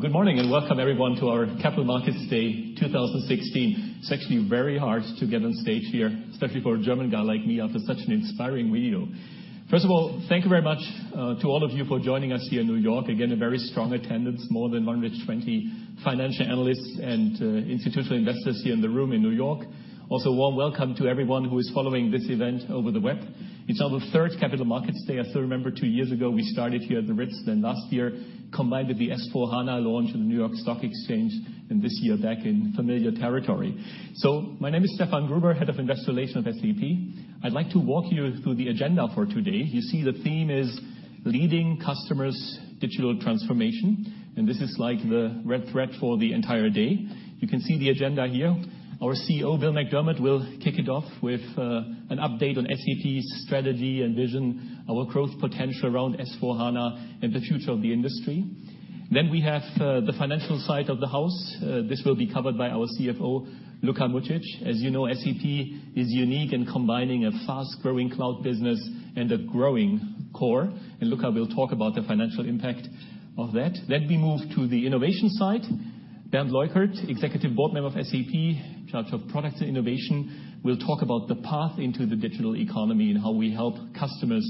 Good morning, welcome everyone to our Capital Markets Day 2016. It's actually very hard to get on stage here, especially for a German guy like me, after such an inspiring video. First of all, thank you very much to all of you for joining us here in New York. Again, a very strong attendance, more than 120 financial analysts and institutional investors here in the room in New York. Also, warm welcome to everyone who is following this event over the web. It's now the third Capital Markets Day. I still remember two years ago, we started here at the Ritz, last year, combined with the SAP S/4HANA launch at the New York Stock Exchange, and this year back in familiar territory. My name is Stefan Gruber, Head of Investor Relations at SAP. I'd like to walk you through the agenda for today. You see the theme is Leading Customers' Digital Transformation, this is like the red thread for the entire day. You can see the agenda here. Our CEO, Bill McDermott, will kick it off with an update on SAP's strategy and vision, our growth potential around SAP S/4HANA, and the future of the industry. We have the financial side of the house. This will be covered by our CFO, Luka Mucic. As you know, SAP is unique in combining a fast-growing cloud business and a growing core. Luka will talk about the financial impact of that. We move to the innovation side. Bernd Leukert, Executive Board Member of SAP, in charge of products and innovation, will talk about the path into the digital economy and how we help customers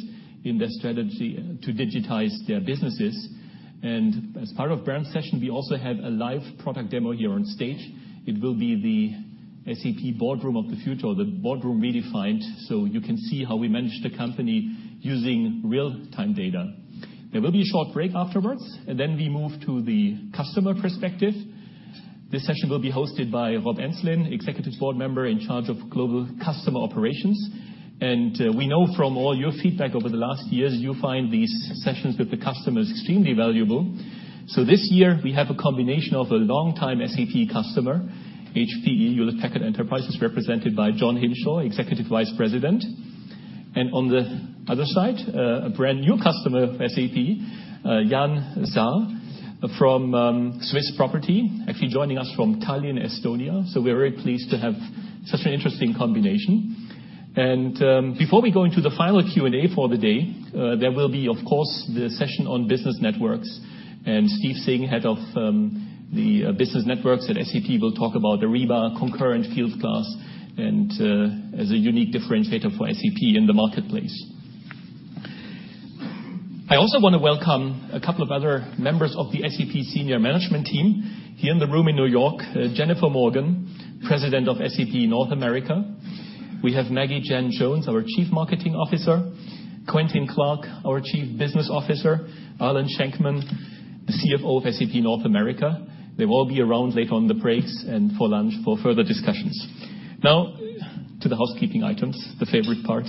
in their strategy to digitize their businesses. As part of Bernd's session, we also have a live product demo here on stage. It will be the SAP boardroom of the future, the boardroom redefined. You can see how we manage the company using real-time data. There will be a short break afterwards, we move to the customer perspective. This session will be hosted by Rob Enslin, Executive Board Member in charge of global customer operations. We know from all your feedback over the last years, you find these sessions with the customers extremely valuable. This year, we have a combination of a long-time SAP customer, HPE, Hewlett Packard Enterprise, is represented by John Hinshaw, Executive Vice President. On the other side, a brand-new customer of SAP, Jaan Saar, from Swiss Property, actually joining us from Tallinn, Estonia. We are very pleased to have such an interesting combination. Before we go into the final Q&A for the day, there will be, of course, the session on business networks. Steve Singh, Head of the Business Networks at SAP, will talk about the Ariba, Concur, and Fieldglass as a unique differentiator for SAP in the marketplace. I also want to welcome a couple of other members of the SAP senior management team. Here in the room in New York, Jennifer Morgan, President of SAP North America. We have Maggie Chan Jones, our Chief Marketing Officer. Quentin Clark, our Chief Business Officer. Arlen Shenkman, the CFO of SAP North America. They will be around later on in the breaks and for lunch for further discussions. To the housekeeping items, the favorite part.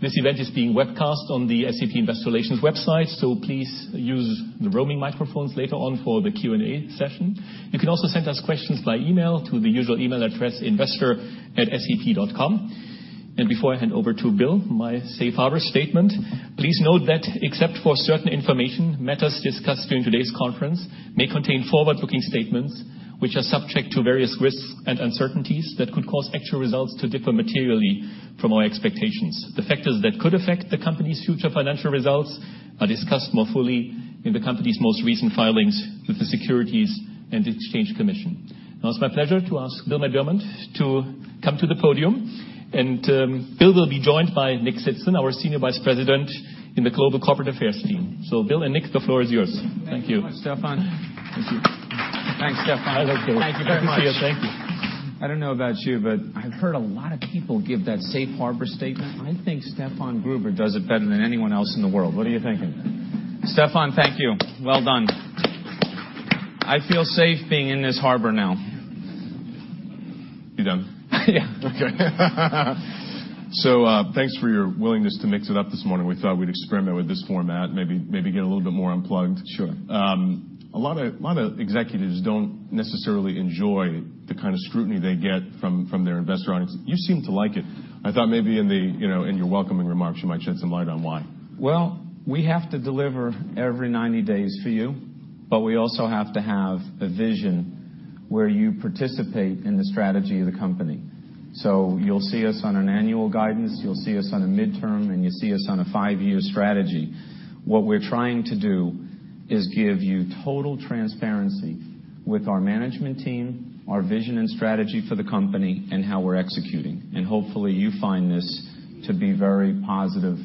This event is being webcast on the SAP Investor Relations website, please use the roaming microphones later on for the Q&A session. You can also send us questions by email to the usual email address, investor@sap.com. Before I hand over to Bill, my safe harbor statement. Please note that, except for certain information, matters discussed during today's conference may contain forward-looking statements which are subject to various risks and uncertainties that could cause actual results to differ materially from our expectations. The factors that could affect the company's future financial results are discussed more fully in the company's most recent filings with the Securities and Exchange Commission. It's my pleasure to ask Bill McDermott to come to the podium. Bill will be joined by Nick Tzitzon, our Senior Vice President in the Global Corporate Affairs team. Bill and Nick, the floor is yours. Thank you. Thank you very much, Stefan. Thank you. Thanks, Stefan. Hello, Bill. Thank you very much. Good to see you. Thank you. I don't know about you, but I've heard a lot of people give that safe harbor statement. I think Stefan Gruber does it better than anyone else in the world. What are you thinking? Stefan, thank you. Well done. I feel safe being in this harbor now. You done? Yeah. Okay. Thanks for your willingness to mix it up this morning. We thought we'd experiment with this format, maybe get a little bit more unplugged. Sure. A lot of executives don't necessarily enjoy the kind of scrutiny they get from their investor audience. You seem to like it. I thought maybe in your welcoming remarks, you might shed some light on why. Well, we have to deliver every 90 days for you, but we also have to have a vision where you participate in the strategy of the company. You'll see us on an annual guidance, you'll see us on a midterm, and you see us on a five-year strategy. What we're trying to do is give you total transparency with our management team, our vision and strategy for the company, and how we're executing. Hopefully, you find this to be very positive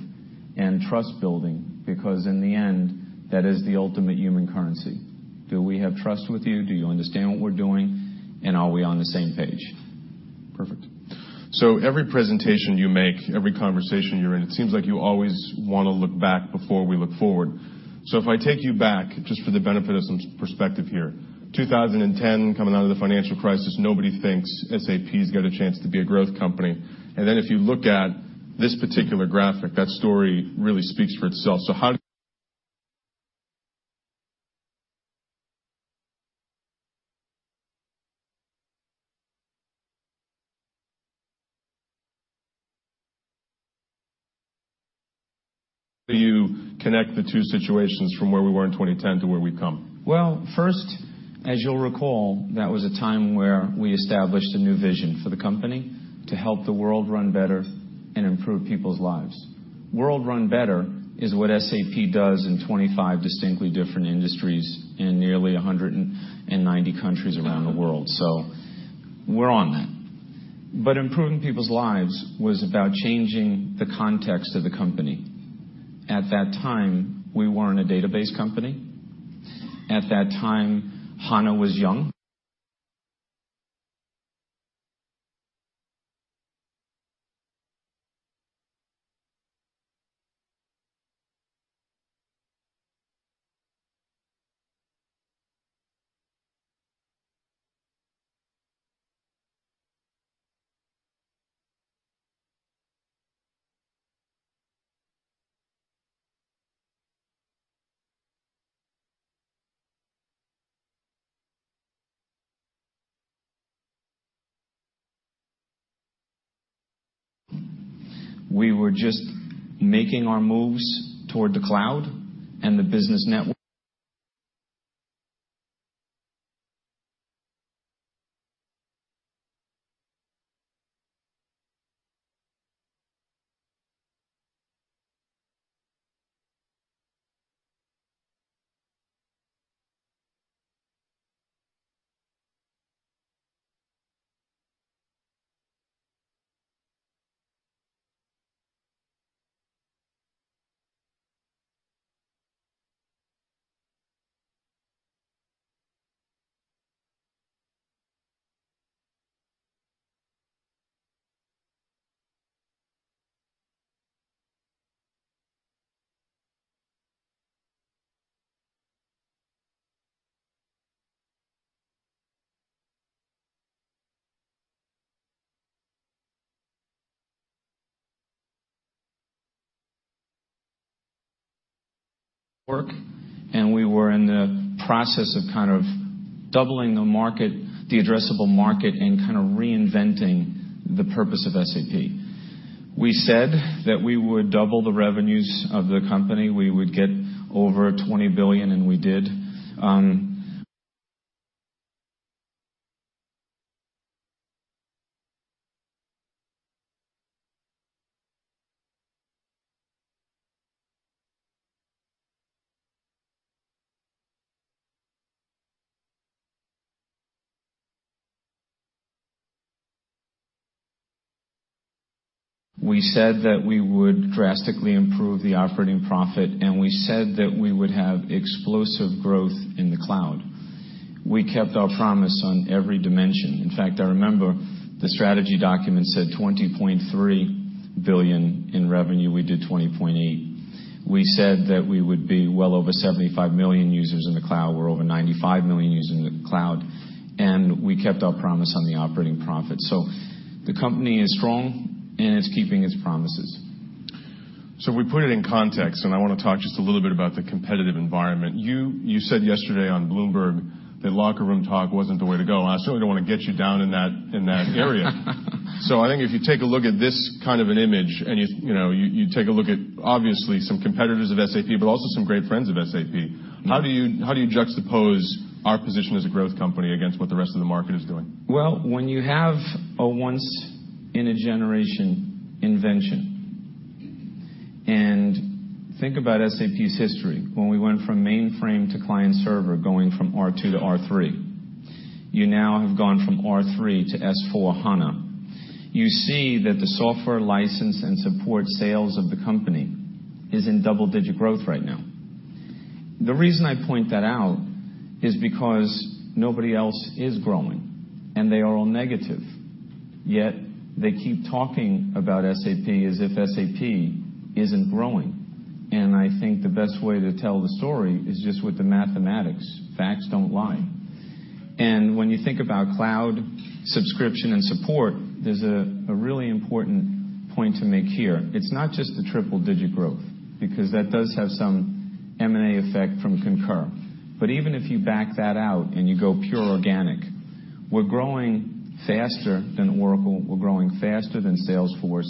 and trust-building, because in the end, that is the ultimate human currency. Do we have trust with you? Do you understand what we're doing? Are we on the same page? Perfect. Every presentation you make, every conversation you're in, it seems like you always want to look back before we look forward. If I take you back, just for the benefit of some perspective here. 2010, coming out of the financial crisis, nobody thinks SAP's got a chance to be a growth company. If you look at this particular graphic, that story really speaks for itself. How do you connect the two situations from where we were in 2010 to where we've come? Well, first, as you'll recall, that was a time where we established a new vision for the company to help the world run better and improve people's lives. World Run Better is what SAP does in 25 distinctly different industries in nearly 190 countries around the world. We're on that. Improving people's lives was about changing the context of the company. At that time, we weren't a database company. At that time, HANA was young. We were just making our moves toward the cloud and the business network. We were in the process of doubling the addressable market and reinventing the purpose of SAP. We said that we would double the revenues of the company, we would get over 20 billion, and we did. We said that we would drastically improve the operating profit, and we said that we would have explosive growth in the cloud. We kept our promise on every dimension. In fact, I remember the strategy document said 20.3 billion in revenue. We did 20.8 billion. We said that we would be well over 75 million users in the cloud. We're over 95 million users in the cloud. We kept our promise on the operating profit. The company is strong and it's keeping its promises. We put it in context, I want to talk just a little bit about the competitive environment. You said yesterday on Bloomberg that locker room talk wasn't the way to go, I certainly don't want to get you down in that area. I think if you take a look at this kind of an image and you take a look at, obviously, some competitors of SAP, but also some great friends of SAP. How do you juxtapose our position as a growth company against what the rest of the market is doing? When you have a once in a generation invention, think about SAP's history. When we went from mainframe to client-server, going from R/2 to R/3. You now have gone from R/3 to S/4HANA. You see that the software license and support sales of the company is in double-digit growth right now. The reason I point that out is because nobody else is growing and they are all negative. Yet they keep talking about SAP as if SAP isn't growing. I think the best way to tell the story is just with the mathematics. Facts don't lie. When you think about cloud subscription and support, there's a really important point to make here. It's not just the triple-digit growth, because that does have some M&A effect from Concur. Even if you back that out and you go pure organic, we're growing faster than Oracle. We're growing faster than Salesforce.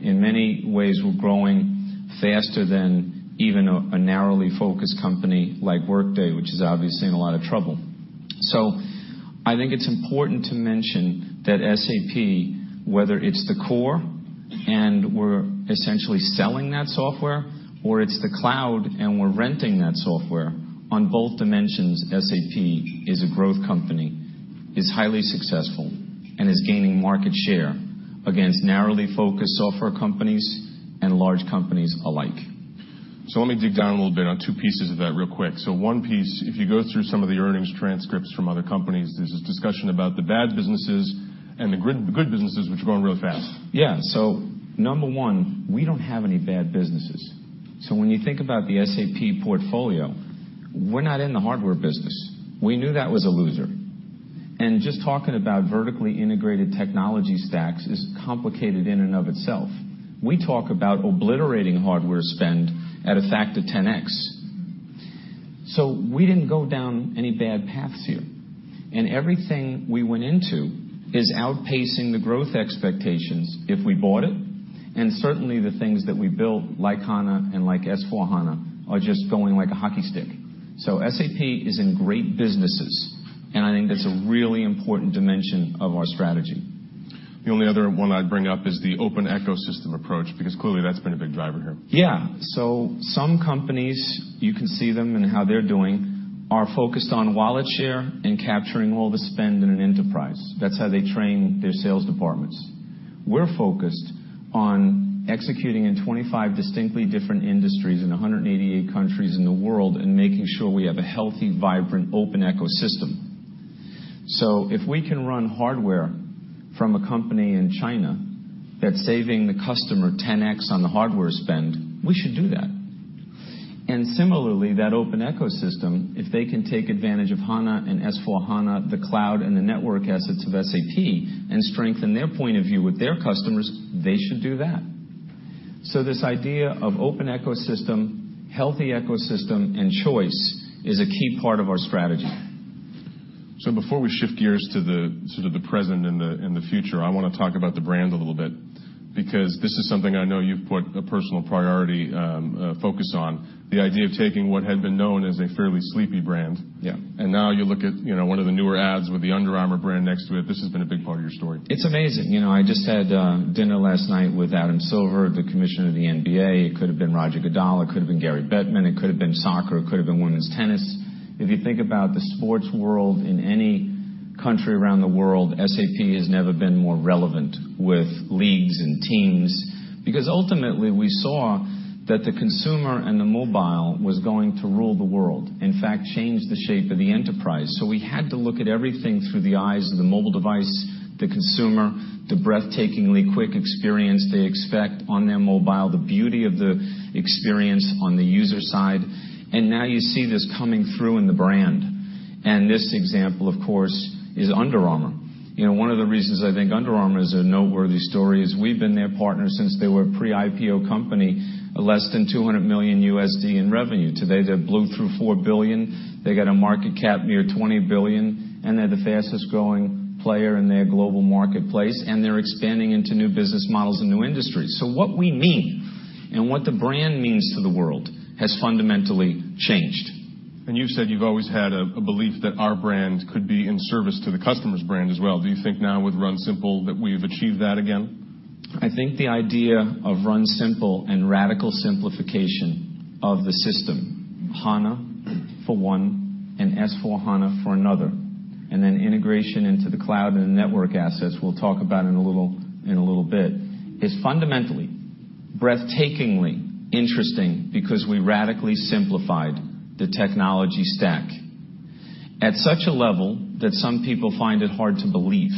In many ways, we're growing faster than even a narrowly focused company like Workday, which is obviously in a lot of trouble. I think it's important to mention that SAP, whether it's the core and we're essentially selling that software, or it's the cloud and we're renting that software, on both dimensions, SAP is a growth company, is highly successful, and is gaining market share against narrowly focused software companies and large companies alike. Let me dig down a little bit on two pieces of that real quick. One piece, if you go through some of the earnings transcripts from other companies, there's this discussion about the bad businesses and the good businesses which are growing really fast. Yeah. Number one, we don't have any bad businesses. When you think about the SAP portfolio, we're not in the hardware business. We knew that was a loser. Just talking about vertically integrated technology stacks is complicated in and of itself. We talk about obliterating hardware spend at a factor 10x. We didn't go down any bad paths here. Everything we went into is outpacing the growth expectations if we bought it, and certainly the things that we built, like HANA and like S/4HANA, are just going like a hockey stick. SAP is in great businesses, I think that's a really important dimension of our strategy. The only other one I'd bring up is the open ecosystem approach, because clearly, that's been a big driver here. Yeah. Some companies, you can see them and how they're doing, are focused on wallet share and capturing all the spend in an enterprise. That's how they train their sales departments. We're focused on executing in 25 distinctly different industries in 188 countries in the world, making sure we have a healthy, vibrant, open ecosystem. If we can run hardware from a company in China that's saving the customer 10x on the hardware spend, we should do that. Similarly, that open ecosystem, if they can take advantage of HANA and S/4HANA, the cloud and the network assets of SAP, and strengthen their point of view with their customers, they should do that. This idea of open ecosystem, healthy ecosystem, and choice is a key part of our strategy. Before we shift gears to the present and the future, I want to talk about the brand a little bit, because this is something I know you've put a personal priority focus on. The idea of taking what had been known as a fairly sleepy brand. Yeah. Now you look at one of the newer ads with the Under Armour brand next to it. This has been a big part of your story. It's amazing. I just had dinner last night with Adam Silver, the commissioner of the NBA. It could have been Roger Goodell. It could have been Gary Bettman. It could have been soccer. It could have been women's tennis. If you think about the sports world in any country around the world, SAP has never been more relevant with leagues and teams. Because ultimately, we saw that the consumer and the mobile was going to rule the world. In fact, change the shape of the enterprise. So we had to look at everything through the eyes of the mobile device, the consumer, the breathtakingly quick experience they expect on their mobile, the beauty of the experience on the user side. Now you see this coming through in the brand. This example, of course, is Under Armour. One of the reasons I think Under Armour is a noteworthy story is we've been their partner since they were a pre-IPO company, less than 200 million USD in revenue. Today, they've blew through 4 billion. They got a market cap near 20 billion, and they're the fastest-growing player in their global marketplace, and they're expanding into new business models and new industries. What we mean and what the brand means to the world has fundamentally changed. You've said you've always had a belief that our brand could be in service to the customer's brand as well. Do you think now with Run Simple that we've achieved that again? I think the idea of Run Simple and radical simplification of the system, HANA for one, and S/4HANA for another, and then integration into the cloud and the network assets we'll talk about in a little bit, is fundamentally breathtakingly interesting because we radically simplified the technology stack at such a level that some people find it hard to believe.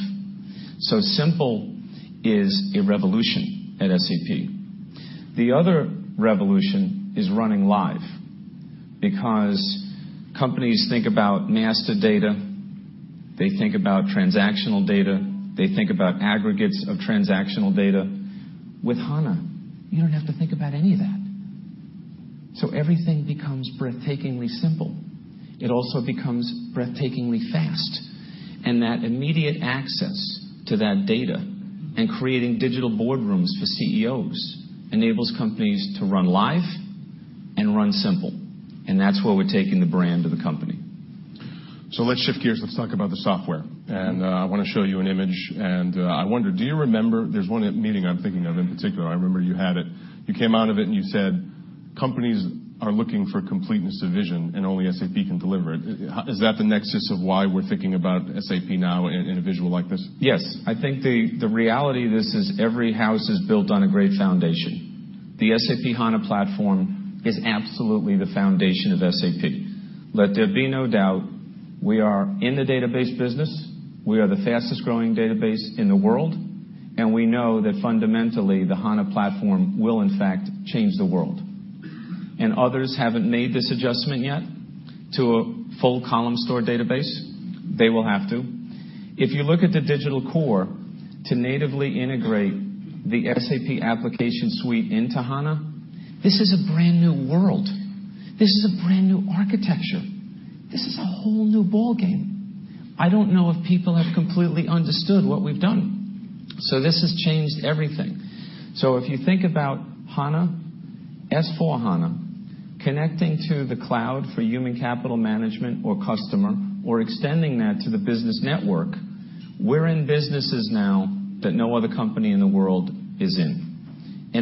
Simple is a revolution at SAP. The other revolution is Run Live because companies think about master data, they think about transactional data, they think about aggregates of transactional data. With HANA, you don't have to think about any of that. Everything becomes breathtakingly simple. It also becomes breathtakingly fast. That immediate access to that data and creating digital boardrooms for CEOs enables companies to Run Live and Run Simple. That's where we're taking the brand of the company. Let's shift gears. Let's talk about the software. I want to show you an image, and I wonder, do you remember, there's one meeting I'm thinking of in particular. I remember you had it. You came out of it and you said, "Companies are looking for completeness of vision, and only SAP can deliver it." Is that the nexus of why we're thinking about SAP now in a visual like this? Yes. I think the reality of this is every house is built on a great foundation. The SAP HANA platform is absolutely the foundation of SAP. Let there be no doubt, we are in the database business. We are the fastest-growing database in the world, and we know that fundamentally, the SAP HANA platform will in fact change the world. Others haven't made this adjustment yet to a full column store database. They will have to. If you look at the digital core to natively integrate the SAP application suite into HANA, this is a brand new world. This is a brand new architecture. This is a whole new ballgame. I don't know if people have completely understood what we've done. This has changed everything. If you think about HANA, S/4HANA, connecting to the cloud for human capital management or customer, or extending that to the business network, we're in businesses now that no other company in the world is in.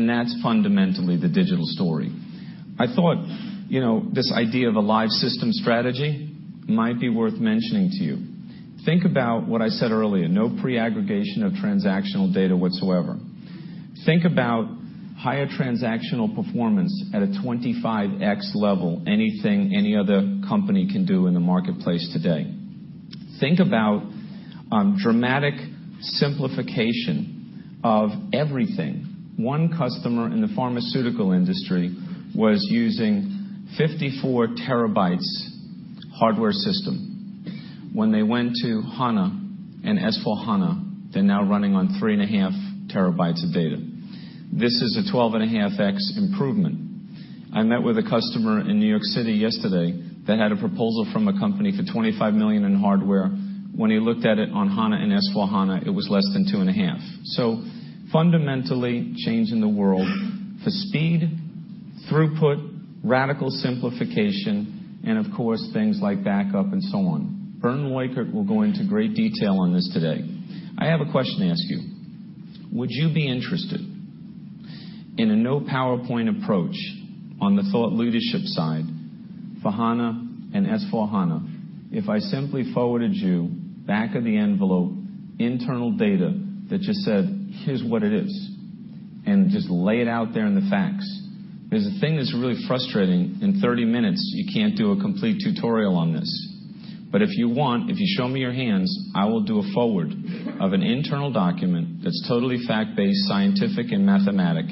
That's fundamentally the digital story. I thought this idea of a live system strategy might be worth mentioning to you. Think about what I said earlier, no pre-aggregation of transactional data whatsoever. Think about higher transactional performance at a 25x level, anything any other company can do in the marketplace today. Think about dramatic simplification of everything. One customer in the pharmaceutical industry was using 54 terabytes hardware system. When they went to HANA and S/4HANA, they're now running on 3.5 terabytes of data. This is a 12.5x improvement. I met with a customer in New York City yesterday that had a proposal from a company for 25 million in hardware. When he looked at it on HANA and S/4HANA, it was less than 2.5 million. Fundamentally changing the world for speed throughput, radical simplification, and of course, things like backup and so on. Bernd Leukert will go into great detail on this today. I have a question to ask you. Would you be interested in a no PowerPoint approach on the thought leadership side for HANA and S/4HANA, if I simply forwarded you back-of-the-envelope internal data that just said, "Here's what it is," and just lay it out there in the facts? There's a thing that's really frustrating. In 30 minutes, you can't do a complete tutorial on this. If you want, if you show me your hands, I will do a forward of an internal document that's totally fact-based, scientific, and mathematic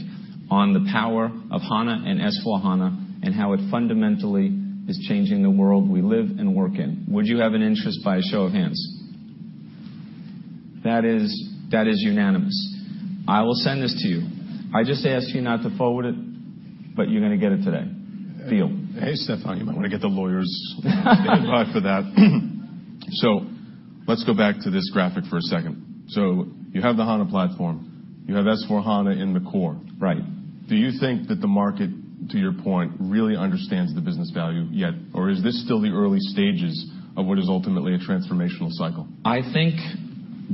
on the power of SAP HANA and SAP S/4HANA and how it fundamentally is changing the world we live and work in. Would you have an interest, by a show of hands? That is unanimous. I will send this to you. I just ask you not to forward it, but you're going to get it today. Bill. Hey, Stefan, you might want to get the lawyers involved for that. Let's go back to this graphic for a second. You have the SAP HANA platform. You have SAP S/4HANA in the core. Right. Do you think that the market, to your point, really understands the business value yet? Or is this still the early stages of what is ultimately a transformational cycle? I think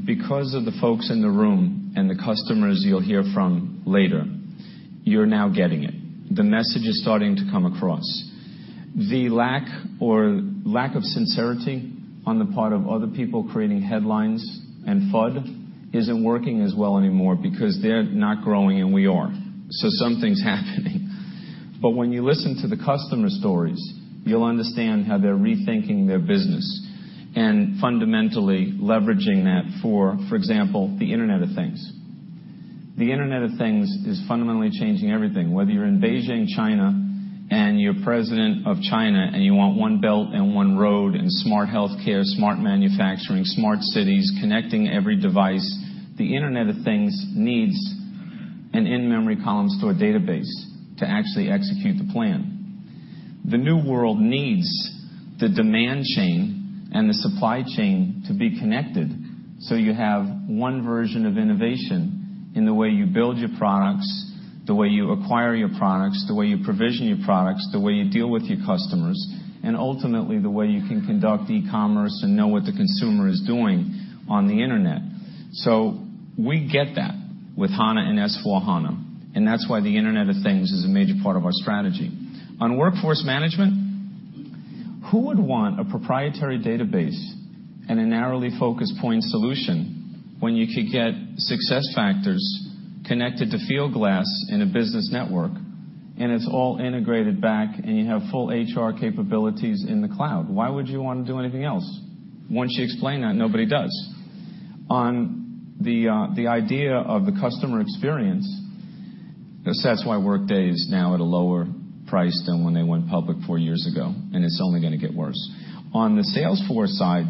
because of the folks in the room and the customers you'll hear from later, you're now getting it. The message is starting to come across. The lack or lack of sincerity on the part of other people creating headlines and FUD isn't working as well anymore because they're not growing, and we are. Something's happening. When you listen to the customer stories, you'll understand how they're rethinking their business and fundamentally leveraging that, for example, the Internet of Things. The Internet of Things is fundamentally changing everything. Whether you're in Beijing, China, and you're president of China, and you want one belt and one road and smart healthcare, smart manufacturing, smart cities, connecting every device. The Internet of Things needs an in-memory column store database to actually execute the plan. The new world needs the demand chain and the supply chain to be connected so you have one version of innovation in the way you build your products, the way you acquire your products, the way you provision your products, the way you deal with your customers, and ultimately, the way you can conduct e-commerce and know what the consumer is doing on the Internet. We get that with HANA and S/4HANA. That's why the Internet of Things is a major part of our strategy. On workforce management, who would want a proprietary database and a narrowly focused point solution when you could get SuccessFactors connected to Fieldglass in a business network, and it's all integrated back, and you have full HR capabilities in the cloud? Why would you want to do anything else? Once you explain that, nobody does. On the idea of the customer experience, that's why Workday is now at a lower price than when they went public four years ago. It's only going to get worse. On the Salesforce side,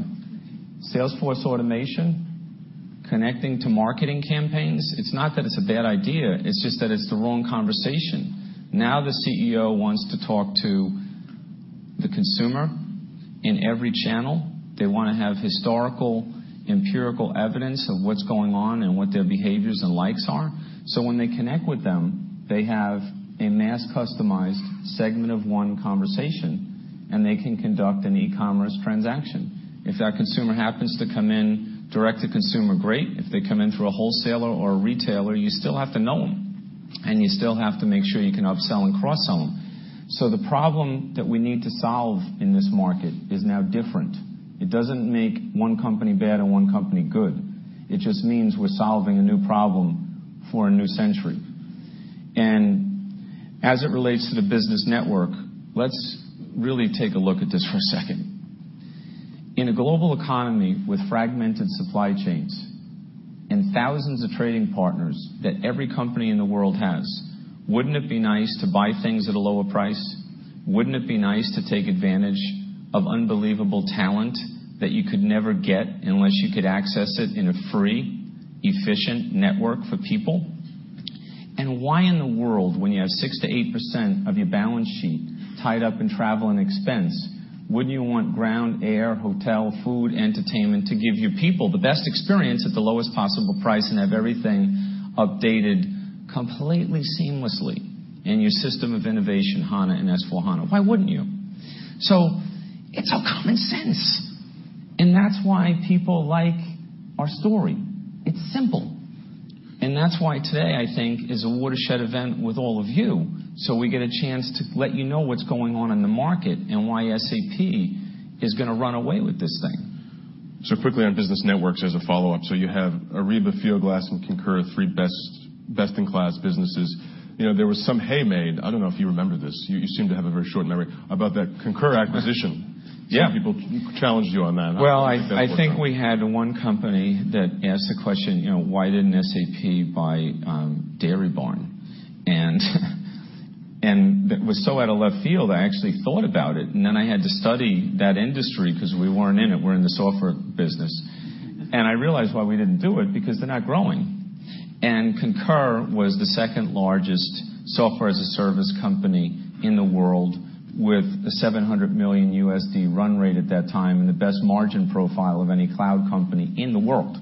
Salesforce automation, connecting to marketing campaigns, it's not that it's a bad idea, it's just that it's the wrong conversation. Now the CEO wants to talk to the consumer in every channel. They want to have historical, empirical evidence of what's going on and what their behaviors and likes are. When they connect with them, they have a mass-customized segment of one conversation, and they can conduct an e-commerce transaction. If that consumer happens to come in direct to consumer, great. If they come in through a wholesaler or a retailer, you still have to know them, and you still have to make sure you can upsell and cross-sell them. The problem that we need to solve in this market is now different. It doesn't make one company bad and one company good. It just means we're solving a new problem for a new century. As it relates to the business network, let's really take a look at this for a second. In a global economy with fragmented supply chains and thousands of trading partners that every company in the world has, wouldn't it be nice to buy things at a lower price? Wouldn't it be nice to take advantage of unbelievable talent that you could never get unless you could access it in a free, efficient network for people? Why in the world, when you have 6% to 8% of your balance sheet tied up in travel and expense, wouldn't you want ground, air, hotel, food, entertainment to give your people the best experience at the lowest possible price and have everything updated completely seamlessly in your system of innovation, HANA and S/4HANA? Why wouldn't you? It's all common sense. That's why people like our story. It's simple. That's why today, I think, is a watershed event with all of you, so we get a chance to let you know what's going on in the market and why SAP is going to run away with this thing. Quickly on business networks as a follow-up. You have Ariba, Fieldglass, and Concur, three best-in-class businesses. There was some hay made, I don't know if you remember this, you seem to have a very short memory, about that Concur acquisition. Yeah. Some people challenged you on that. I think we had one company that asked the question, "Why didn't SAP buy Dairy Barn?" That was so out of left field, I actually thought about it, and then I had to study that industry because we weren't in it. We're in the software business. I realized why we didn't do it, because they're not growing. Concur was the second-largest software as a service company in the world with a $700 million USD run rate at that time and the best margin profile of any cloud company in the world.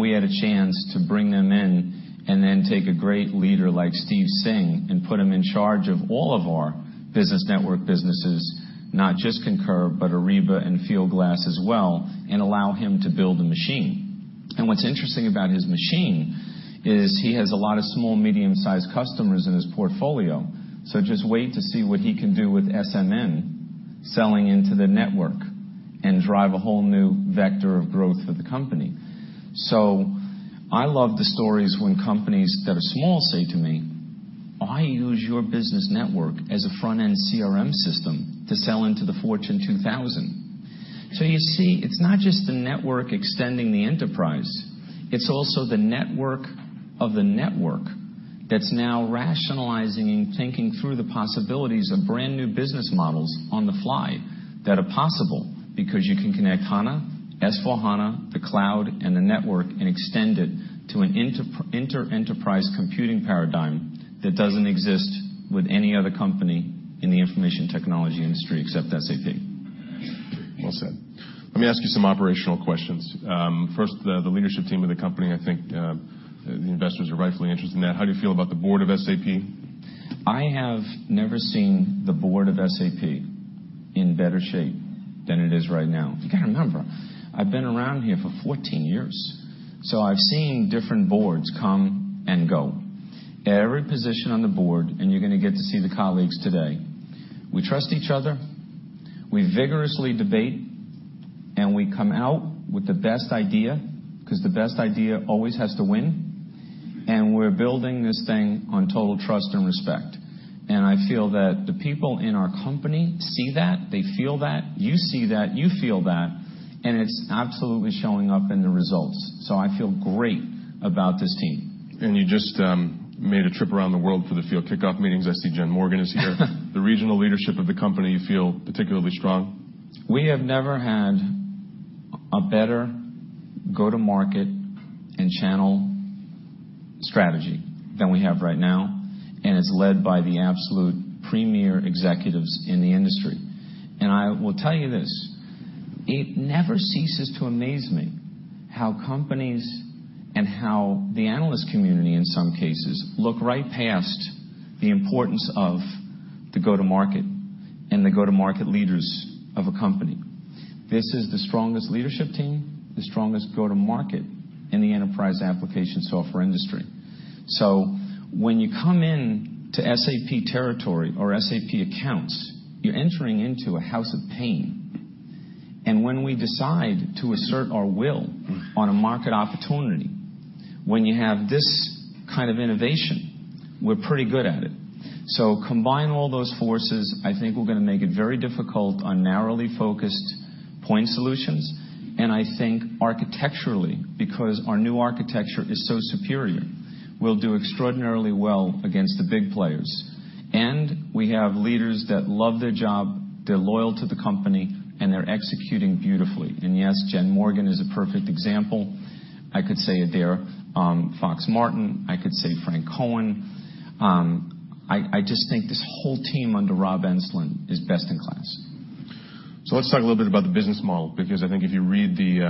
We had a chance to bring them in, and then take a great leader like Steve Singh and put him in charge of all of our business network businesses, not just Concur, but Ariba and Fieldglass as well, and allow him to build a machine. What's interesting about his machine is he has a lot of small, medium-sized customers in his portfolio. Just wait to see what he can do with SMN, selling into the network, and drive a whole new vector of growth for the company. I love the stories when companies that are small say to me, "I use your business network as a front-end CRM system to sell into the Fortune 2000." You see, it's not just the network extending the enterprise. It's also the network of the network that's now rationalizing and thinking through the possibilities of brand-new business models on the fly that are possible because you can connect HANA, S/4HANA, the cloud, and the network and extend it to an inter-enterprise computing paradigm that doesn't exist with any other company in the information technology industry except SAP. Well said. Let me ask you some operational questions. First, the leadership team of the company, I think the investors are rightfully interested in that. How do you feel about the board of SAP? I have never seen the board of SAP in better shape than it is right now. You got to remember, I've been around here for 14 years, so I've seen different boards come and go. Every position on the board, you're going to get to see the colleagues today. We trust each other, we vigorously debate, we come out with the best idea because the best idea always has to win. We're building this thing on total trust and respect. I feel that the people in our company see that, they feel that. You see that, you feel that. It's absolutely showing up in the results. I feel great about this team. You just made a trip around the world for the field kickoff meetings. I see Jennifer Morgan is here. The regional leadership of the company, you feel particularly strong? We have never had a better go-to-market and channel strategy than we have right now, it's led by the absolute premier executives in the industry. I will tell you this. It never ceases to amaze me how companies and how the analyst community, in some cases, look right past the importance of the go-to-market and the go-to-market leaders of a company. This is the strongest leadership team, the strongest go-to-market in the enterprise application software industry. When you come in to SAP territory or SAP accounts, you're entering into a house of pain. When we decide to assert our will on a market opportunity, when you have this kind of innovation, we're pretty good at it. Combine all those forces, I think we're going to make it very difficult on narrowly focused point solutions. I think architecturally, because our new architecture is so superior, we'll do extraordinarily well against the big players. We have leaders that love their job, they're loyal to the company, and they're executing beautifully. Yes, Jennifer Morgan is a perfect example. I could say Adaire Fox-Martin. I could say Franck Cohen. I just think this whole team under Rob Enslin is best in class. Let's talk a little bit about the business model, because I think if you read the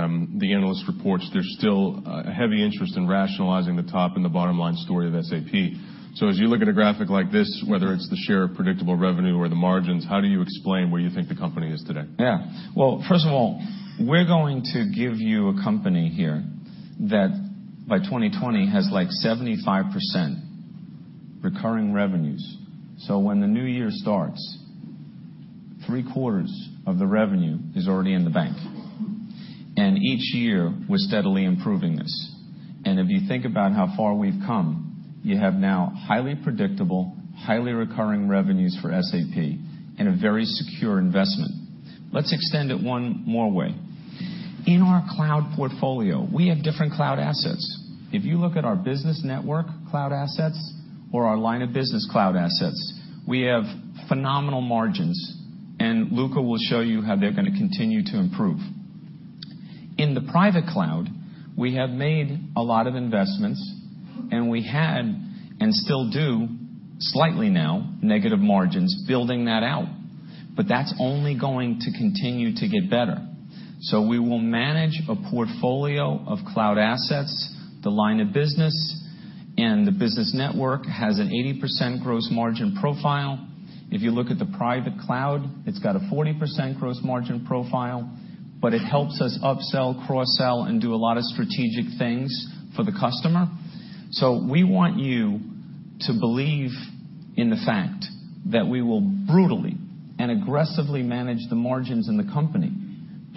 analyst reports, there's still a heavy interest in rationalizing the top and the bottom-line story of SAP. As you look at a graphic like this, whether it's the share of predictable revenue or the margins, how do you explain where you think the company is today? First of all, we're going to give you a company here that by 2020 has 75% recurring revenues. When the new year starts, three-quarters of the revenue is already in the bank. Each year, we're steadily improving this. If you think about how far we've come, you have now highly predictable, highly recurring revenues for SAP and a very secure investment. Let's extend it one more way. In our cloud portfolio, we have different cloud assets. If you look at our business network cloud assets or our line of business cloud assets, we have phenomenal margins, and Luka will show you how they're going to continue to improve. In the private cloud, we have made a lot of investments, and we had and still do, slightly now, negative margins building that out. That's only going to continue to get better. We will manage a portfolio of cloud assets. The line of business and the business network has an 80% gross margin profile. If you look at the private cloud, it's got a 40% gross margin profile. It helps us upsell, cross-sell, and do a lot of strategic things for the customer. We want you to believe in the fact that we will brutally and aggressively manage the margins in the company.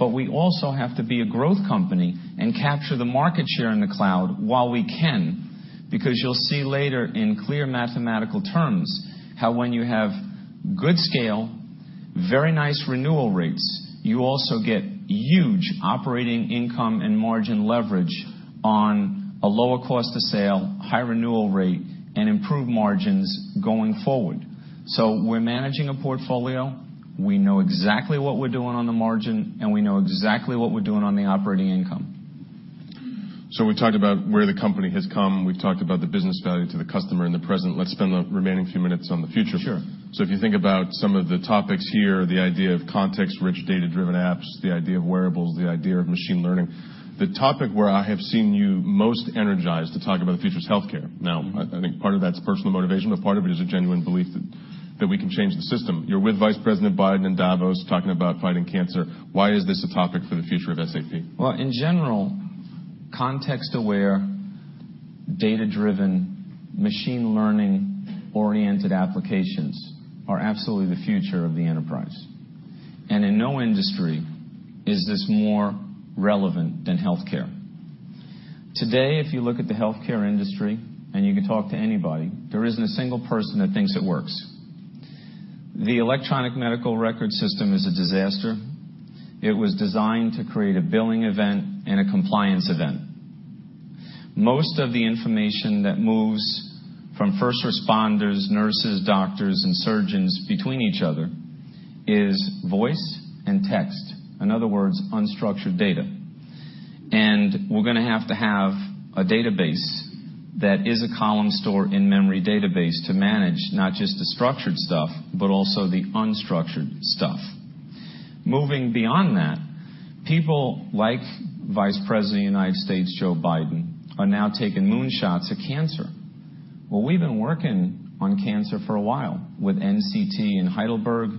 We also have to be a growth company and capture the market share in the cloud while we can. You'll see later in clear mathematical terms how when you have good scale, very nice renewal rates, you also get huge operating income and margin leverage on a lower cost of sale, high renewal rate, and improved margins going forward. We're managing a portfolio. We know exactly what we're doing on the margin, and we know exactly what we're doing on the operating income. We've talked about where the company has come. We've talked about the business value to the customer in the present. Let's spend the remaining few minutes on the future. Sure. If you think about some of the topics here, the idea of context-rich, data-driven apps, the idea of wearables, the idea of machine learning. The topic where I have seen you most energized to talk about the future is healthcare. I think part of that's personal motivation, but part of it is a genuine belief that we can change the system. You're with Vice President Biden in Davos talking about fighting cancer. Why is this a topic for the future of SAP? In general, context-aware, data-driven, machine learning-oriented applications are absolutely the future of the enterprise. In no industry is this more relevant than healthcare. Today, if you look at the healthcare industry, and you can talk to anybody, there isn't a single person that thinks it works. The electronic medical record system is a disaster. It was designed to create a billing event and a compliance event. Most of the information that moves from first responders, nurses, doctors, and surgeons between each other is voice and text. In other words, unstructured data. We're going to have to have a database that is a column store in-memory database to manage not just the structured stuff, but also the unstructured stuff. Moving beyond that, people like Vice President of the United States, Joe Biden, are now taking moonshots at cancer. Well, we've been working on cancer for a while with NCT in Heidelberg,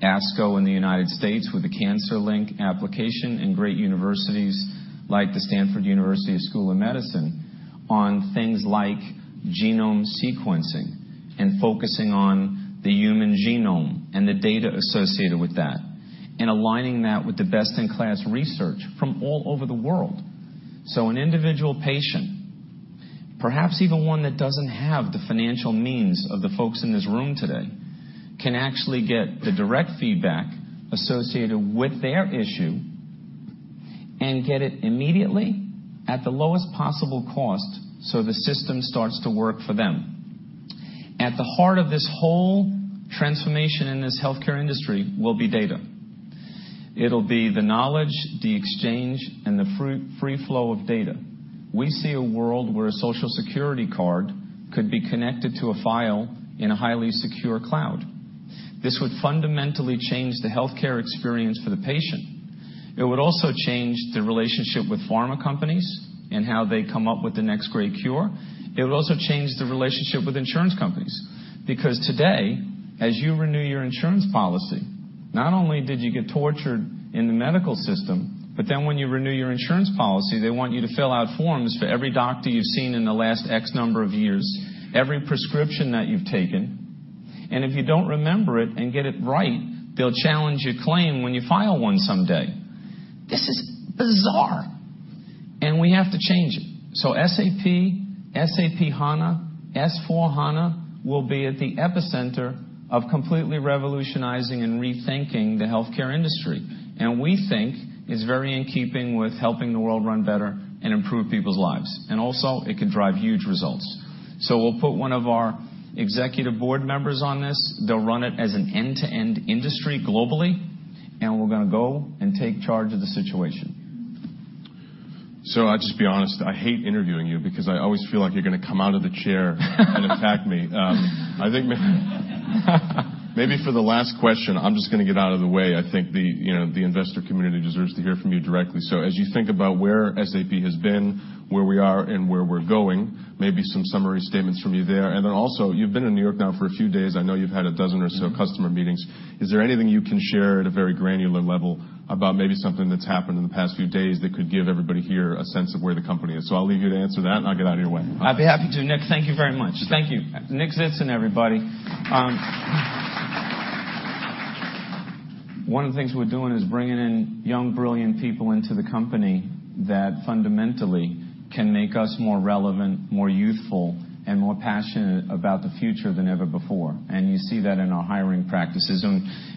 ASCO in the U.S. with a CancerLinQ application, and great universities like the Stanford University School of Medicine on things like genome sequencing and focusing on the human genome and the data associated with that, and aligning that with the best-in-class research from all over the world. An individual patient, perhaps even one that doesn't have the financial means of the folks in this room today, can actually get the direct feedback associated with their issue and get it immediately at the lowest possible cost so the system starts to work for them. At the heart of this whole transformation in this healthcare industry will be data. It'll be the knowledge, the exchange, and the free flow of data. We see a world where a Social Security card could be connected to a file in a highly secure cloud. This would fundamentally change the healthcare experience for the patient. It would also change the relationship with pharma companies and how they come up with the next great cure. It would also change the relationship with insurance companies. Today, as you renew your insurance policy, not only did you get tortured in the medical system, when you renew your insurance policy, they want you to fill out forms for every doctor you've seen in the last X number of years, every prescription that you've taken, and if you don't remember it and get it right, they'll challenge your claim when you file one someday. This is bizarre, and we have to change it. SAP HANA, S/4HANA will be at the epicenter of completely revolutionizing and rethinking the healthcare industry, we think is very in keeping with helping the world run better and improve people's lives. Also, it can drive huge results. We'll put one of our executive board members on this. They'll run it as an end-to-end industry globally, and we're going to go and take charge of the situation. I'll just be honest, I hate interviewing you because I always feel like you're going to come out of the chair and attack me. Maybe for the last question, I'm just going to get out of the way. I think the investor community deserves to hear from you directly. As you think about where SAP has been, where we are, and where we're going, maybe some summary statements from you there. Also, you've been in N.Y. now for a few days. I know you've had a dozen or so customer meetings. Is there anything you can share at a very granular level about maybe something that's happened in the past few days that could give everybody here a sense of where the company is? I'll leave you to answer that, and I'll get out of your way. I'd be happy to, Nick. Thank you very much. Thank you. Nick Tzitzon, everybody. One of the things we're doing is bringing in young, brilliant people into the company that fundamentally can make us more relevant, more youthful, and more passionate about the future than ever before. You see that in our hiring practices.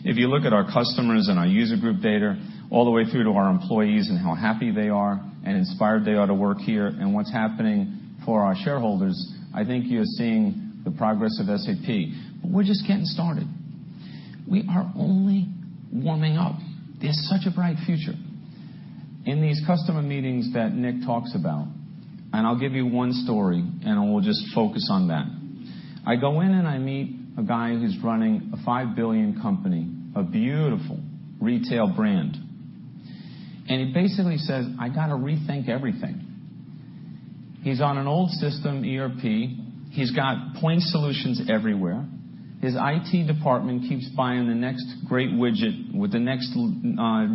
If you look at our customers and our user group data, all the way through to our employees and how happy they are and inspired they are to work here, and what's happening for our shareholders, I think you are seeing the progress of SAP. We're just getting started. We are only warming up. There's such a bright future. In these customer meetings that Nick talks about, I'll give you one story, and we'll just focus on that. I go in, I meet a guy who's running a 5 billion company, a beautiful retail brand. He basically says, "I got to rethink everything." He's on an old system, ERP. He's got point solutions everywhere. His IT department keeps buying the next great widget with the next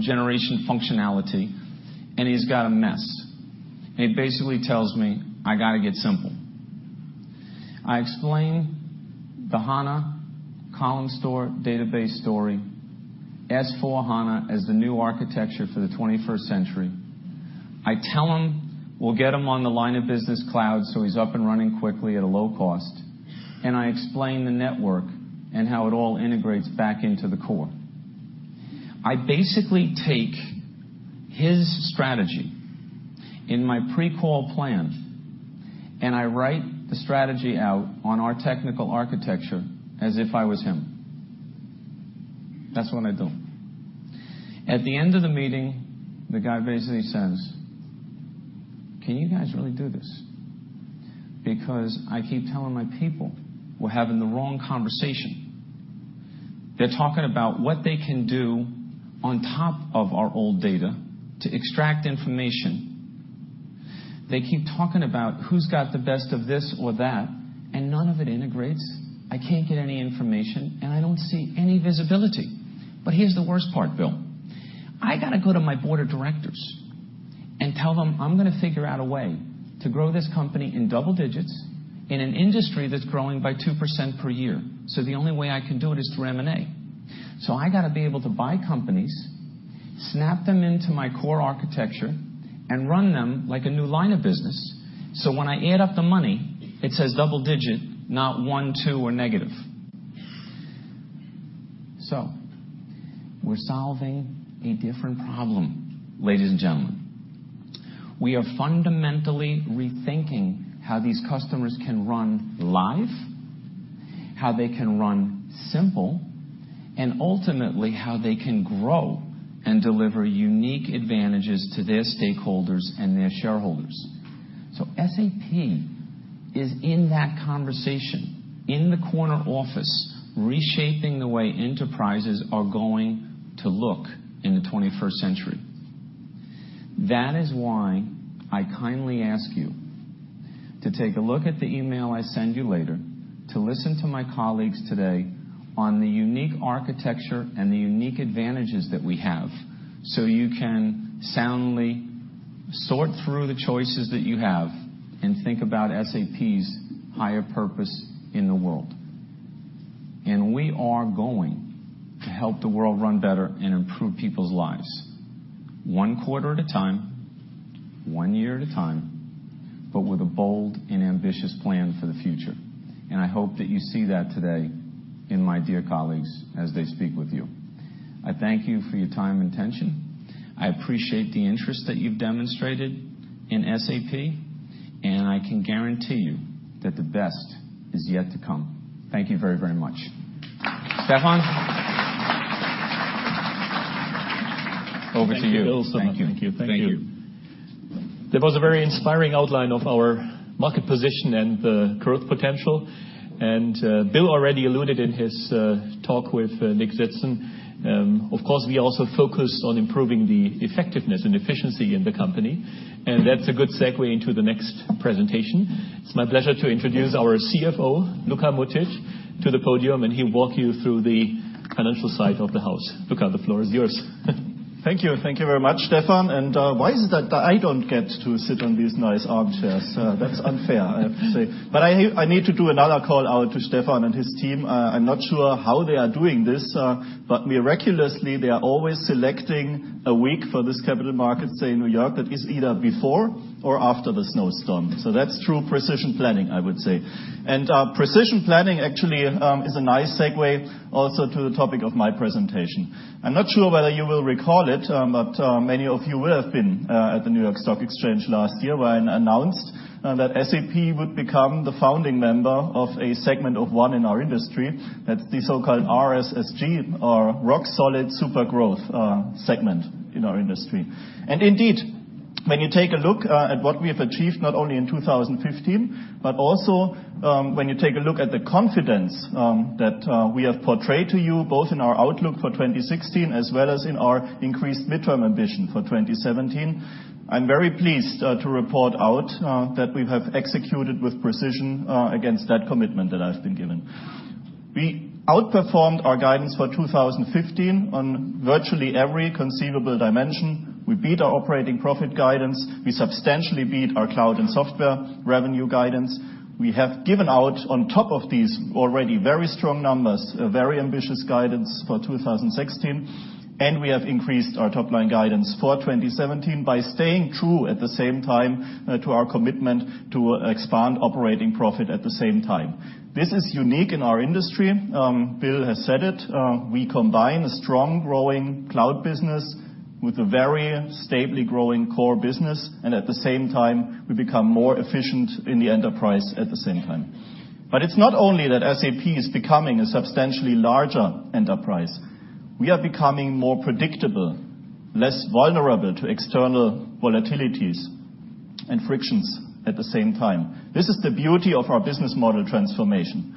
generation functionality, and he's got a mess. He basically tells me, "I got to get simple." I explain the SAP HANA column store database story, SAP S/4HANA as the new architecture for the 21st century. I tell him we'll get him on the line of business cloud so he's up and running quickly at a low cost, I explain the network and how it all integrates back into the core. I basically take his strategy in my pre-call plan, I write the strategy out on our technical architecture as if I was him. That's what I do. At the end of the meeting, the guy basically says, "Can you guys really do this? I keep telling my people we're having the wrong conversation. They're talking about what they can do on top of our old data to extract information. They keep talking about who's got the best of this or that, none of it integrates. I can't get any information, I don't see any visibility. Here's the worst part, Bill. I got to go to my board of directors and tell them I'm going to figure out a way to grow this company in double digits in an industry that's growing by 2% per year. The only way I can do it is through M&A. I got to be able to buy companies, snap them into my core architecture, and run them like a new line of business. When I add up the money, it says double digit, not one, two, or negative." We're solving a different problem, ladies and gentlemen. We are fundamentally rethinking how these customers can run live, how they can Run Simple, ultimately, how they can grow and deliver unique advantages to their stakeholders and their shareholders. SAP is in that conversation, in the corner office, reshaping the way enterprises are going to look in the 21st century. That is why I kindly ask you to take a look at the email I send you later, to listen to my colleagues today on the unique architecture, the unique advantages that we have, you can soundly sort through the choices that you have and think about SAP's higher purpose in the world. We are going to help the world run better and improve people's lives one quarter at a time, one year at a time, but with a bold and ambitious plan for the future. I hope that you see that today in my dear colleagues as they speak with you. I thank you for your time and attention. I appreciate the interest that you've demonstrated in SAP, and I can guarantee you that the best is yet to come. Thank you very much. Stefan, over to you. Thank you, Bill. Thank you. Thank you. Thank you. That was a very inspiring outline of our market position and the growth potential. Bill already alluded in his talk with Nick Tzitzon. Of course, we also focus on improving the effectiveness and efficiency in the company. That's a good segue into the next presentation. It's my pleasure to introduce our CFO, Luka Mucic, to the podium, and he'll walk you through the financial side of the house. Luka, the floor is yours. Thank you. Thank you very much, Stefan. Why is it that I don't get to sit on these nice armchairs? That's unfair, I have to say. I need to do another call out to Stefan and his team. I'm not sure how they are doing this, but miraculously, they are always selecting a week for this Capital Markets Day in New York that is either before or after the snowstorm. That's true precision planning, I would say. Precision planning actually is a nice segue also to the topic of my presentation. I'm not sure whether you will recall it, but many of you will have been at the New York Stock Exchange last year when I announced that SAP would become the founding member of a segment of one in our industry, that the so-called RSSG or Rock Solid Super Growth segment in our industry. Indeed, when you take a look at what we have achieved not only in 2015, but also when you take a look at the confidence that we have portrayed to you, both in our outlook for 2016 as well as in our increased midterm ambition for 2017. I'm very pleased to report out that we have executed with precision against that commitment that I've been given. We outperformed our guidance for 2015 on virtually every conceivable dimension. We beat our operating profit guidance. We substantially beat our cloud and software revenue guidance. We have given out on top of these already very strong numbers, a very ambitious guidance for 2016, and we have increased our top-line guidance for 2017 by staying true at the same time to our commitment to expand operating profit at the same time. This is unique in our industry. Bill has said it. We combine a strong, growing cloud business with a very stably growing core business, at the same time, we become more efficient in the enterprise at the same time. It is not only that SAP is becoming a substantially larger enterprise. We are becoming more predictable, less vulnerable to external volatilities and frictions at the same time. This is the beauty of our business model transformation.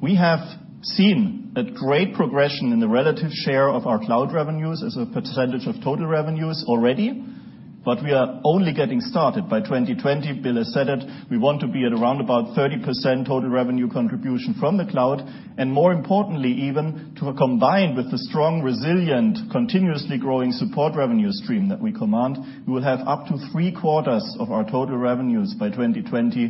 We have seen a great progression in the relative share of our cloud revenues as a percentage of total revenues already, but we are only getting started. By 2020, Bill has said it, we want to be at around about 30% total revenue contribution from the cloud, and more importantly even, to combine with the strong, resilient, continuously growing support revenue stream that we command. We will have up to three-quarters of our total revenues by 2020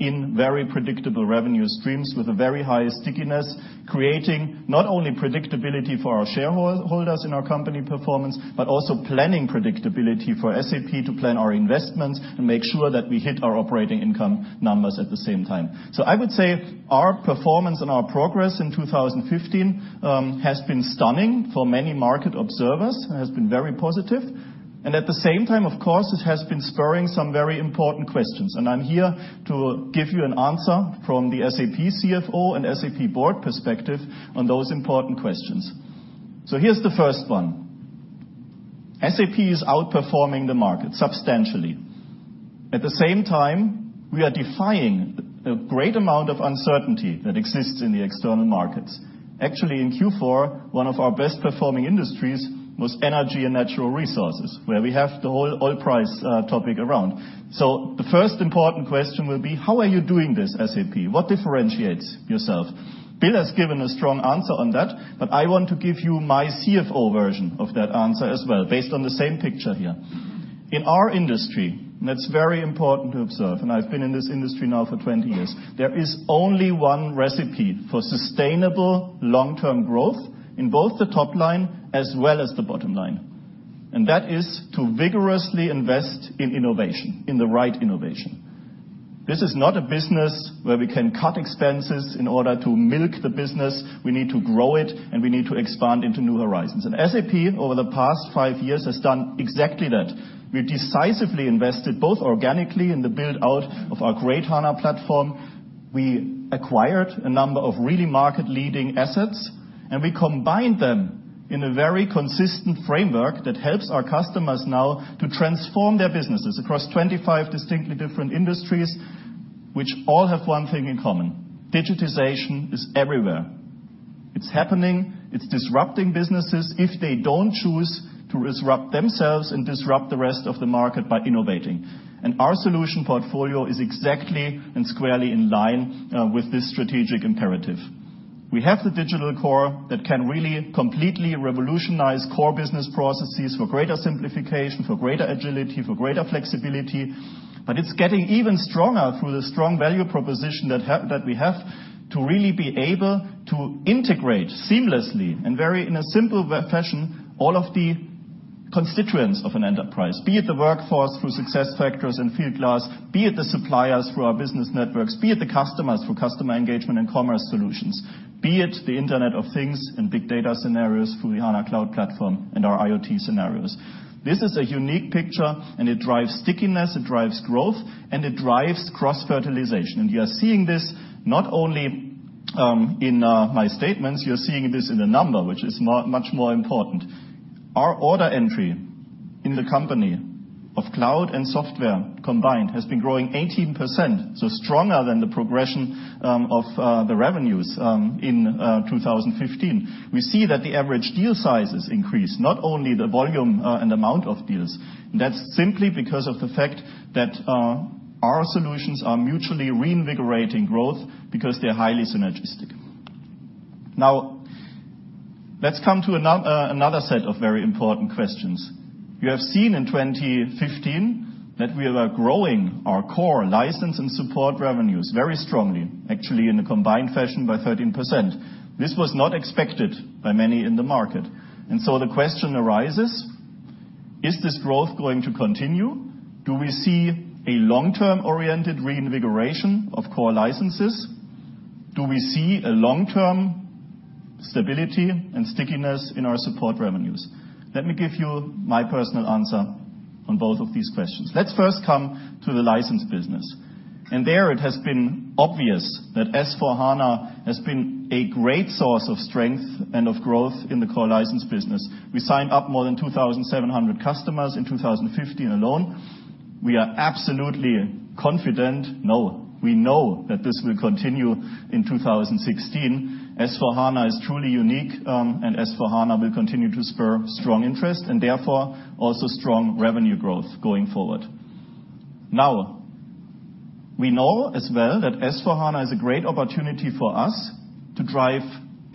in very predictable revenue streams with a very high stickiness, creating not only predictability for our shareholders in our company performance, but also planning predictability for SAP to plan our investments and make sure that we hit our operating income numbers at the same time. I would say our performance and our progress in 2015 has been stunning for many market observers, has been very positive. At the same time, of course, it has been spurring some very important questions. I am here to give you an answer from the SAP CFO and SAP board perspective on those important questions. Here is the first one. SAP is outperforming the market substantially. At the same time, we are defying a great amount of uncertainty that exists in the external markets. Actually, in Q4, one of our best performing industries was energy and natural resources, where we have the whole oil price topic around. The first important question will be, how are you doing this, SAP? What differentiates yourself? Bill has given a strong answer on that, but I want to give you my CFO version of that answer as well, based on the same picture here. In our industry, and it is very important to observe, and I have been in this industry now for 20 years, there is only one recipe for sustainable long-term growth in both the top line as well as the bottom line. That is to vigorously invest in innovation, in the right innovation. This is not a business where we can cut expenses in order to milk the business. We need to grow it, and we need to expand into new horizons. SAP, over the past five years, has done exactly that. We decisively invested both organically in the build-out of our great HANA platform. We acquired a number of really market-leading assets, and we combined them in a very consistent framework that helps our customers now to transform their businesses across 25 distinctly different industries, which all have one thing in common. Digitization is everywhere. It is happening. It is disrupting businesses if they do not choose to disrupt themselves and disrupt the rest of the market by innovating. Our solution portfolio is exactly and squarely in line with this strategic imperative. We have the digital core that can really completely revolutionize core business processes for greater simplification, for greater agility, for greater flexibility. It's getting even stronger through the strong value proposition that we have to really be able to integrate seamlessly and in a simple fashion, all of the constituents of an enterprise, be it the workforce through SuccessFactors and Fieldglass, be it the suppliers through our business networks, be it the customers through customer engagement and commerce solutions, be it the Internet of Things and big data scenarios through the SAP HANA Cloud Platform and our IoT scenarios. This is a unique picture, and it drives stickiness, it drives growth, and it drives cross-fertilization. We are seeing this not only in my statements, you're seeing this in the numbers, which is much more important. Our order entry in the company of cloud and software combined has been growing 18%, so stronger than the progression of the revenues in 2015. We see that the average deal sizes increase, not only the volume and amount of deals. That's simply because of the fact that our solutions are mutually reinvigorating growth because they're highly synergistic. Let's come to another set of very important questions. You have seen in 2015 that we are growing our core license and support revenues very strongly, actually in a combined fashion by 13%. This was not expected by many in the market. The question arises, is this growth going to continue? Do we see a long-term oriented reinvigoration of core licenses? Do we see a long-term stability and stickiness in our support revenues? Let me give you my personal answer on both of these questions. Let's first come to the license business. There it has been obvious that SAP S/4HANA has been a great source of strength and of growth in the core license business. We signed up more than 2,700 customers in 2015 alone. We are absolutely confident. No, we know that this will continue in 2016. SAP S/4HANA is truly unique, SAP S/4HANA will continue to spur strong interest and therefore also strong revenue growth going forward. We know as well that SAP S/4HANA is a great opportunity for us to drive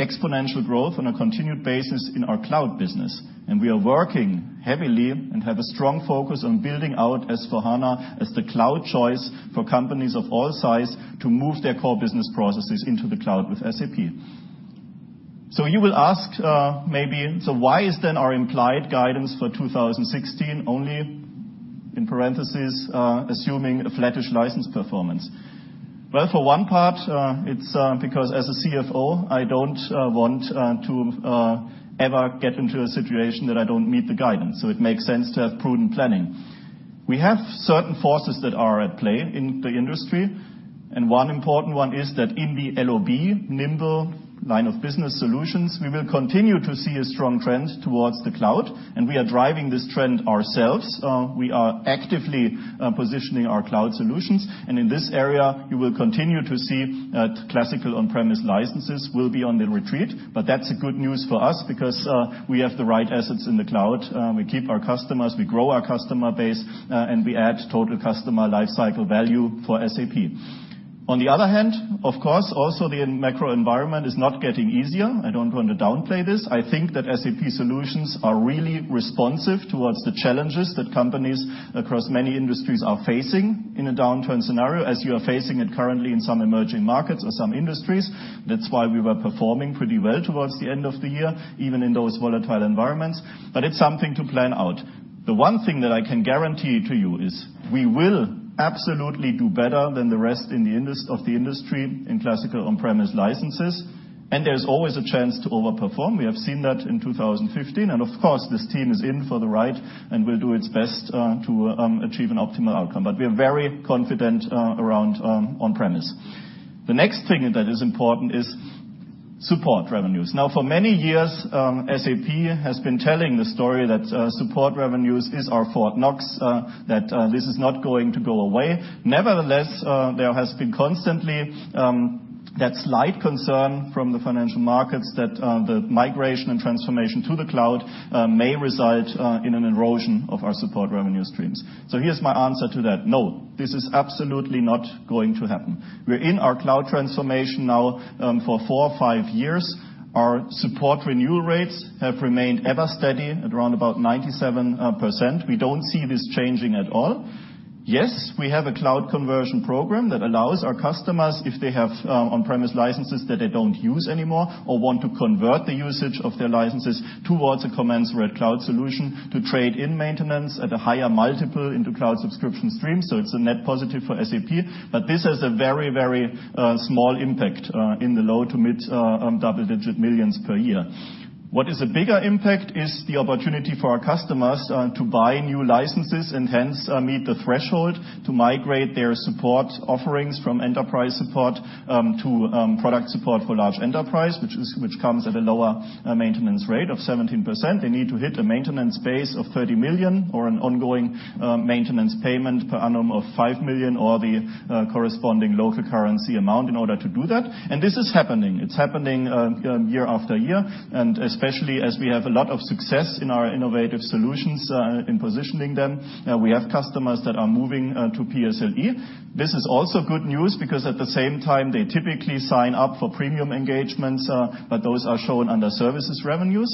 exponential growth on a continued basis in our cloud business. We are working heavily and have a strong focus on building out SAP S/4HANA as the cloud choice for companies of all size to move their core business processes into the cloud with SAP. You will ask maybe, why is then our implied guidance for 2016 only, in parentheses, assuming a flattish license performance? For one part, it's because as a CFO, I don't want to ever get into a situation that I don't meet the guidance. It makes sense to have prudent planning. We have certain forces that are at play in the industry, one important one is that in the LOB, nimble line of business solutions, we will continue to see a strong trend towards the cloud, we are driving this trend ourselves. We are actively positioning our cloud solutions, in this area, you will continue to see classical on-premise licenses will be on the retreat, that's good news for us because we have the right assets in the cloud. We keep our customers, we grow our customer base, and we add total customer lifecycle value for SAP. On the other hand, of course, also the macro environment is not getting easier. I don't want to downplay this. I think that SAP solutions are really responsive towards the challenges that companies across many industries are facing in a downturn scenario, as you are facing it currently in some emerging markets or some industries. That's why we were performing pretty well towards the end of the year, even in those volatile environments. But it's something to plan out. The one thing that I can guarantee to you is we will absolutely do better than the rest of the industry in classical on-premise licenses, and there's always a chance to over-perform. We have seen that in 2015, and of course, this team is in for the ride and will do its best to achieve an optimal outcome. But we are very confident around on-premise. The next thing that is important is Support revenues. For many years, SAP has been telling the story that support revenues is our Fort Knox, that this is not going to go away. Nevertheless, there has been constantly that slight concern from the financial markets that the migration and transformation to the cloud may reside in an erosion of our support revenue streams. Here's my answer to that. No, this is absolutely not going to happen. We're in our cloud transformation now for 4 or 5 years. Our support renewal rates have remained ever steady at around about 97%. We don't see this changing at all. Yes, we have a cloud conversion program that allows our customers, if they have on-premise licenses that they don't use anymore or want to convert the usage of their licenses towards a commensurate cloud solution to trade in maintenance at a higher multiple into cloud subscription streams. It's a net positive for SAP, but this has a very, very small impact in the low to mid double-digit millions per year. What is a bigger impact is the opportunity for our customers to buy new licenses and hence meet the threshold to migrate their support offerings from enterprise support to Product Support for Large Enterprises, which comes at a lower maintenance rate of 17%. They need to hit a maintenance base of 30 million or an ongoing maintenance payment per annum of 5 million or the corresponding local currency amount in order to do that. This is happening. It's happening year after year, and especially as we have a lot of success in our innovative solutions in positioning them. We have customers that are moving to PSLE. This is also good news because at the same time, they typically sign up for premium engagements, but those are shown under services revenues.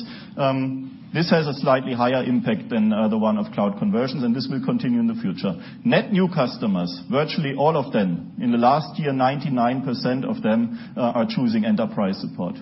This has a slightly higher impact than the one of cloud conversions, and this will continue in the future. Net new customers, virtually all of them, in the last year, 99% of them are choosing enterprise support.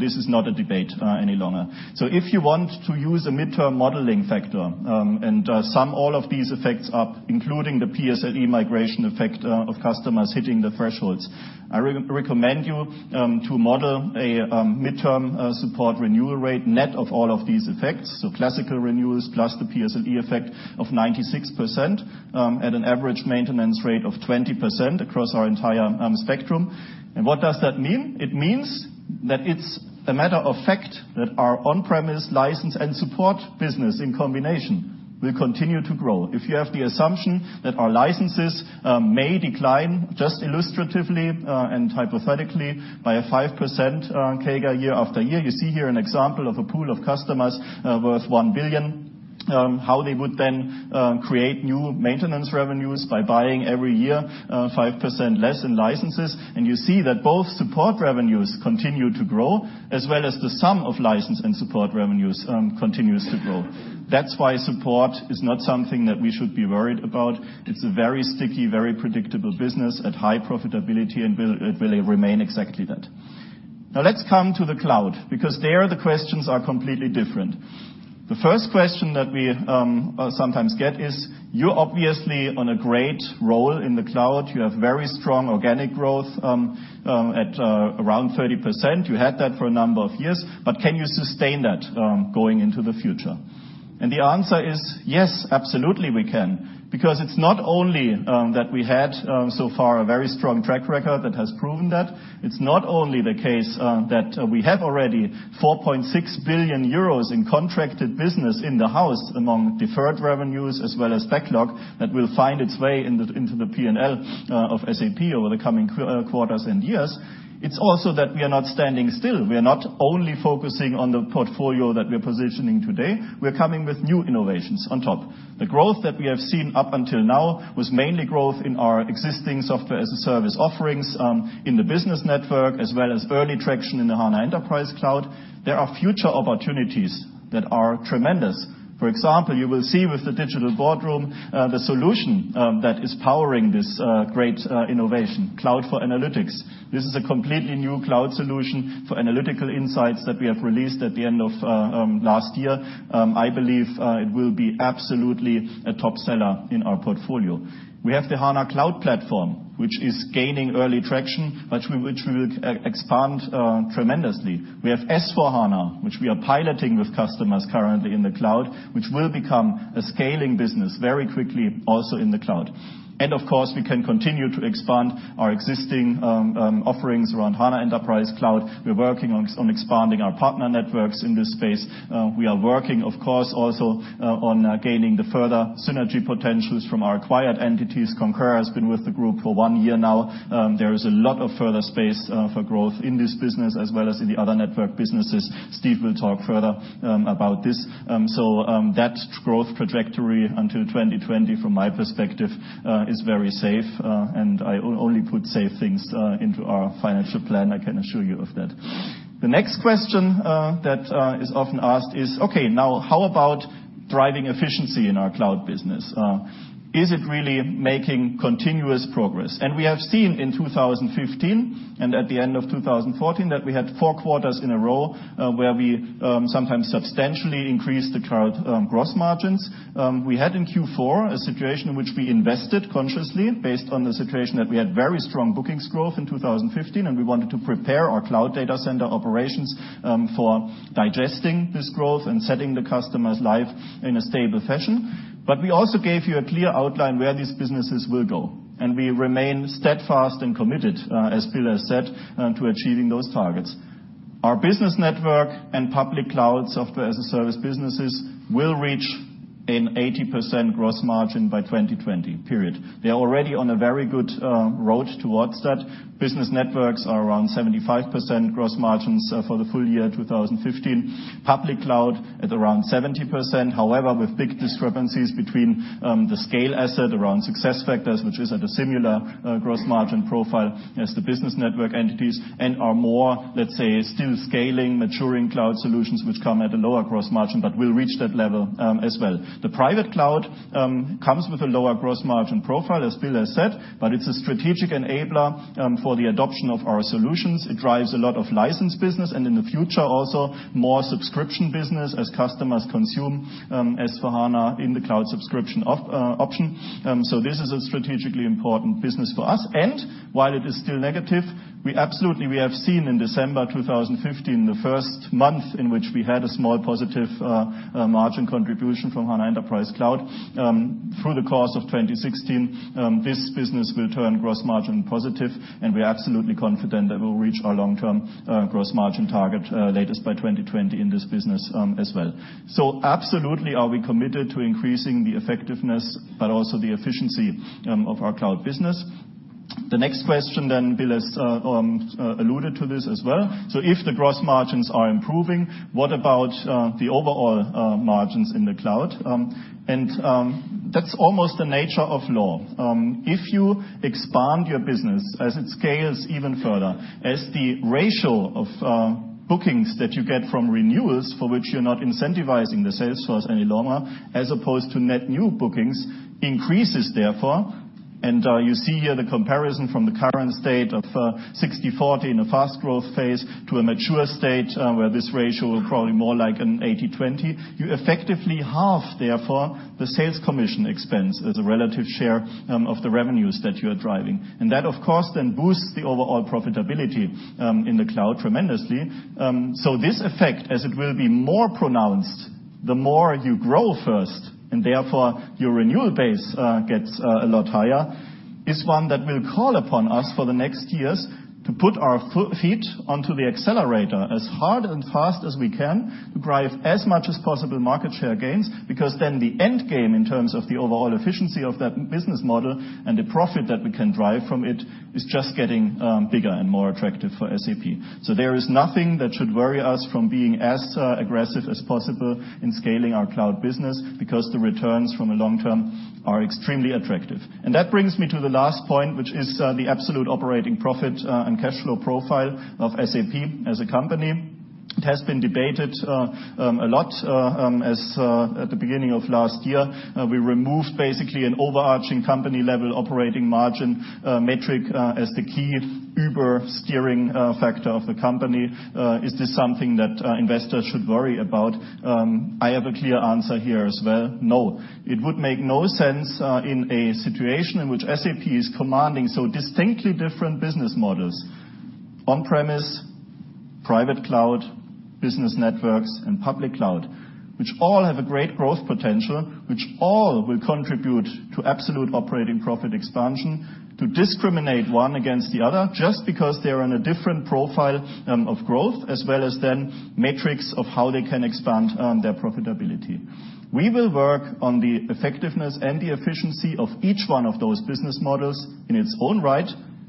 This is not a debate any longer. If you want to use a midterm modeling factor and sum all of these effects up, including the PSLE migration effect of customers hitting the thresholds, I recommend you to model a midterm support renewal rate net of all of these effects. Classical renewals plus the PSLE effect of 96% at an average maintenance rate of 20% across our entire spectrum. What does that mean? It means that it's a matter of fact that our on-premise license and support business in combination will continue to grow. If you have the assumption that our licenses may decline just illustratively and hypothetically by 5% CAGR year after year. You see here an example of a pool of customers worth 1 billion, how they would then create new maintenance revenues by buying every year 5% less in licenses. You see that both support revenues continue to grow, as well as the sum of license and support revenues continues to grow. That's why support is not something that we should be worried about. It's a very sticky, very predictable business at high profitability, and it will remain exactly that. Let's come to the cloud, because there the questions are completely different. The first question that we sometimes get is, you're obviously on a great roll in the cloud. You have very strong organic growth at around 30%. You had that for a number of years, but can you sustain that going into the future? The answer is, yes, absolutely we can, because it's not only that we had so far a very strong track record that has proven that. It's not only the case that we have already 4.6 billion euros in contracted business in the house among deferred revenues as well as backlog that will find its way into the P&L of SAP over the coming quarters and years. It's also that we are not standing still. We are not only focusing on the portfolio that we are positioning today. We are coming with new innovations on top. The growth that we have seen up until now was mainly growth in our existing software-as-a-service offerings in the business network, as well as early traction in the HANA Enterprise Cloud. There are future opportunities that are tremendous. For example, you will see with the Digital Boardroom, the solution that is powering this great innovation, Cloud for Analytics. This is a completely new cloud solution for analytical insights that we have released at the end of last year. I believe it will be absolutely a top seller in our portfolio. We have the HANA Cloud Platform, which is gaining early traction, but which we will expand tremendously. We have S/4HANA, which we are piloting with customers currently in the cloud, which will become a scaling business very quickly also in the cloud. Of course, we can continue to expand our existing offerings around HANA Enterprise Cloud. We're working on expanding our partner networks in this space. We are working, of course, also on gaining the further synergy potentials from our acquired entities. Concur has been with the group for one year now. There is a lot of further space for growth in this business as well as in the other network businesses. Steve will talk further about this. That growth trajectory until 2020 from my perspective is very safe, and I only put safe things into our financial plan, I can assure you of that. The next question that is often asked is, okay, now how about driving efficiency in our cloud business? Is it really making continuous progress? We have seen in 2015 and at the end of 2014 that we had four quarters in a row where we sometimes substantially increased the cloud gross margins. We had in Q4 a situation in which we invested consciously based on the situation that we had very strong bookings growth in 2015, and we wanted to prepare our cloud data center operations for digesting this growth and setting the customers live in a stable fashion. We also gave you a clear outline where these businesses will go, and we remain steadfast and committed, as Bill has said, to achieving those targets. Our business network and public cloud software-as-a-service businesses will reach an 80% gross margin by 2020, period. They are already on a very good road towards that. Business networks are around 75% gross margins for the full year 2015. Public cloud at around 70%. With big discrepancies between the scale asset around SuccessFactors, which is at a similar gross margin profile as the business network entities and are more, let's say, still scaling maturing cloud solutions, which come at a lower gross margin, but will reach that level as well. The private cloud comes with a lower gross margin profile, as Bill has said, but it's a strategic enabler for the adoption of our solutions. It drives a lot of license business, and in the future, also more subscription business as customers consume S/4HANA in the cloud subscription option. This is a strategically important business for us. While it is still negative, we absolutely have seen in December 2015, the first month in which we had a small positive margin contribution from HANA Enterprise Cloud. Through the course of 2016, this business will turn gross margin positive, and we are absolutely confident that we'll reach our long-term gross margin target, latest by 2020 in this business as well. Absolutely are we committed to increasing the effectiveness, but also the efficiency of our cloud business. The next question, Bill has alluded to this as well. If the gross margins are improving, what about the overall margins in the cloud? That's almost the nature of law. If you expand your business as it scales even further, as the ratio of bookings that you get from renewals for which you're not incentivizing the sales force any longer, as opposed to net new bookings increases therefore, you see here the comparison from the current state of 60/40 in a fast growth phase to a mature state, where this ratio will probably more like an 80/20. You effectively halve, therefore, the sales commission expense as a relative share of the revenues that you are driving. That, of course, then boosts the overall profitability in the cloud tremendously. This effect, as it will be more pronounced, the more you grow first, and therefore your renewal base gets a lot higher, is one that will call upon us for the next years to put our feet onto the accelerator as hard and fast as we can to drive as much as possible market share gains, because then the end game in terms of the overall efficiency of that business model and the profit that we can drive from it is just getting bigger and more attractive for SAP. There is nothing that should worry us from being as aggressive as possible in scaling our cloud business because the returns from a long term are extremely attractive. That brings me to the last point, which is the absolute operating profit and cash flow profile of SAP as a company. It has been debated a lot as at the beginning of last year. We removed basically an overarching company-level operating margin metric as the key uber steering factor of the company. Is this something that investors should worry about? I have a clear answer here as well. No. It would make no sense in a situation in which SAP is commanding so distinctly different business models. On-premise, private cloud, business networks, and public cloud, which all have a great growth potential, which all will contribute to absolute operating profit expansion to discriminate one against the other just because they're in a different profile of growth, as well as then metrics of how they can expand their profitability. We will work on the effectiveness and the efficiency of each one of those business models in its own right.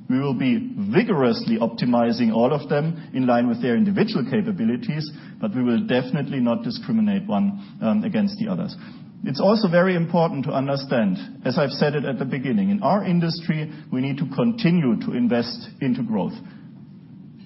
We will be vigorously optimizing all of them in line with their individual capabilities. We will definitely not discriminate one against the others. It's also very important to understand, as I've said it at the beginning, in our industry, we need to continue to invest into growth.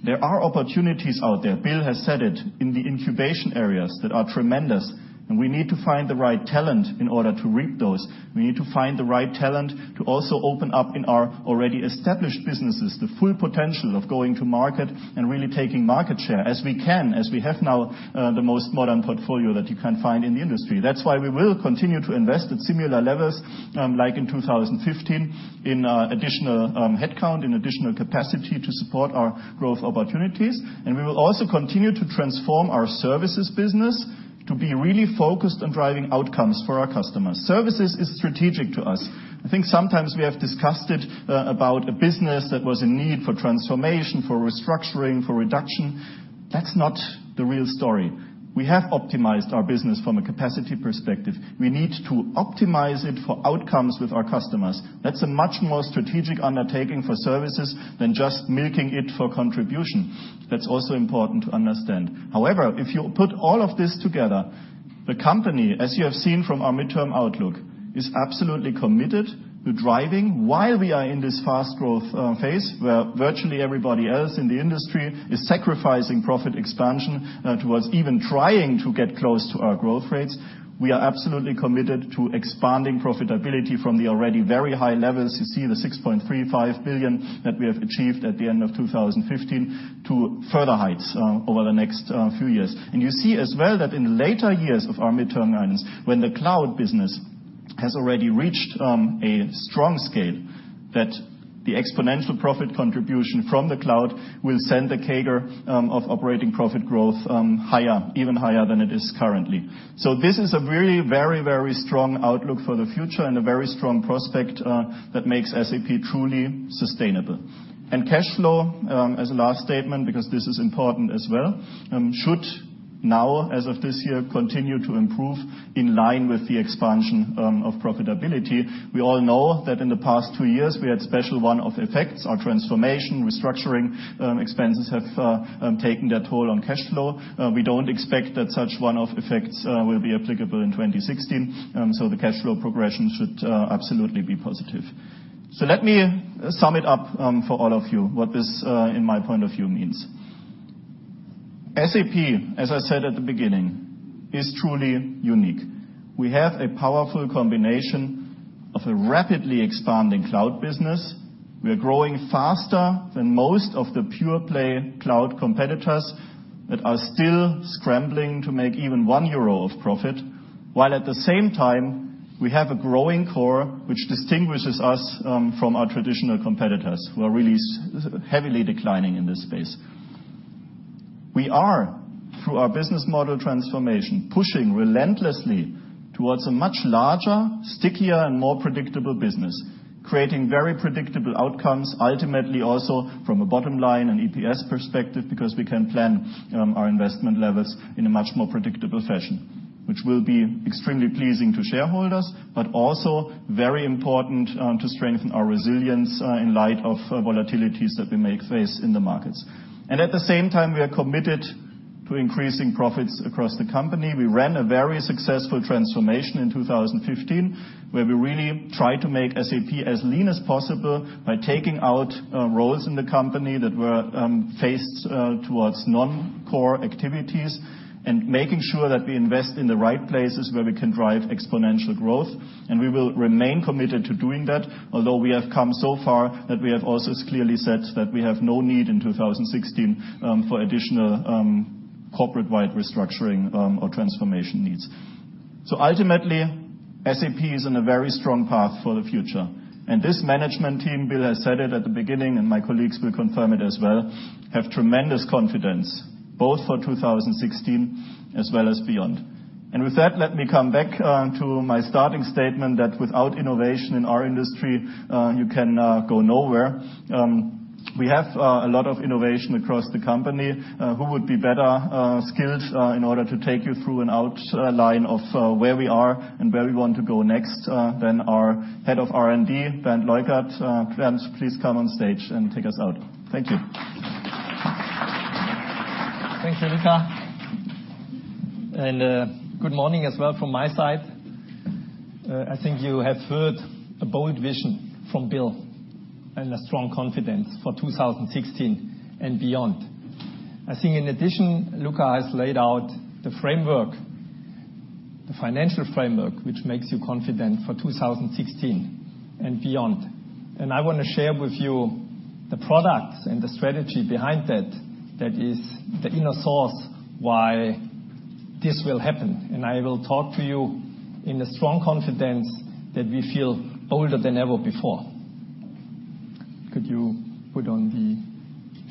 There are opportunities out there, Bill has said it, in the incubation areas that are tremendous, and we need to find the right talent in order to reap those. We need to find the right talent to also open up in our already established businesses the full potential of going to market and really taking market share as we can, as we have now the most modern portfolio that you can find in the industry. We will continue to invest at similar levels, like in 2015, in additional headcount, in additional capacity to support our growth opportunities. We will also continue to transform our services business to be really focused on driving outcomes for our customers. Services is strategic to us. I think sometimes we have discussed it about a business that was in need for transformation, for restructuring, for reduction. That's not the real story. We have optimized our business from a capacity perspective. We need to optimize it for outcomes with our customers. That's a much more strategic undertaking for services than just milking it for contribution. That's also important to understand. However, if you put all of this together, the company, as you have seen from our midterm outlook, is absolutely committed to driving while we are in this fast growth phase, where virtually everybody else in the industry is sacrificing profit expansion towards even trying to get close to our growth rates. We are absolutely committed to expanding profitability from the already very high levels. You see the 6.35 billion that we have achieved at the end of 2015 to further heights over the next few years. You see as well that in later years of our midterm guidance, when the cloud business has already reached a strong scale, that the exponential profit contribution from the cloud will send the CAGR of operating profit growth higher, even higher than it is currently. This is a really very, very strong outlook for the future and a very strong prospect that makes SAP truly sustainable. Cash flow, as a last statement, because this is important as well, should now, as of this year, continue to improve in line with the expansion of profitability. We all know that in the past two years we had special one-off effects. Our transformation restructuring expenses have taken their toll on cash flow. We don't expect that such one-off effects will be applicable in 2016. The cash flow progression should absolutely be positive. Let me sum it up for all of you, what this, in my point of view, means. SAP, as I said at the beginning, is truly unique. We have a powerful combination of a rapidly expanding cloud business. We are growing faster than most of the pure-play cloud competitors that are still scrambling to make even 1 euro of profit, while at the same time, we have a growing core, which distinguishes us from our traditional competitors who are really heavily declining in this space. We are, through our business model transformation, pushing relentlessly towards a much larger, stickier, and more predictable business, creating very predictable outcomes, ultimately also from a bottom-line and EPS perspective, because we can plan our investment levels in a much more predictable fashion, which will be extremely pleasing to shareholders, but also very important to strengthen our resilience in light of volatilities that we may face in the markets. At the same time, we are committed to increasing profits across the company. We ran a very successful transformation in 2015, where we really tried to make SAP as lean as possible by taking out roles in the company that were faced towards non-core activities and making sure that we invest in the right places where we can drive exponential growth. We will remain committed to doing that, although we have come so far that we have also clearly said that we have no need in 2016 for additional corporate-wide restructuring or transformation needs. Ultimately, SAP is on a very strong path for the future, and this management team, Bill has said it at the beginning, and my colleagues will confirm it as well, have tremendous confidence both for 2016 as well as beyond. With that, let me come back to my starting statement that without innovation in our industry, you can go nowhere. We have a lot of innovation across the company. Who would be better skilled in order to take you through an outline of where we are and where we want to go next than our head of R&D, Bernd Leukert. Bernd, please come on stage and take us out. Thank you. Thanks, Luka. Good morning as well from my side. I think you have heard a bold vision from Bill and a strong confidence for 2016 and beyond. I think in addition, Luka has laid out the framework, the financial framework, which makes you confident for 2016 and beyond. I want to share with you the products and the strategy behind that is the inner source why this will happen. I will talk to you in the strong confidence that we feel bolder than ever before. Could you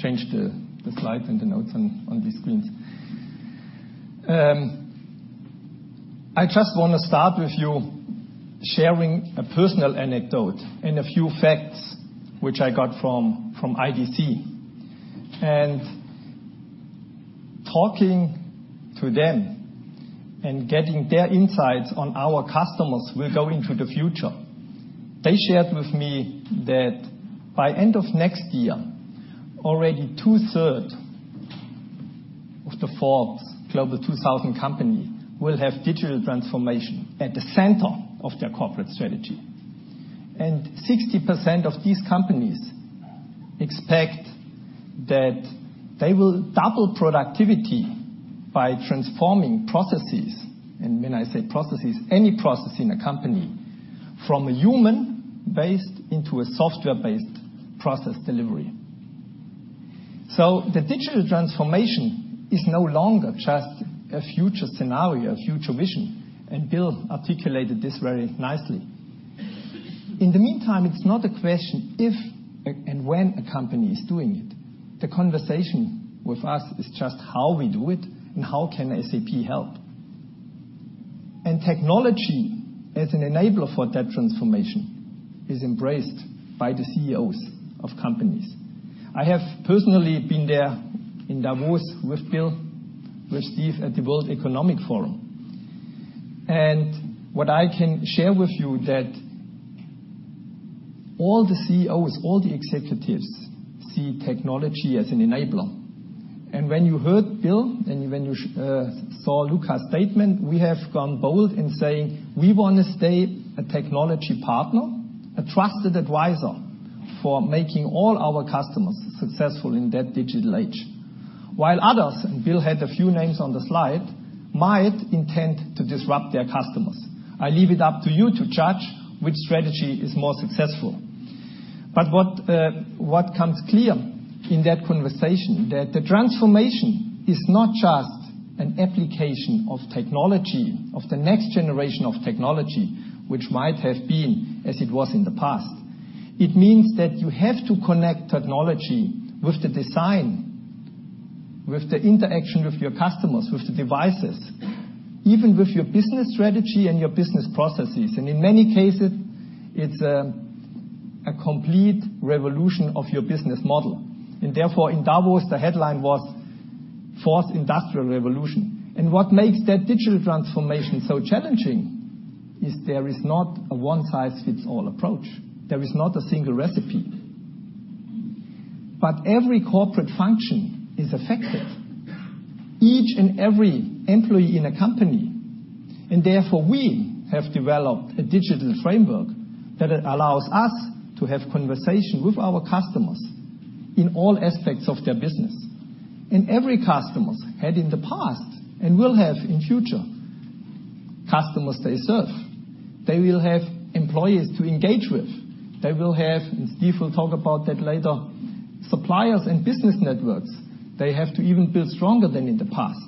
change the slide and the notes on these screens? I just want to start with you sharing a personal anecdote and a few facts which I got from IDC. Talking to them and getting their insights on our customers will go into the future. They shared with me that by end of next year, already two-third of the Forbes Global 2000 company will have digital transformation at the center of their corporate strategy. 60% of these companies expect that they will double productivity by transforming processes. When I say processes, any process in a company, from a human-based into a software-based process delivery. The digital transformation is no longer just a future scenario, a future vision, Bill articulated this very nicely. In the meantime, it's not a question if and when a company is doing it. The conversation with us is just how we do it and how can SAP help. Technology as an enabler for that transformation is embraced by the CEOs of companies. I have personally been there in Davos with Bill, with Steve at the World Economic Forum. What I can share with you that all the CEOs, all the executives see technology as an enabler. When you heard Bill, when you saw Luka's statement, we have gone bold in saying we want to stay a technology partner, a trusted advisor for making all our customers successful in that digital age. While others, Bill had a few names on the slide, might intend to disrupt their customers. I leave it up to you to judge which strategy is more successful. What comes clear in that conversation, that the transformation is not just an application of technology, of the next generation of technology, which might have been as it was in the past. It means that you have to connect technology with the design, with the interaction with your customers, with the devices, even with your business strategy and your business processes. In many cases, it's a complete revolution of your business model. Therefore, in Davos, the headline was Fourth Industrial Revolution. What makes that digital transformation so challenging is there is not a one-size-fits-all approach. There is not a single recipe. Every corporate function is affected, each and every employee in a company. Therefore, we have developed a digital framework that allows us to have conversation with our customers in all aspects of their business. Every customer had in the past, and will have in future, customers they serve. They will have employees to engage with. They will have, Steve will talk about that later, suppliers and business networks. They have to even build stronger than in the past,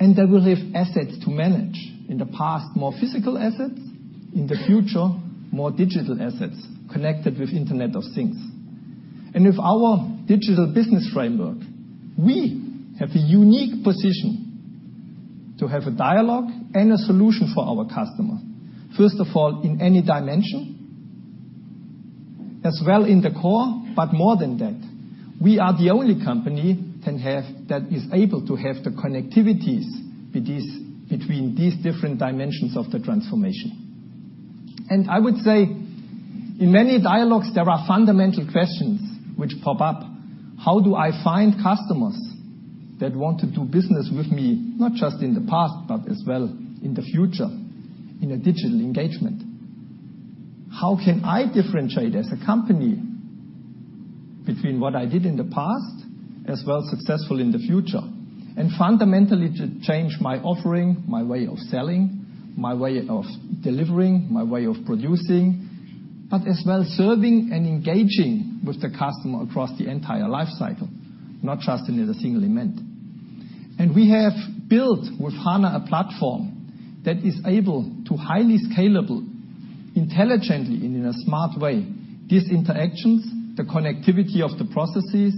and they will have assets to manage. In the past, more physical assets. In the future, more digital assets connected with Internet of Things. With our digital business framework, we have a unique position to have a dialogue and a solution for our customer. First of all, in any dimension, as well in the core, but more than that. We are the only company that is able to have the connectivities between these different dimensions of the transformation. I would say, in many dialogues, there are fundamental questions which pop up. How do I find customers that want to do business with me, not just in the past, but as well in the future in a digital engagement? How can I differentiate as a company between what I did in the past, as well successful in the future, and fundamentally to change my offering, my way of selling, my way of delivering, my way of producing, but as well, serving and engaging with the customer across the entire life cycle, not just in a single event. We have built with HANA a platform that is able to highly scalable, intelligently and in a smart way, these interactions, the connectivity of the processes.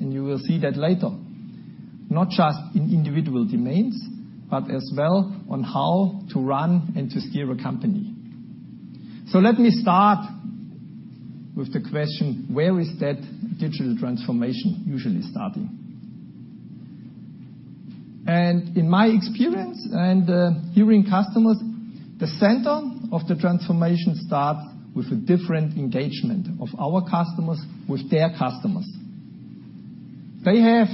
You will see that later, not just in individual domains, but as well on how to run and to steer a company. Let me start with the question, where is that digital transformation usually starting? In my experience and hearing customers, the center of the transformation starts with a different engagement of our customers with their customers. They have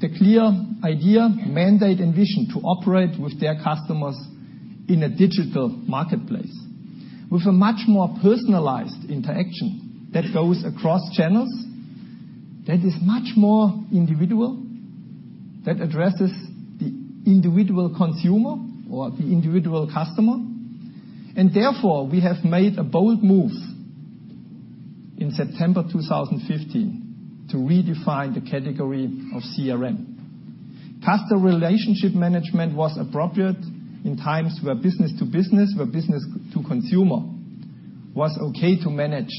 the clear idea, mandate, and vision to operate with their customers in a digital marketplace with a much more personalized interaction that goes across channels, that is much more individual, that addresses the individual consumer or the individual customer. Therefore, we have made a bold move in September 2015 to redefine the category of CRM. Customer relationship management was appropriate in times where business to business, where business to consumer was okay to manage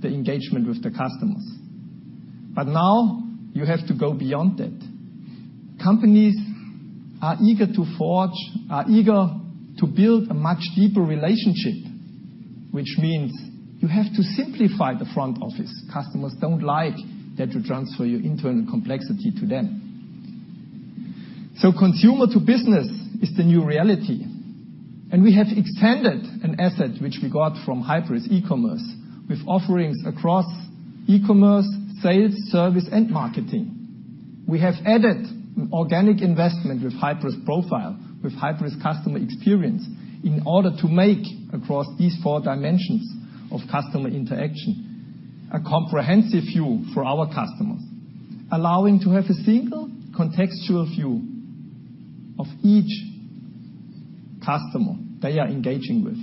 the engagement with the customers. Now, you have to go beyond that. Companies are eager to forge, are eager to build a much deeper relationship, which means you have to simplify the front office. Customers don't like that you transfer your internal complexity to them. Consumer to business is the new reality, we have extended an asset which we got from Hybris e-commerce with offerings across e-commerce, sales, service, and marketing. We have added organic investment with Hybris Profile, with Hybris Customer Experience, in order to make across these four dimensions of customer interaction a comprehensive view for our customers, allowing to have a single contextual view of each customer they are engaging with,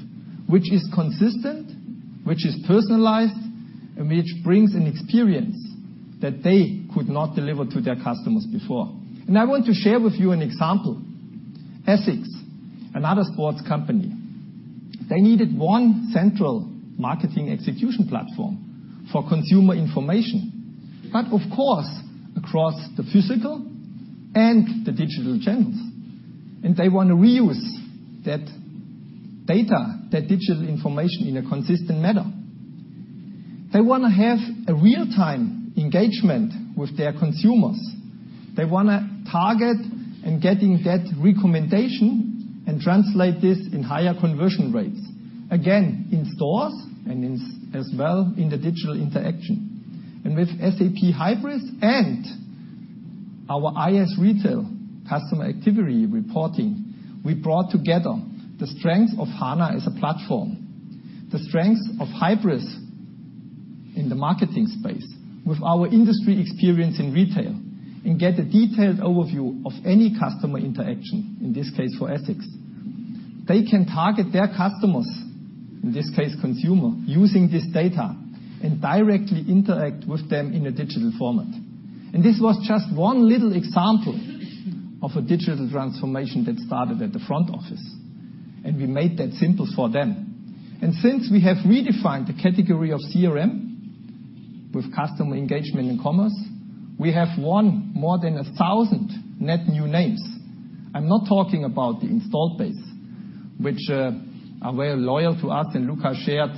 which is consistent, which is personalized, and which brings an experience that they could not deliver to their customers before. I want to share with you an example. Adidas, another sports company. They needed one central marketing execution platform for consumer information. Of course, across the physical and the digital channels. They want to reuse that data, that digital information in a consistent manner. They want to have a real-time engagement with their consumers. They want to target and getting that recommendation and translate this in higher conversion rates, again, in stores and as well in the digital interaction. With SAP Hybris and our IS-Retail customer activity reporting, we brought together the strength of HANA as a platform, the strength of Hybris in the marketing space with our industry experience in retail, and get a detailed overview of any customer interaction, in this case, for ethics. They can target their customers, in this case consumer, using this data and directly interact with them in a digital format. This was just one little example of a digital transformation that started at the front office, and we made that simple for them. Since we have redefined the category of CRM with customer engagement and commerce, we have won more than 1,000 net new names. I am not talking about the install base, which are very loyal to us, and Luka shared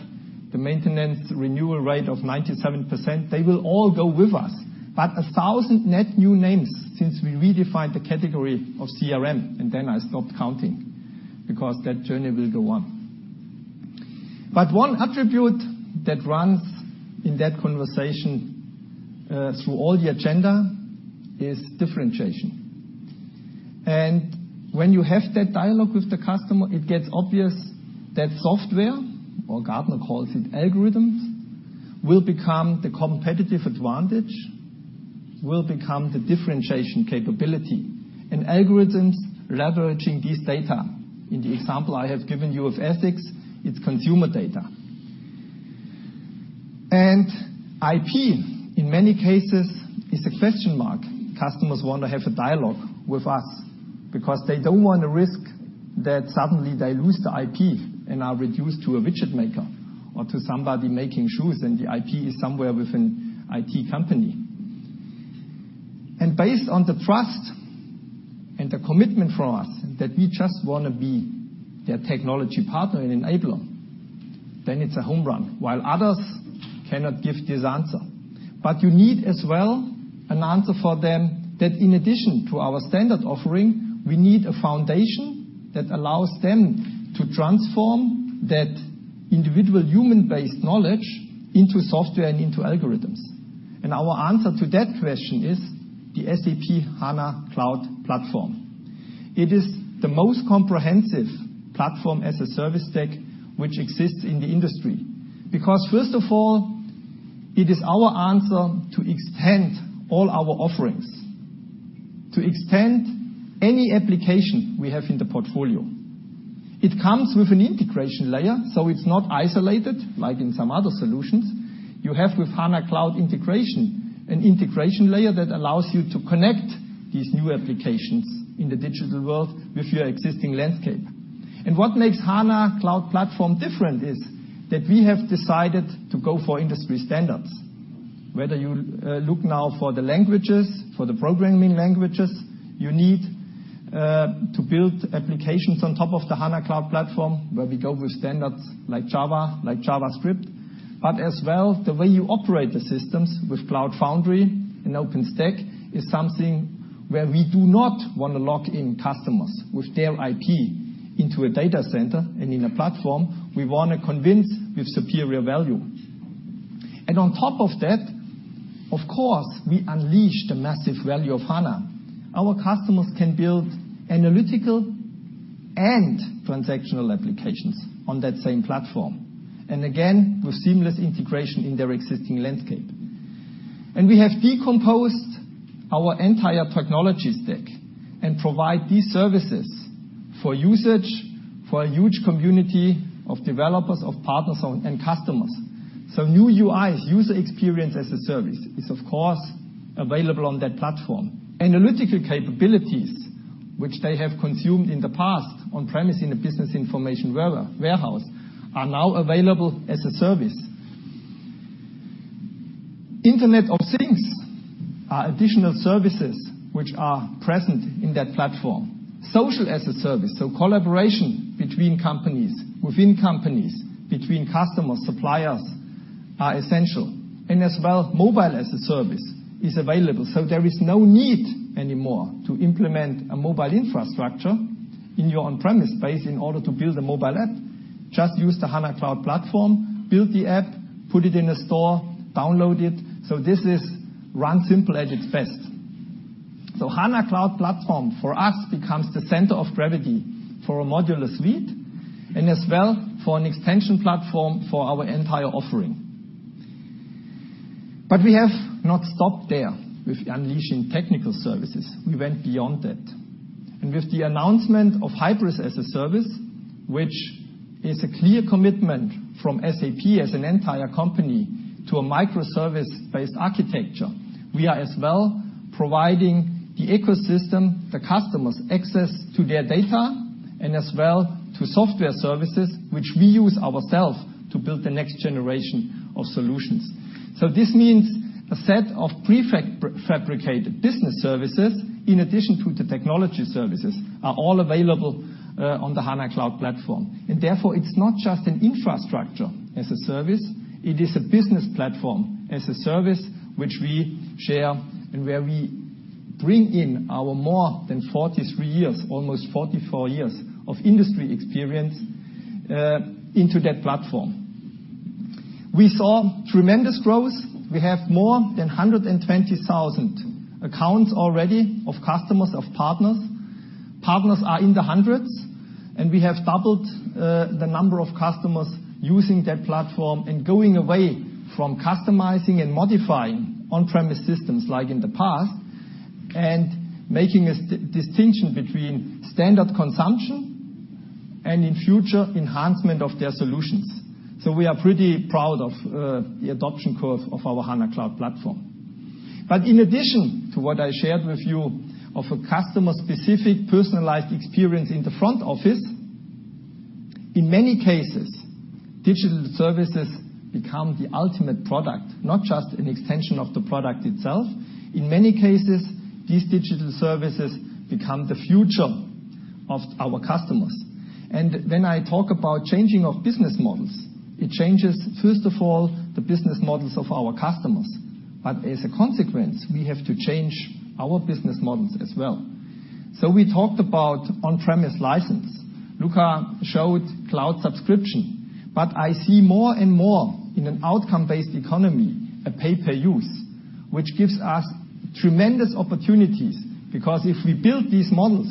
the maintenance renewal rate of 97%. They will all go with us. 1,000 net new names since we redefined the category of CRM, and then I stopped counting, because that journey will go on. One attribute that runs in that conversation through all the agenda is differentiation. When you have that dialogue with the customer, it gets obvious that software, or Gartner calls it algorithms, will become the competitive advantage, will become the differentiation capability. Algorithms leveraging this data. In the example I have given you of ethics, it is consumer data. IP, in many cases, is a question mark. Customers want to have a dialogue with us because they do not want to risk that suddenly they lose the IP and are reduced to a widget maker or to somebody making shoes and the IP is somewhere with an IT company. Based on the trust and the commitment from us that we just want to be their technology partner and enabler, then it is a home run, while others cannot give this answer. You need as well an answer for them that in addition to our standard offering, we need a foundation that allows them to transform that individual human-based knowledge into software and into algorithms. Our answer to that question is the SAP HANA Cloud Platform. It is the most comprehensive platform as a service stack which exists in the industry. First of all, it is our answer to extend all our offerings, to extend any application we have in the portfolio. It comes with an integration layer. It is not isolated like in some other solutions. You have with SAP HANA Cloud Integration, an integration layer that allows you to connect these new applications in the digital world with your existing landscape. What makes SAP HANA Cloud Platform different is that we have decided to go for industry standards. Whether you look now for the languages, for the programming languages you need, to build applications on top of the SAP HANA Cloud Platform, where we go with standards like Java, like JavaScript. As well, the way you operate the systems with Cloud Foundry and OpenStack is something where we do not want to lock in customers with their IP into a data center and in a platform. We want to convince with superior value. On top of that, of course, we unleash the massive value of SAP HANA. Our customers can build analytical and transactional applications on that same platform. Again, with seamless integration in their existing landscape. We have decomposed our entire technology stack and provide these services for usage for a huge community of developers, of partners, and customers. New UIs, user experience as a service, is of course available on that platform. Analytical capabilities, which they have consumed in the past on-premise in the Business Information Warehouse, are now available as a service. Internet of Things are additional services which are present in that platform. Social as a service, collaboration between companies, within companies, between customers, suppliers are essential. As well, mobile as a service is available. There is no need anymore to implement a mobile infrastructure in your on-premise space in order to build a mobile app. Just use the HANA Cloud Platform, build the app, put it in a store, download it. This is Run Simple at its best. HANA Cloud Platform for us becomes the center of gravity for a modular suite and as well for an extension platform for our entire offering. We have not stopped there with unleashing technical services. We went beyond that. With the announcement of Hybris as a Service, which is a clear commitment from SAP as an entire company to a microservice-based architecture, we are as well providing the ecosystem, the customers, access to their data and as well to software services, which we use ourselves to build the next generation of solutions. This means a set of prefabricated business services, in addition to the technology services, are all available on the HANA Cloud Platform. Therefore, it is not just an infrastructure as a service. It is a business platform as a service, which we share and where we bring in our more than 43 years, almost 44 years of industry experience into that platform. We saw tremendous growth. We have more than 120,000 accounts already of customers, of partners. Partners are in the hundreds, and we have doubled the number of customers using that platform and going away from customizing and modifying on-premise systems like in the past, and making a distinction between standard consumption and in future enhancement of their solutions. We are pretty proud of the adoption curve of our HANA Cloud Platform. In addition to what I shared with you of a customer-specific personalized experience in the front office. In many cases, digital services become the ultimate product, not just an extension of the product itself. In many cases, these digital services become the future of our customers. When I talk about changing of business models, it changes, first of all, the business models of our customers. As a consequence, we have to change our business models as well. We talked about on-premise license. Luka showed cloud subscription. I see more and more in an outcome-based economy, a pay-per-use, which gives us tremendous opportunities. If we build these models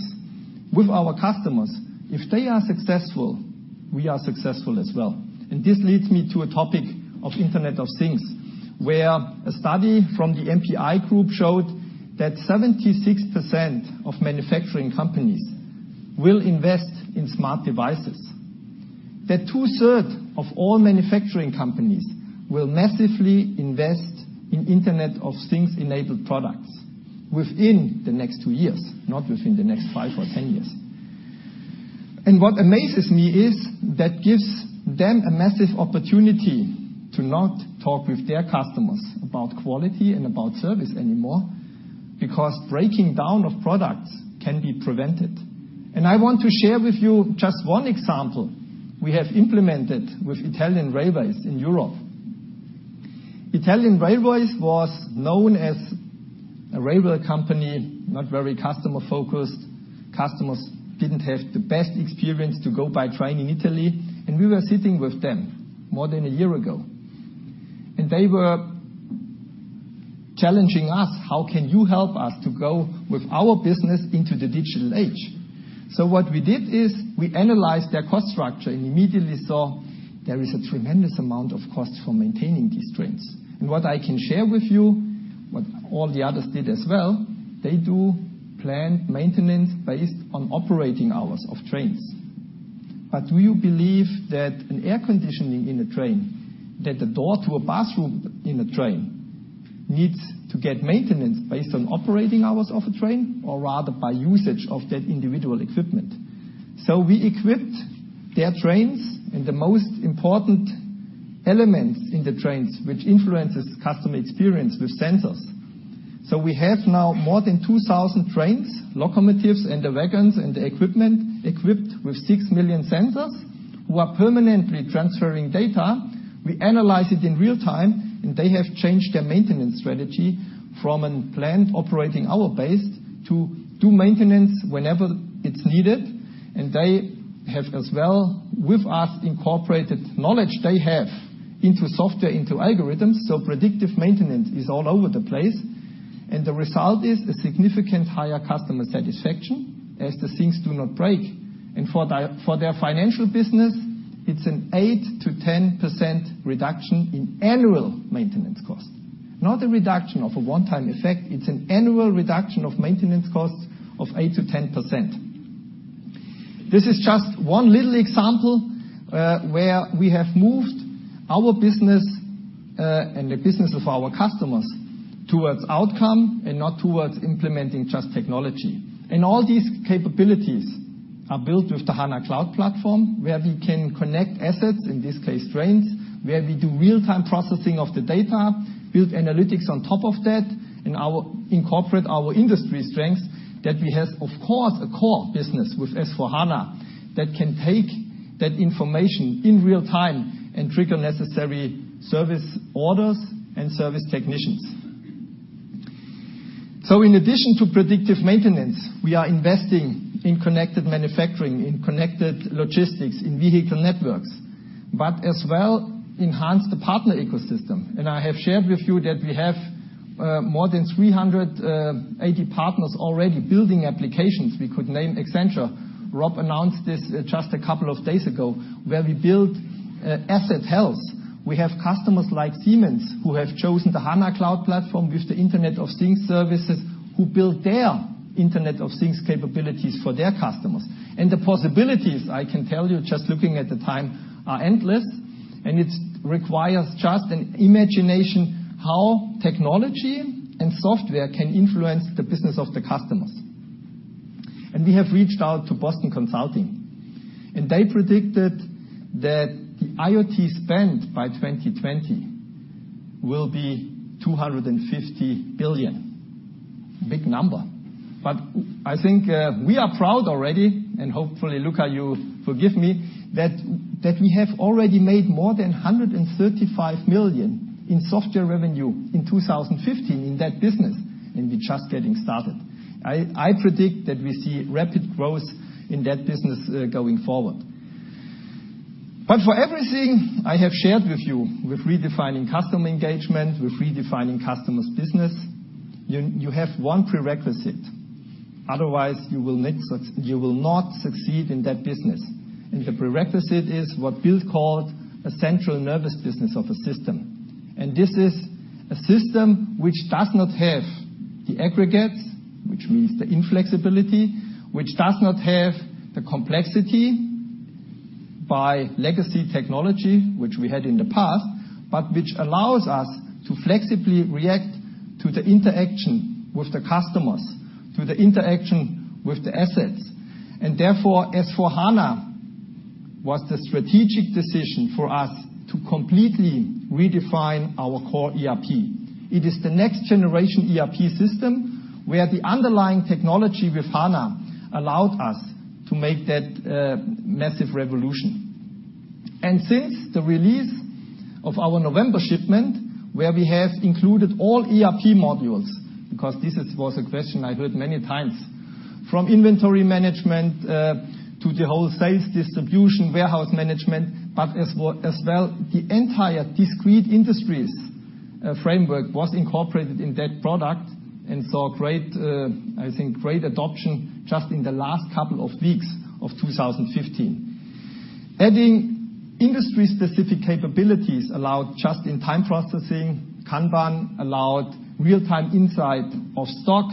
with our customers, if they are successful, we are successful as well. This leads me to a topic of Internet of Things, where a study from the MPI Group showed that 76% of manufacturing companies will invest in smart devices. That two-thirds of all manufacturing companies will massively invest in Internet of Things-enabled products within the next two years, not within the next five or 10 years. What amazes me is that gives them a massive opportunity to not talk with their customers about quality and about service anymore, because breaking down of products can be prevented. I want to share with you just one example we have implemented with Italian Railways in Europe. Italian Railways was known as a railway company, not very customer focused. Customers didn't have the best experience to go by train in Italy. We were sitting with them more than one year ago, and they were challenging us, "How can you help us to go with our business into the digital age?" What we did is we analyzed their cost structure and immediately saw there is a tremendous amount of cost for maintaining these trains. What I can share with you, what all the others did as well, they do planned maintenance based on operating hours of trains. Do you believe that an air conditioning in a train, that the door to a bathroom in a train, needs to get maintenance based on operating hours of a train or rather by usage of that individual equipment? We equipped their trains and the most important elements in the trains, which influences customer experience, with sensors. We have now more than 2,000 trains, locomotives, and the wagons, and the equipment equipped with 6 million sensors who are permanently transferring data. We analyze it in real time, and they have changed their maintenance strategy from a planned operating hour base to do maintenance whenever it's needed. They have, as well, with us, incorporated knowledge they have into software, into algorithms. Predictive maintenance is all over the place. The result is a significant higher customer satisfaction as the things do not break. For their financial business, it's an 8%-10% reduction in annual maintenance cost. Not a reduction of a one-time effect. It's an annual reduction of maintenance costs of 8%-10%. This is just one little example, where we have moved our business, and the business of our customers, towards outcome and not towards implementing just technology. All these capabilities are built with the HANA Cloud Platform, where we can connect assets, in this case, trains, where we do real-time processing of the data, build analytics on top of that, and incorporate our industry strengths that we have of course, a core business with S/4HANA that can take that information in real time and trigger necessary service orders and service technicians. In addition to predictive maintenance, we are investing in connected manufacturing, in connected logistics, in vehicle networks, but as well enhance the partner ecosystem. I have shared with you that we have more than 380 partners already building applications. We could name Accenture. Rob announced this just a couple of days ago, where we build asset health. We have customers like Siemens who have chosen the SAP HANA Cloud Platform with the Internet of Things services who build their Internet of Things capabilities for their customers. The possibilities, I can tell you, just looking at the time, are endless, and it requires just an imagination how technology and software can influence the business of the customers. We have reached out to Boston Consulting, and they predicted that the IoT spend by 2020 will be 250 billion. Big number. I think we are proud already, and hopefully, Luka, you forgive me, that we have already made more than 135 million in software revenue in 2015 in that business, and we're just getting started. I predict that we see rapid growth in that business going forward. For everything I have shared with you, with redefining customer engagement, with redefining customers' business, you have one prerequisite. Otherwise, you will not succeed in that business. The prerequisite is what Bill called a central nervous business of a system. This is a system which does not have the aggregates, which means the inflexibility, which does not have the complexity by legacy technology, which we had in the past, but which allows us to flexibly react to the interaction with the customers, to the interaction with the assets. Therefore, SAP S/4HANA was the strategic decision for us to completely redefine our core ERP. It is the next generation ERP system, where the underlying technology with SAP HANA allowed us to make that massive revolution. Since the release of our November shipment, where we have included all ERP modules, because this was a question I heard many times, from inventory management to the whole sales distribution, warehouse management, but as well, the entire discrete industries framework was incorporated in that product and saw, I think, great adoption just in the last couple of weeks of 2015. Adding industry-specific capabilities allowed just-in-time processing, Kanban allowed real-time insight of stock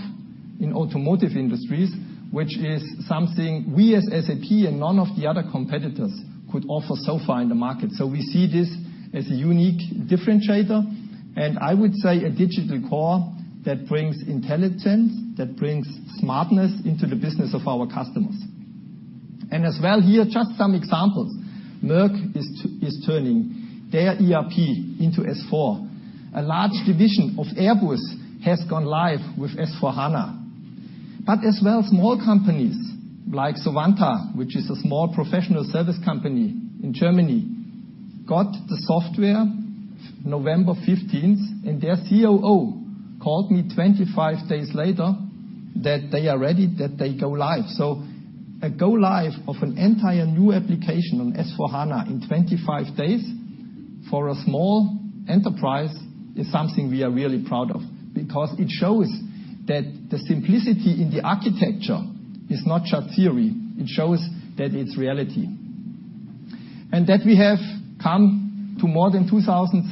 in automotive industries, which is something we as SAP and none of the other competitors could offer so far in the market. We see this as a unique differentiator, and I would say a digital core that brings intelligence, that brings smartness into the business of our customers. As well here, just some examples. Merck is turning their ERP into S4. A large division of Airbus has gone live with SAP S/4HANA. As well, small companies like Savanta, which is a small professional service company in Germany, got the software November 15th, and their COO called me 25 days later that they are ready, that they go live. A go live of an entire new application on SAP S/4HANA in 25 days for a small enterprise is something we are really proud of, because it shows that the simplicity in the architecture is not just theory. It shows that it's reality. That we have come to more than 2,700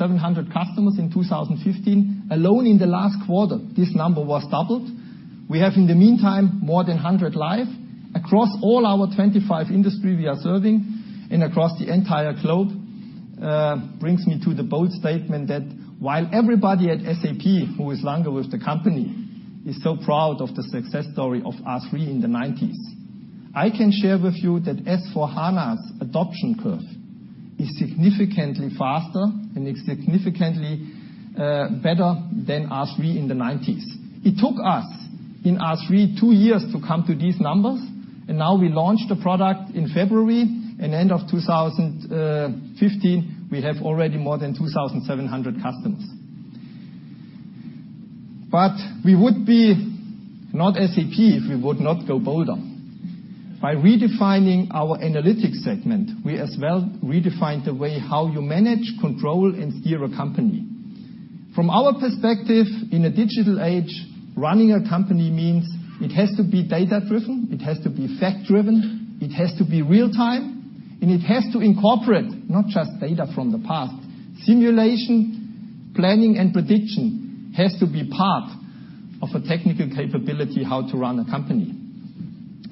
customers in 2015. Alone in the last quarter, this number was doubled. We have, in the meantime, more than 100 live. Across all our 25 industry we are serving and across the entire globe, brings me to the bold statement that while everybody at SAP who is longer with the company is so proud of the success story of R/3 in the 90s, I can share with you that S/4HANA's adoption curve is significantly faster and is significantly better than R/3 in the 90s. It took us in R/3 two years to come to these numbers, and now we launched the product in February, and end of 2015, we have already more than 2,700 customers. We would be not SAP if we would not go bolder. By redefining our analytics segment, we as well redefined the way how you manage, control, and steer a company. From our perspective, in a digital age, running a company means it has to be data-driven, it has to be fact-driven, it has to be real time, and it has to incorporate not just data from the past. Simulation, planning, and prediction has to be part of a technical capability how to run a company.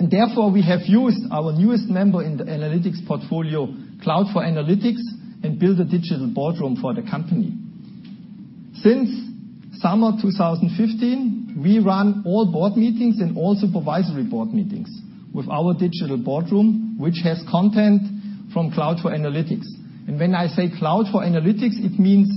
Therefore, we have used our newest member in the analytics portfolio, SAP Cloud for Analytics, and built a SAP Digital Boardroom for the company. Since summer 2015, we run all board meetings and all supervisory board meetings with our SAP Digital Boardroom, which has content from SAP Cloud for Analytics. When I say SAP Cloud for Analytics, it means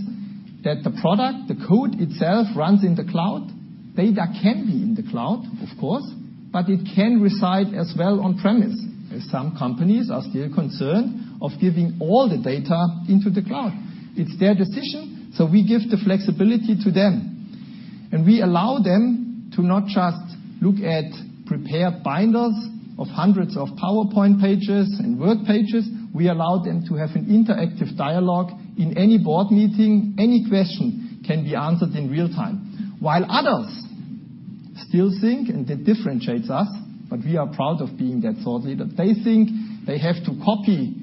that the product, the code itself, runs in the cloud. Data can be in the cloud, of course, but it can reside as well on premise, as some companies are still concerned of giving all the data into the cloud. It's their decision, we give the flexibility to them. We allow them to not just look at prepared binders of hundreds of PowerPoint pages and Word pages. We allow them to have an interactive dialogue in any board meeting. Any question can be answered in real time. While others still think, and that differentiates us, but we are proud of being that thought leader, they think they have to copy,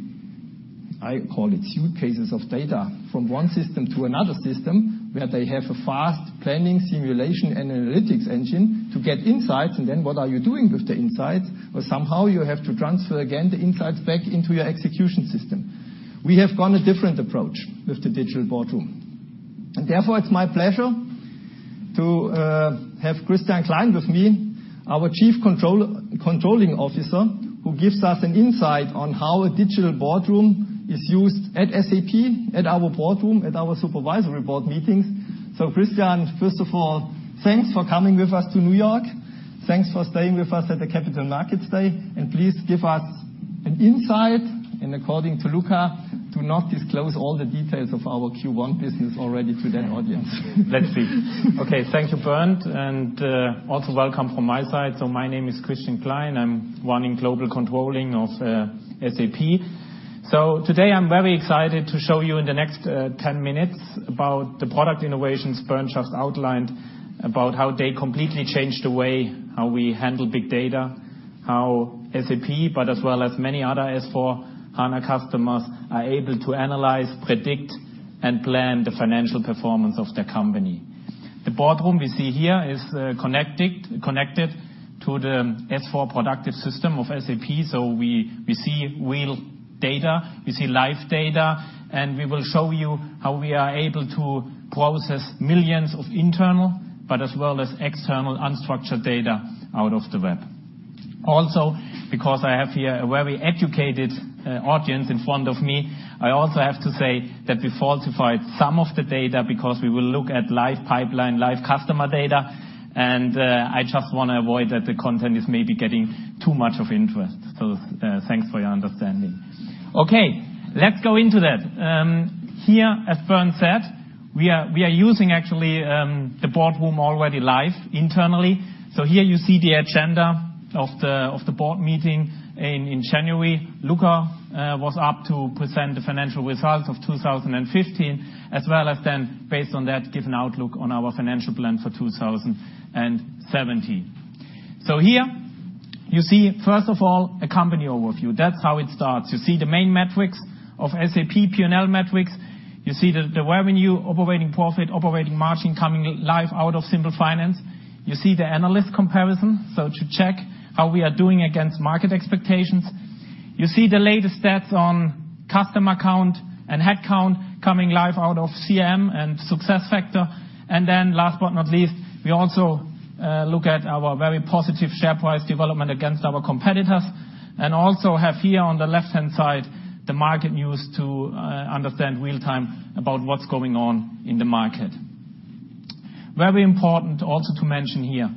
I call it suitcases of data, from one system to another system, where they have a fast planning, simulation, and analytics engine to get insights. Then what are you doing with the insights? Somehow you have to transfer again the insights back into your execution system. We have gone a different approach with the SAP Digital Boardroom. Therefore, it's my pleasure to have Christian Klein with me, our Chief Controlling Officer, who gives us an insight on how a SAP Digital Boardroom is used at SAP, at our boardroom, at our supervisory board meetings. Christian, first of all, thanks for coming with us to New York. Thanks for staying with us at the Capital Markets Day, please give us an insight, and according to Luka, do not disclose all the details of our Q1 business already to that audience. Let's see. Okay, thank you, Bernd, and also welcome from my side. My name is Christian Klein. I am running global controlling of SAP. Today, I am very excited to show you in the next 10 minutes about the product innovations Bernd just outlined, about how they completely change the way how we handle big data, how SAP, but as well as many other SAP S/4HANA customers, are able to analyze, predict, and plan the financial performance of their company. The boardroom we see here is connected to the S/4 productive system of SAP. We see real data, we see live data, and we will show you how we are able to process millions of internal, but as well as external unstructured data out of the web. Because I have here a very educated audience in front of me, I also have to say that we falsified some of the data because we will look at live pipeline, live customer data, and I just want to avoid that the content is maybe getting too much of interest. Thanks for your understanding. Okay, let's go into that. Here, as Bernd said, we are using, actually, the boardroom already live internally. Here you see the agenda of the board meeting in January. Luka was up to present the financial results of 2015, as well as based on that, give an outlook on our financial plan for 2017. Here you see, first of all, a company overview. That's how it starts. You see the main metrics of SAP, P&L metrics. You see the revenue, operating profit, operating margin coming live out of SAP Simple Finance. You see the analyst comparison, to check how we are doing against market expectations. You see the latest stats on customer count and head count coming live out of CM and SuccessFactors. Last but not least, we also look at our very positive share price development against our competitors, and also have here on the left-hand side, the market news to understand real-time about what's going on in the market. Very important also to mention here,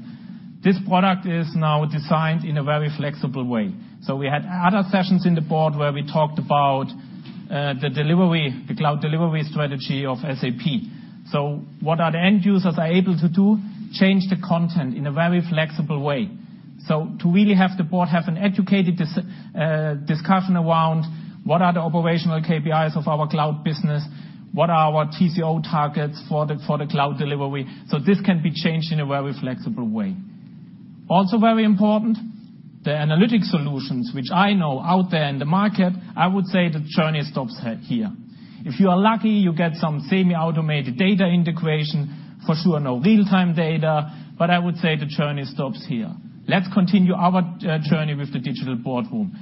this product is now designed in a very flexible way. We had other sessions in the board where we talked about the cloud delivery strategy of SAP. What are the end users are able to do? Change the content in a very flexible way. To really have the board have an educated discussion around what are the operational KPIs of our cloud business, what are our TCO targets for the cloud delivery. This can be changed in a very flexible way. Very important, the analytic solutions, which I know out there in the market, I would say the journey stops here. If you are lucky, you get some semi-automated data integration, for sure, no real-time data. I would say the journey stops here. Let's continue our journey with the SAP Digital Boardroom,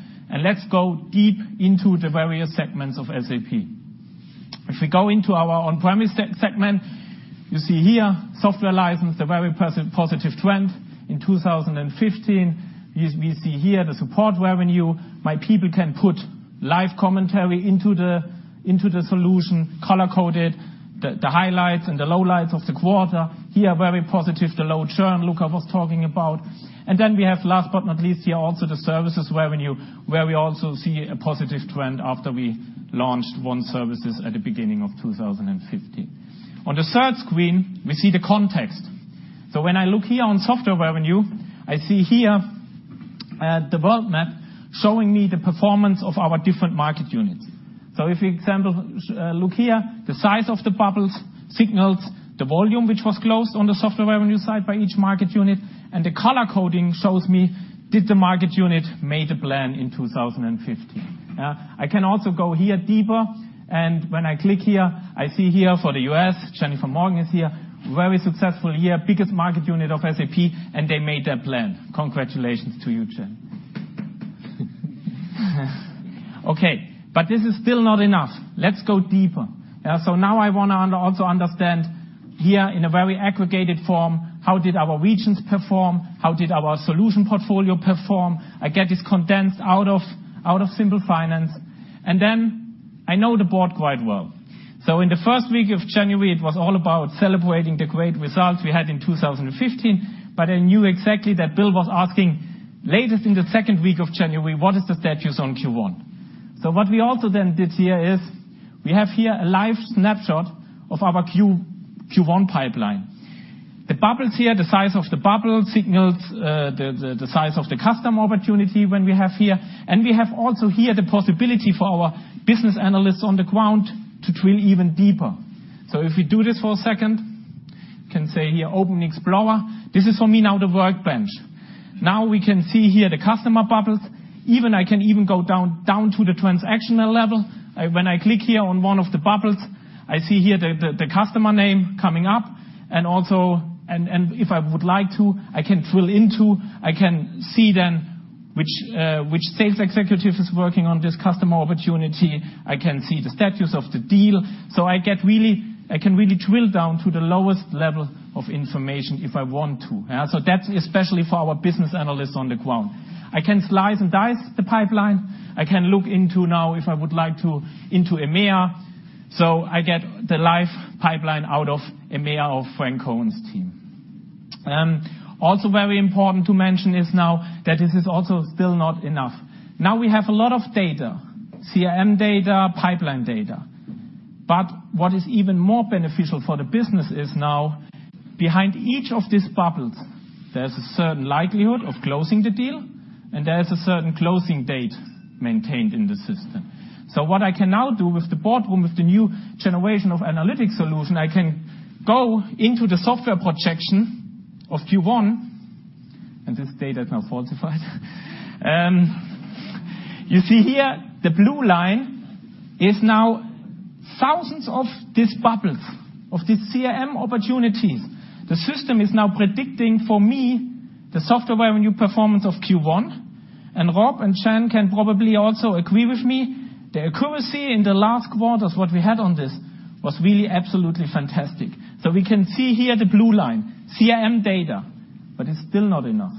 let's go deep into the various segments of SAP. If we go into our on-premise segment, you see here software license, a very positive trend in 2015. We see here the support revenue. My people can put live commentary into the solution, color-coded, the highlights and the lowlights of the quarter. Here, very positive, the low churn Luka was talking about. We have, last but not least here, also the services revenue, where we also see a positive trend after we launched SAP ONE Service at the beginning of 2015. On the third screen, we see the context. When I look here on software revenue, I see here the world map showing me the performance of our different market units. If we, example, look here, the size of the bubbles signals the volume which was closed on the software revenue side by each market unit. The color coding shows me, did the market unit made the plan in 2015? I can also go here deeper, and when I click here, I see here for the U.S., Jennifer Morgan is here, very successful here, biggest market unit of SAP, and they made their plan. Congratulations to you, Jen. This is still not enough. Let's go deeper. Now I want to also understand here in a very aggregated form, how did our regions perform? How did our solution portfolio perform? I get this condensed out of SAP Simple Finance. I know the board quite well. In the first week of January, it was all about celebrating the great results we had in 2015. I knew exactly that Bill was asking latest in the second week of January, what is the status on Q1? What we also then did here is we have here a live snapshot of our Q1 pipeline. The bubbles here, the size of the bubble signals the size of the customer opportunity when we have here. We have also here the possibility for our business analysts on the ground to drill even deeper. If we do this for a second, can say here, Open Explorer. This is for me now the workbench. We can see here the customer bubbles. Even I can go down to the transactional level. When I click here on one of the bubbles, I see here the customer name coming up, and if I would like to, I can drill into, I can see then which sales executive is working on this customer opportunity. I can see the status of the deal. I can really drill down to the lowest level of information if I want to. That's especially for our business analysts on the ground. I can slice and dice the pipeline. I can look into now, if I would like to, into EMEA. I get the live pipeline out of EMEA of Franck Cohen's team. Very important to mention is now that this is also still not enough. We have a lot of data, CRM data, pipeline data. What is even more beneficial for the business is now behind each of these bubbles, there's a certain likelihood of closing the deal, and there is a certain closing date maintained in the system. What I can now do with the SAP Digital Boardroom, with the new generation of analytic solution, I can go into the software projection of Q1, and this data is now visualized. You see here the blue line is now thousands of these bubbles, of these CRM opportunities. The system is now predicting for me the software revenue performance of Q1. Rob and Shan can probably also agree with me, the accuracy in the last quarters what we had on this was really absolutely fantastic. We can see here the blue line, CRM data, but it's still not enough.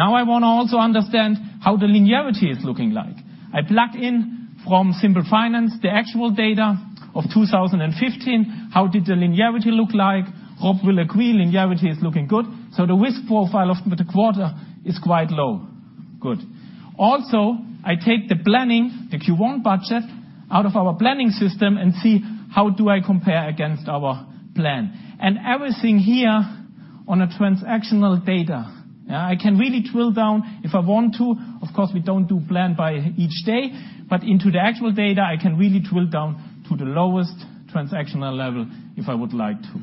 I want to also understand how the linearity is looking like. I plugged in from SAP Simple Finance, the actual data of 2015, how did the linearity look like? Rob will agree, linearity is looking good. The risk profile of the quarter is quite low. Good. Also, I take the planning, the Q1 budget, out of our planning system and see how do I compare against our plan. Everything here on a transactional data. I can really drill down if I want to. Of course, we don't do plan by each day, but into the actual data, I can really drill down to the lowest transactional level if I would like to.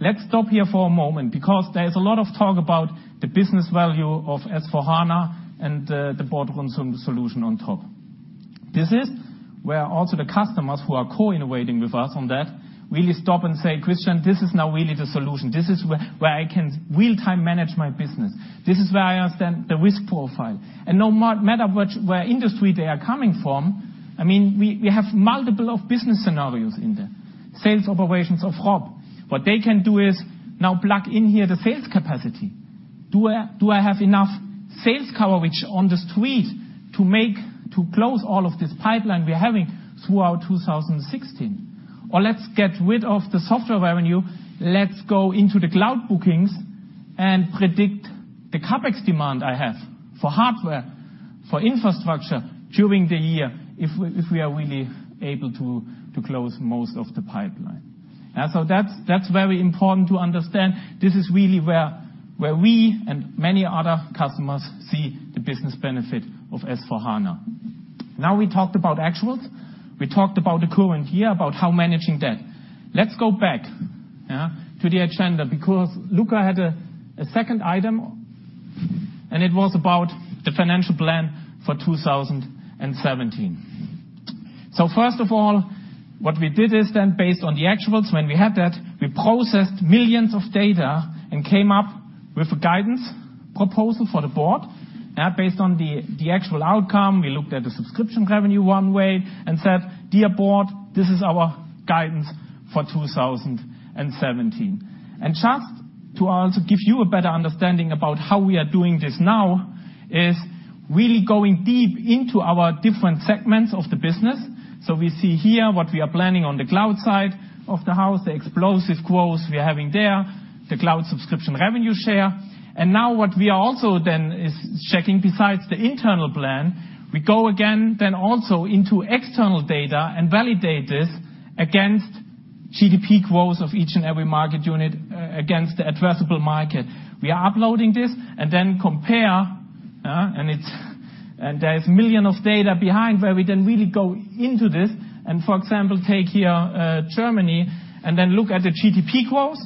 Let's stop here for a moment because there is a lot of talk about the business value of SAP S/4HANA and the Boardroom solution on top. This is where also the customers who are co-innovating with us on that really stop and say, "Christian, this is now really the solution. This is where I can real-time manage my business. This is where I understand the risk profile." No matter which industry they are coming from, we have multiple of business scenarios in there. Sales operations of Rob. What they can do is now plug in here the sales capacity. Do I have enough sales coverage on the street to close all of this pipeline we're having throughout 2016? Let's get rid of the software revenue, let's go into the cloud bookings and predict the CapEx demand I have for hardware, for infrastructure during the year, if we are really able to close most of the pipeline. That's very important to understand. This is really where we and many other customers see the business benefit of SAP S/4HANA. We talked about actuals. We talked about the current year, about how managing that. Let's go back to the agenda because Luka had a second item, it was about the financial plan for 2017. First of all, what we did is then based on the actuals, when we had that, we processed millions of data and came up with a guidance proposal for the board based on the actual outcome. We looked at the subscription revenue one way and said, "Dear board, this is our guidance for 2017." Just to also give you a better understanding about how we are doing this now is really going deep into our different segments of the business. We see here what we are planning on the cloud side of the house, the explosive growth we are having there, the cloud subscription revenue share. Now what we are also then is checking besides the internal plan, we go again then also into external data and validate this against GDP growth of each and every market unit, against the addressable market. We are uploading this and then compare. There is million of data behind where we then really go into this and, for example, take here Germany, then look at the GDP growth,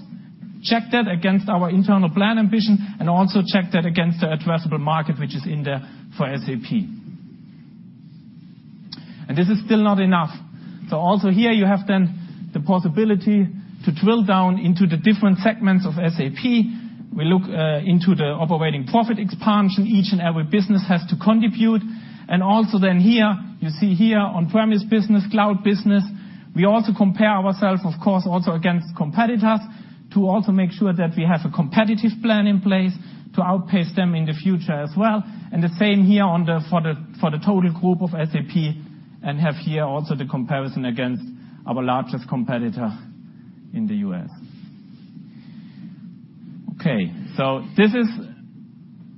check that against our internal plan ambition, and also check that against the addressable market, which is in there for SAP. This is still not enough. Also here you have then the possibility to drill down into the different segments of SAP. We look into the operating profit expansion each and every business has to contribute. Also then here, you see here on-premise business, cloud business. We also compare ourselves, of course, also against competitors to also make sure that we have a competitive plan in place to outpace them in the future as well. The same here for the total group of SAP, and have here also the comparison against our largest competitor in the U.S. Okay. This is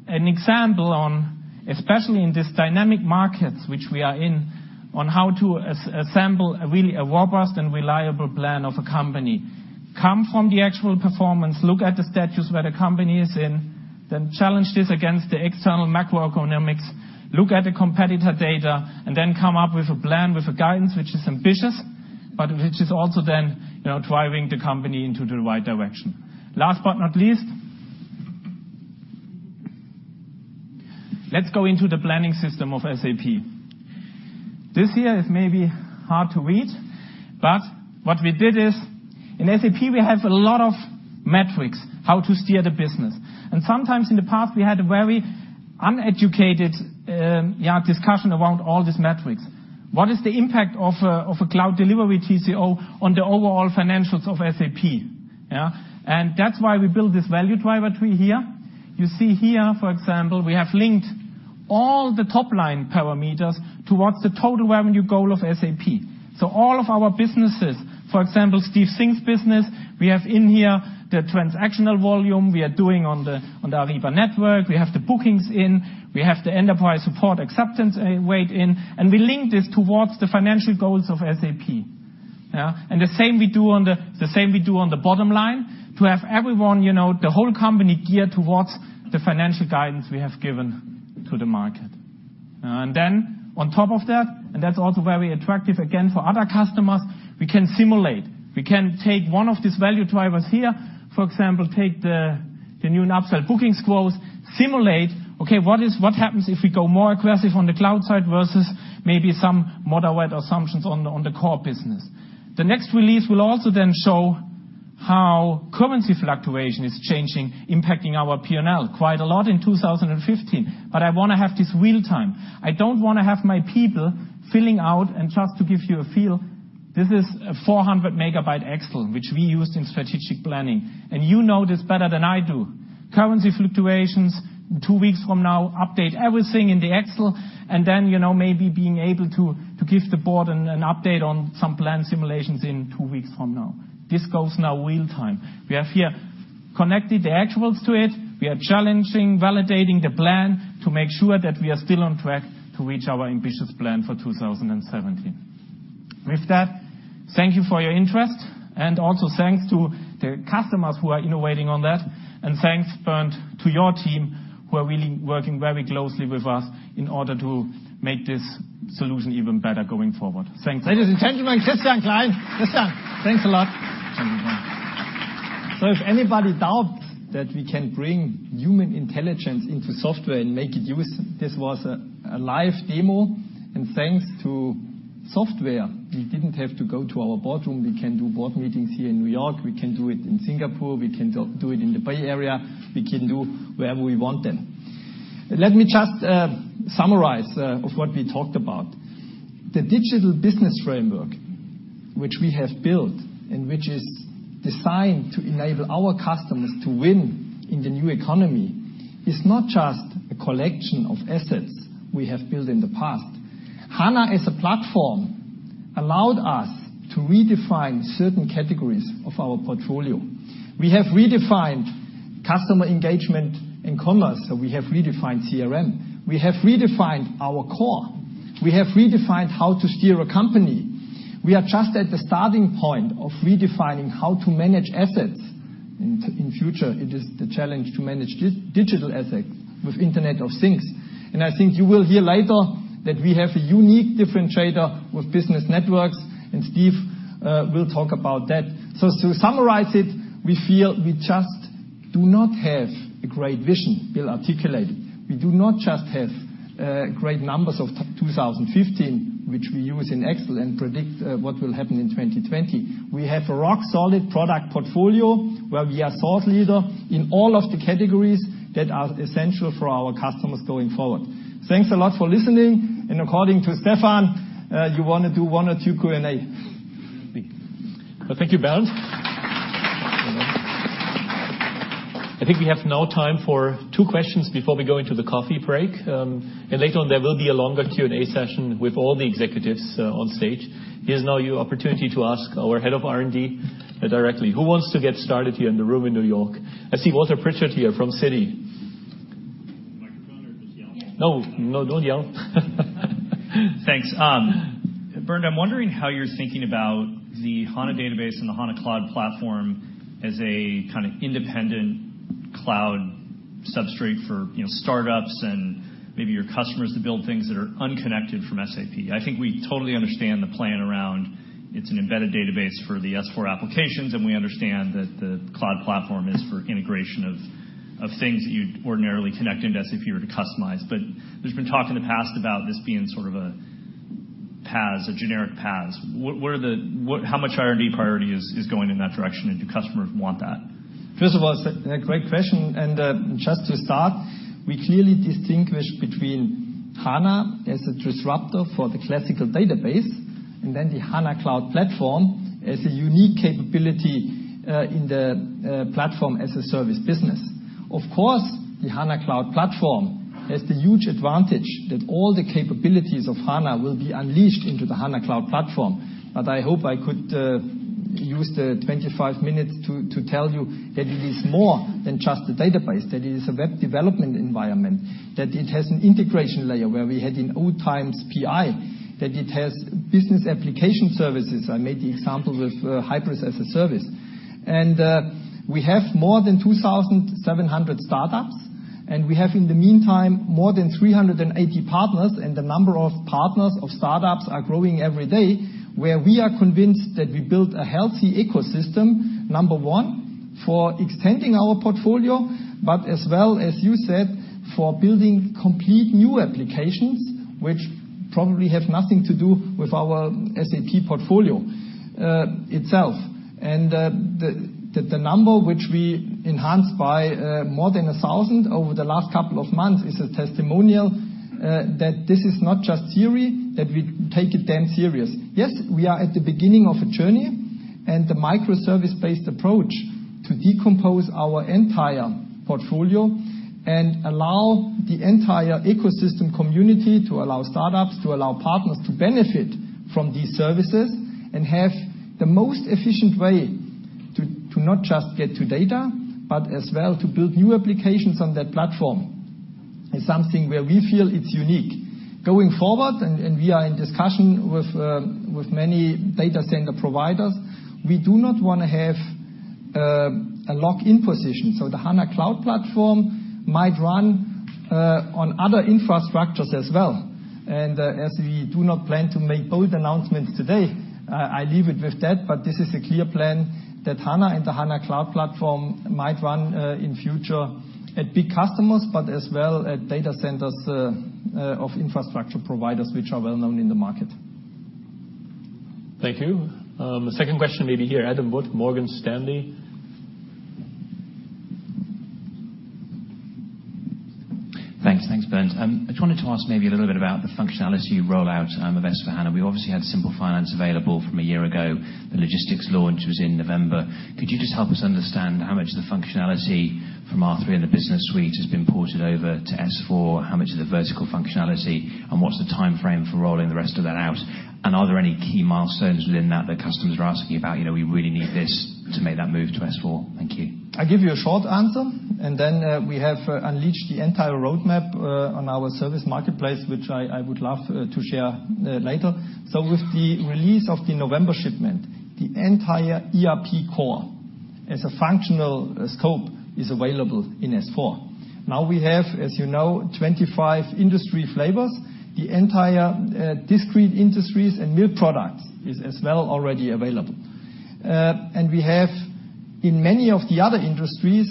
an example on, especially in this dynamic markets which we are in, on how to assemble really a robust and reliable plan of a company. Come from the actual performance, look at the status where the company is in, then challenge this against the external macroeconomics, look at the competitor data, then come up with a plan, with a guidance, which is ambitious, which is also then driving the company into the right direction. Last but not least, let's go into the planning system of SAP. This here is maybe hard to read, but what we did is in SAP, we have a lot of metrics, how to steer the business. Sometimes in the past, we had a very uneducated discussion around all these metrics. What is the impact of a cloud delivery TCO on the overall financials of SAP? That's why we built this value driver tree here. You see here, for example, we have linked all the top-line parameters towards the total revenue goal of SAP. All of our businesses, for example, Steve Singh's business, we have in here the transactional volume we are doing on the Ariba network. We have the bookings in, we have the enterprise support acceptance rate in, we link this towards the financial goals of SAP. The same we do on the bottom line to have everyone, the whole company geared towards the financial guidance we have given to the market. Then on top of that, and that's also very attractive, again, for other customers, we can simulate. We can take one of these value drivers here. For example, take the The new upsell bookings growth simulate. Okay, what happens if we go more aggressive on the cloud side versus maybe some moderate assumptions on the core business? The next release will also show how currency fluctuation is changing, impacting our P&L. Quite a lot in 2015. I want to have this real time. I don't want to have my people filling out. Just to give you a feel, this is a 400-megabyte Excel, which we used in strategic planning, and you know this better than I do. Currency fluctuations, two weeks from now, update everything in the Excel, and maybe being able to give the board an update on some plan simulations in two weeks from now. This goes now real time. We have here connected the actuals to it. We are challenging, validating the plan to make sure that we are still on track to reach our ambitious plan for 2017. With that, thank you for your interest. Also thanks to the customers who are innovating on that. Thanks, Bernd, to your team, who are really working very closely with us in order to make this solution even better going forward. Thanks a lot. Ladies and gentlemen, Christian Klein. Christian. Thanks a lot. Thank you. If anybody doubts that we can bring human intelligence into software and make it useful, this was a live demo. Thanks to software, we didn't have to go to our boardroom. We can do board meetings here in New York. We can do it in Singapore. We can do it in the Bay Area. We can do wherever we want then. Let me just summarize of what we talked about. The digital business framework, which we have built and which is designed to enable our customers to win in the new economy, is not just a collection of assets we have built in the past. HANA as a platform allowed us to redefine certain categories of our portfolio. We have redefined customer engagement and commerce. We have redefined CRM. We have redefined our core. We have redefined how to steer a company. We are just at the starting point of redefining how to manage assets. In future, it is the challenge to manage digital assets with Internet of Things. I think you will hear later that we have a unique differentiator with business networks, and Steve will talk about that. To summarize it, we feel we just do not have a great vision Bill articulated. We do not just have great numbers of 2015, which we use in Excel and predict what will happen in 2020. We have a rock solid product portfolio where we are thought leader in all of the categories that are essential for our customers going forward. Thanks a lot for listening. According to Stefan, you want to do one or two Q&A. Thank you. Thank you, Bernd. I think we have now time for two questions before we go into the coffee break. Later on, there will be a longer Q&A session with all the executives on stage. Here's now your opportunity to ask our head of R&D directly. Who wants to get started here in the room in New York? I see Walter Pritchard here from Citi. Microphone or just yell? No, don't yell. Thanks. Bernd, I'm wondering how you're thinking about the HANA database and the HANA Cloud Platform as a kind of independent cloud substrate for startups and maybe your customers to build things that are unconnected from SAP. I think we totally understand the plan around, it's an embedded database for the S/4 applications, and we understand that the cloud platform is for integration of things that you'd ordinarily connect into SAP or to customize. There's been talk in the past about this being sort of a PaaS, a generic PaaS. How much R&D priority is going in that direction, and do customers want that? First of all, it's a great question. Just to start, we clearly distinguish between HANA as a disruptor for the classical database, and then the HANA Cloud Platform as a unique capability in the platform as a service business. Of course, the HANA Cloud Platform has the huge advantage that all the capabilities of HANA will be unleashed into the HANA Cloud Platform. I hope I could use the 25 minutes to tell you that it is more than just a database, that it is a web development environment, that it has an integration layer where we had in old times PI, that it has business application services. I made the example with Hybris as a Service. We have more than 2,700 startups. We have, in the meantime, more than 380 partners. The number of partners, of startups, are growing every day, where we are convinced that we built a healthy ecosystem, number one, for extending our portfolio. As well, as you said, for building complete new applications, which probably have nothing to do with our SAP portfolio itself. The number which we enhanced by more than 1,000 over the last couple of months is a testimonial that this is not just theory, that we take it damn serious. Yes, we are at the beginning of a journey. The microservice-based approach to decompose our entire portfolio and allow the entire ecosystem community, to allow startups, to allow partners to benefit from these services and have the most efficient way to not just get to data, but as well to build new applications on that platform, is something where we feel it's unique. Going forward, we are in discussion with many data center providers. The HANA Cloud Platform might run on other infrastructures as well. As we do not plan to make bold announcements today, I leave it with that. This is a clear plan that HANA and the HANA Cloud Platform might run in future at big customers, but as well at data centers of infrastructure providers, which are well-known in the market. Thank you. Second question, maybe here, Adam Wood, Morgan Stanley. Thanks, Bernd. I just wanted to ask maybe a little bit about the functionality rollout of S/4HANA. We obviously had SAP Simple Finance available from a year ago. The logistics launch was in November. Could you just help us understand how much of the functionality from R/3 and the business suite has been ported over to S/4, how much of the vertical functionality, and what's the timeframe for rolling the rest of that out? Are there any key milestones within that that customers are asking about, we really need this to make that move to S/4? Thank you. I'll give you a short answer. Then we have unleashed the entire roadmap on our service marketplace, which I would love to share later. With the release of the November shipment, the entire ERP core as a functional scope is available in S/4. Now we have, as you know, 25 industry flavors. The entire discrete industries and new products is as well already available. We have, in many of the other industries,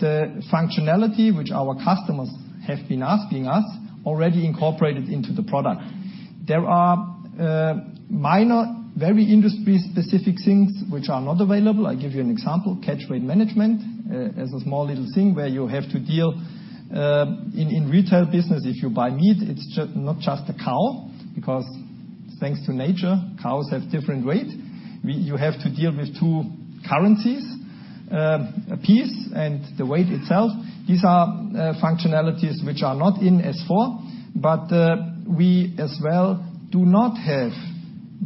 the functionality which our customers have been asking us, already incorporated into the product. There are minor, very industry-specific things which are not available. I'll give you an example, catchweight management. As a small little thing where you have to deal, in retail business, if you buy meat, it's not just a cow, because thanks to nature, cows have different weight. You have to deal with two currencies, a piece and the weight itself. These are functionalities which are not in S/4. We as well do not have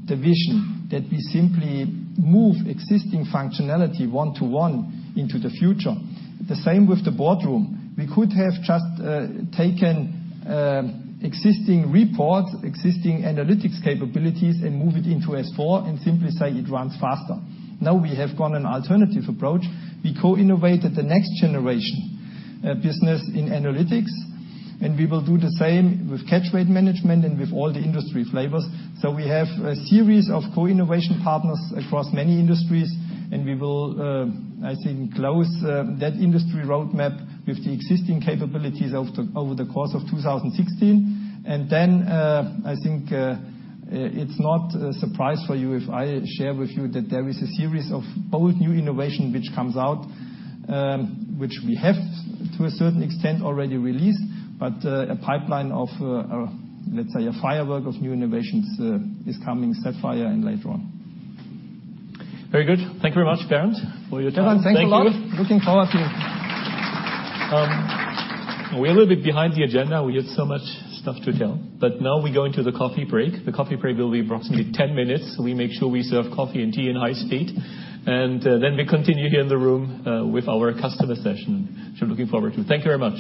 the vision that we simply move existing functionality one to one into the future. The same with the boardroom. We could have just taken existing reports, existing analytics capabilities, move it into S/4 and simply say it runs faster. We have gone an alternative approach. We co-innovated the next generation business in analytics. We will do the same with catchweight management and with all the industry flavors. We have a series of co-innovation partners across many industries. We will, I think, close that industry roadmap with the existing capabilities over the course of 2016. Then, I think, it's not a surprise for you if I share with you that there is a series of bold new innovation which comes out, which we have to a certain extent already released, but a pipeline of, let's say, a firework of new innovations is coming. Very good. Thank you very much, Bernd, for your time. Stefan, thanks a lot. Thank you. Looking forward to it. We're a little bit behind the agenda. We had so much stuff to tell. Now we go into the coffee break. The coffee break will be approximately 10 minutes. We make sure we serve coffee and tea in high speed. Then we continue here in the room with our customer session, which we're looking forward to. Thank you very much.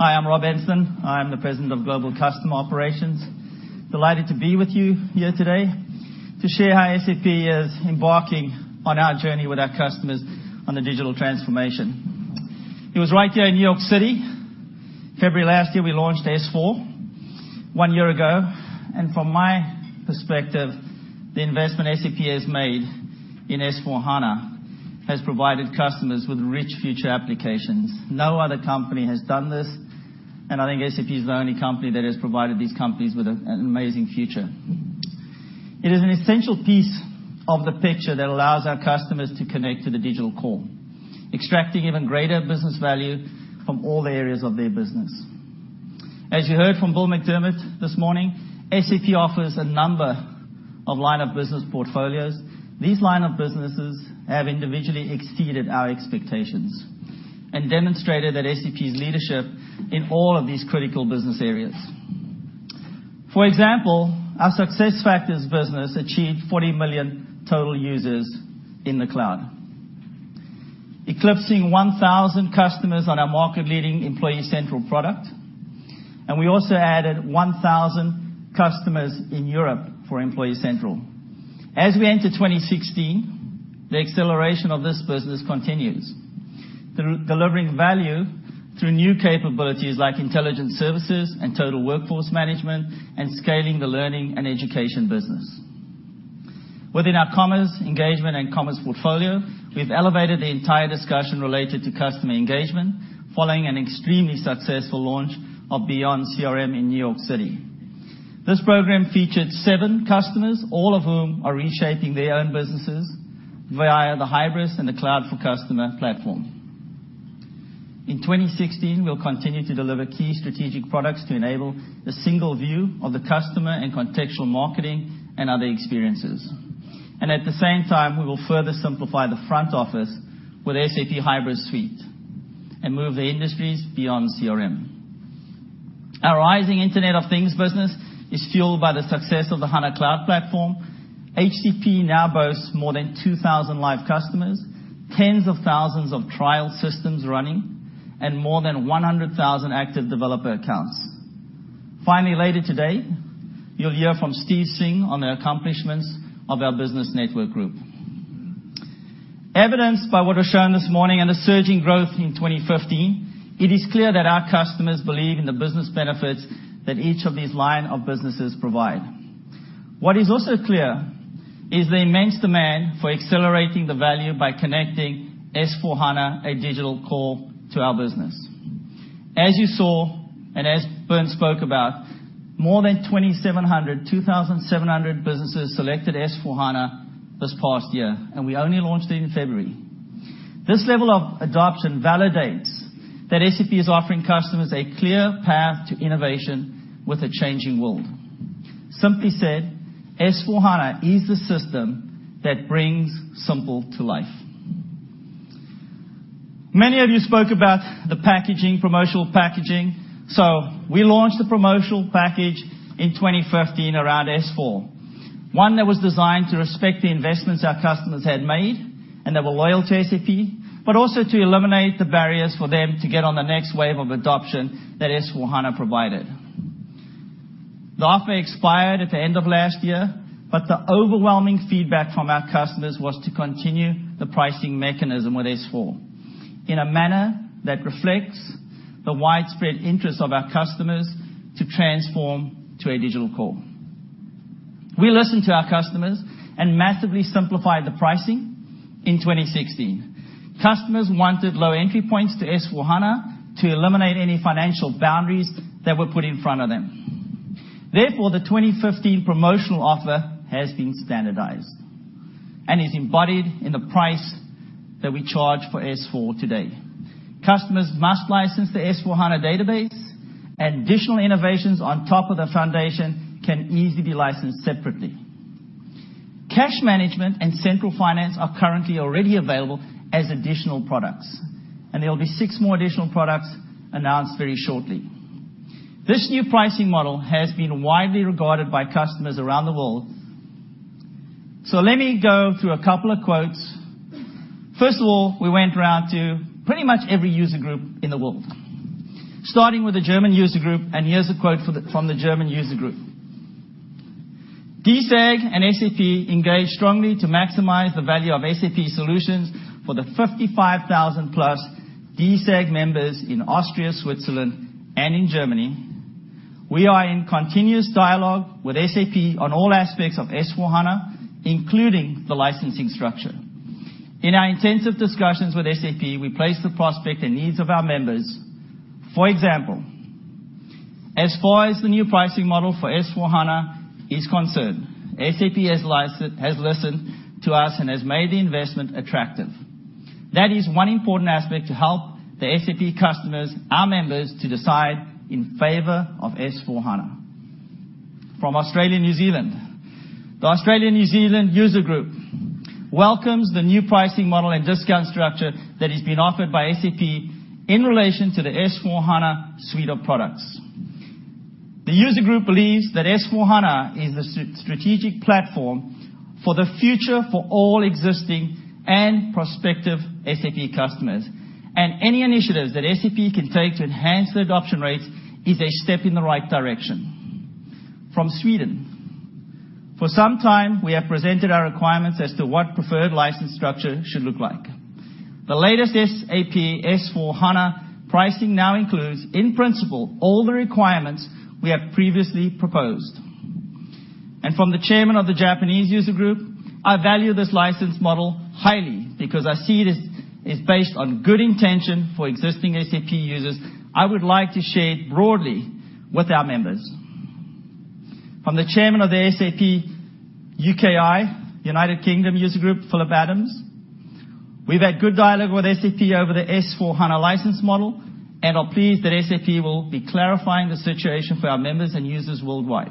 Hi, I'm Rob Enslin. I am the President of Global Customer Operations. Delighted to be with you here today to share how SAP is embarking on our journey with our customers on the digital transformation. It was right here in New York City, February last year, we launched S/4, one year ago. From my perspective, the investment SAP has made in S/4HANA has provided customers with rich future applications. No other company has done this, and I think SAP is the only company that has provided these companies with an amazing future. It is an essential piece of the picture that allows our customers to connect to the digital core, extracting even greater business value from all areas of their business. As you heard from Bill McDermott this morning, SAP offers a number of line of business portfolios. These line of businesses have individually exceeded our expectations and demonstrated that SAP's leadership in all of these critical business areas. For example, our SuccessFactors business achieved 40 million total users in the cloud. Eclipsing 1,000 customers on our market-leading Employee Central product, and we also added 1,000 customers in Europe for Employee Central. As we enter 2016, the acceleration of this business continues, delivering value through new capabilities like intelligence services and total workforce management and scaling the learning and education business. Within our commerce, engagement, and commerce portfolio, we've elevated the entire discussion related to customer engagement following an extremely successful launch of Beyond CRM in New York City. This program featured seven customers, all of whom are reshaping their own businesses via the Hybris and the Cloud for Customer platform. In 2016, we'll continue to deliver key strategic products to enable the single view of the customer and contextual marketing and other experiences. At the same time, we will further simplify the front office with SAP Hybris suite and move the industries Beyond CRM. Our rising Internet of Things business is fueled by the success of the HANA Cloud Platform. HCP now boasts more than 2,000 live customers, tens of thousands of trial systems running, and more than 100,000 active developer accounts. Finally, later today, you'll hear from Steve Singh on the accomplishments of our Business Network Group. Evidenced by what I've shown this morning and the surging growth in 2015, it is clear that our customers believe in the business benefits that each of these line of businesses provide. What is also clear is the immense demand for accelerating the value by connecting S/4HANA, a digital core to our business. As you saw, and as Bernd spoke about, more than 2,700 businesses selected S/4HANA this past year, and we only launched it in February. This level of adoption validates that SAP is offering customers a clear path to innovation with a changing world. Simply said, S/4HANA is the system that brings simple to life. Many of you spoke about the promotional packaging. We launched the promotional package in 2015 around S/4, one that was designed to respect the investments our customers had made, and they were loyal to SAP, but also to eliminate the barriers for them to get on the next wave of adoption that S/4HANA provided. The offer expired at the end of last year, but the overwhelming feedback from our customers was to continue the pricing mechanism with S/4 in a manner that reflects the widespread interest of our customers to transform to a digital core. We listened to our customers and massively simplified the pricing in 2016. Customers wanted low entry points to S/4HANA to eliminate any financial boundaries that were put in front of them. Therefore, the 2015 promotional offer has been standardized and is embodied in the price that we charge for S/4 today. Customers must license the S/4HANA database. Additional innovations on top of the foundation can easily be licensed separately. Cash management and Central Finance are currently already available as additional products, and there will be six more additional products announced very shortly. This new pricing model has been widely regarded by customers around the world. Let me go through a couple of quotes. First of all, we went around to pretty much every user group in the world, starting with the German user group, and here's a quote from the German user group. "DSAG and SAP engaged strongly to maximize the value of SAP solutions for the 55,000-plus DSAG members in Austria, Switzerland, and in Germany. We are in continuous dialogue with SAP on all aspects of S/4HANA, including the licensing structure. In our intensive discussions with SAP, we place the prospect and needs of our members. For example, as far as the new pricing model for S/4HANA is concerned, SAP has listened to us and has made the investment attractive. That is one important aspect to help the SAP customers, our members, to decide in favor of S/4HANA." From Australia, New Zealand. The Australian New Zealand User Group welcomes the new pricing model and discount structure that has been offered by SAP in relation to the SAP S/4HANA suite of products. The User Group believes that SAP S/4HANA is the strategic platform for the future for all existing and prospective SAP customers, any initiatives that SAP can take to enhance the adoption rates is a step in the right direction. From Sweden. "For some time, we have presented our requirements as to what preferred license structure should look like. The latest SAP S/4HANA pricing now includes, in principle, all the requirements we have previously proposed." From the chairman of the Japanese User Group, "I value this license model highly because I see it as based on good intention for existing SAP users. I would like to share it broadly with our members." From the chairman of the UK & Ireland SAP User Group, Philip Adams. "We've had good dialogue with SAP over the SAP S/4HANA license model and are pleased that SAP will be clarifying the situation for our members and users worldwide.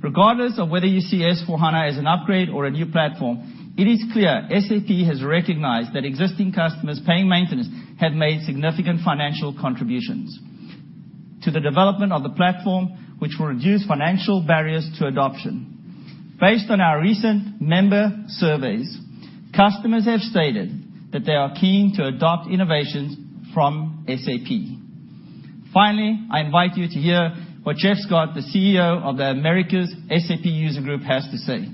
Regardless of whether you see SAP S/4HANA as an upgrade or a new platform, it is clear SAP has recognized that existing customers paying maintenance have made significant financial contributions. To the development of the platform, which will reduce financial barriers to adoption. Based on our recent member surveys, customers have stated that they are keen to adopt innovations from SAP. Finally, I invite you to hear what Geoff Scott, the CEO of the Americas' SAP Users' Group, has to say.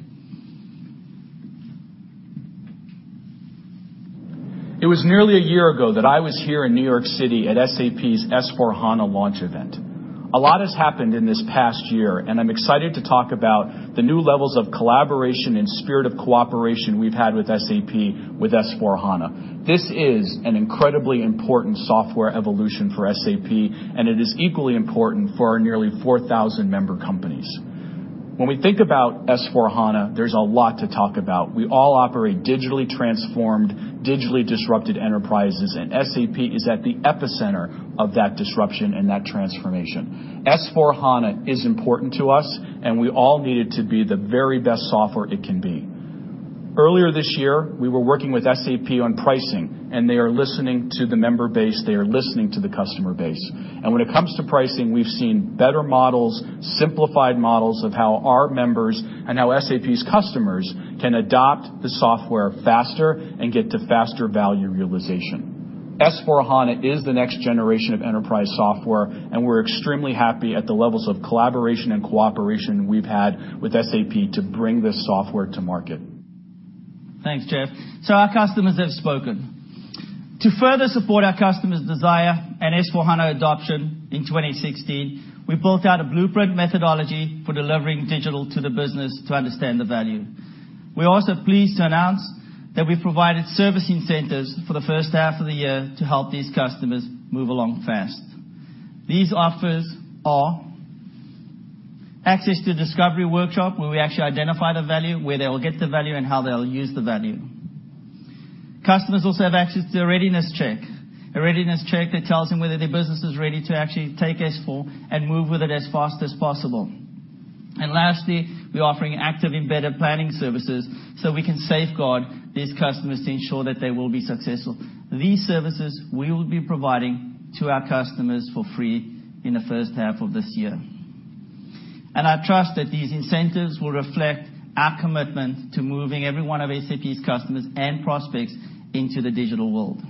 It was nearly a year ago that I was here in New York City at SAP's SAP S/4HANA launch event. A lot has happened in this past year, I'm excited to talk about the new levels of collaboration and spirit of cooperation we've had with SAP with SAP S/4HANA. This is an incredibly important software evolution for SAP, it is equally important for our nearly 4,000 member companies. When we think about SAP S/4HANA, there's a lot to talk about. We all operate digitally transformed, digitally disrupted enterprises, SAP is at the epicenter of that disruption and that transformation. SAP S/4HANA is important to us, we all need it to be the very best software it can be. Earlier this year, we were working with SAP on pricing, they are listening to the member base, they are listening to the customer base. When it comes to pricing, we've seen better models, simplified models of how our members and how SAP's customers can adopt the software faster and get to faster value realization. SAP S/4HANA is the next generation of enterprise software, we're extremely happy at the levels of collaboration and cooperation we've had with SAP to bring this software to market. Thanks, Geoff. Our customers have spoken. To further support our customers' desire and SAP S/4HANA adoption in 2016, we built out a blueprint methodology for delivering digital to the business to understand the value. We're also pleased to announce that we've provided service incentives for the first half of the year to help these customers move along fast. These offers are access to discovery workshop, where we actually identify the value, where they will get the value, and how they'll use the value. Customers also have access to a readiness check. A readiness check that tells them whether their business is ready to actually take S/4 and move with it as fast as possible. Lastly, we're offering active embedded planning services so we can safeguard these customers to ensure that they will be successful. These services, we will be providing to our customers for free in the first half of this year. I trust that these incentives will reflect our commitment to moving every one of SAP's customers and prospects into the digital world.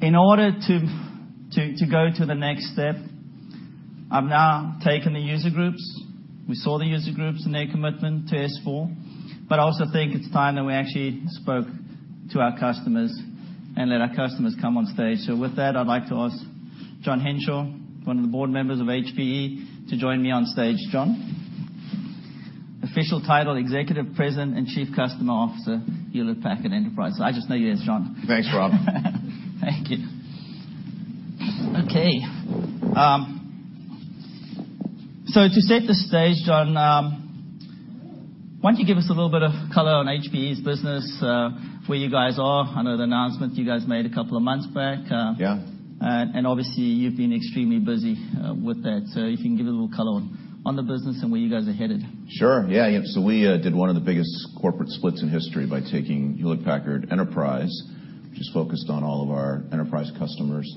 In order to go to the next step, I've now taken the user groups. We saw the user groups and their commitment to S/4. I also think it's time that we actually spoke to our customers and let our customers come on stage. With that, I'd like to ask John Hinshaw, one of the board members of HPE, to join me on stage. John. Official title, Executive Vice President and Chief Customer Officer, Hewlett Packard Enterprise. I just know you as John. Thanks, Rob. Thank you. Okay. To set the stage, John, why don't you give us a little bit of color on HPE's business, where you guys are. I know the announcement you guys made a couple of months back. Yeah. You've been extremely busy with that. If you can give a little color on the business and where you guys are headed. Sure, yeah. We did one of the biggest corporate splits in history by taking Hewlett Packard Enterprise, which is focused on all of our enterprise customers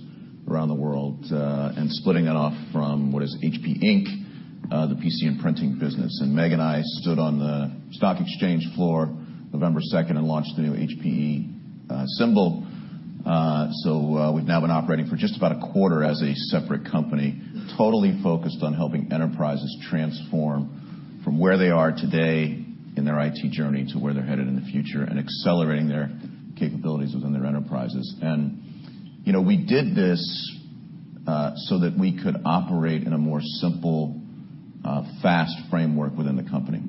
around the world, and splitting it off from what is HP Inc., the PC and printing business. Meg and I stood on the stock exchange floor November 2nd and launched the new HPE symbol. We've now been operating for just about a quarter as a separate company, totally focused on helping enterprises transform from where they are today in their IT journey to where they're headed in the future, and accelerating their capabilities within their enterprises. We did this so that we could operate in a more simple, fast framework within the company.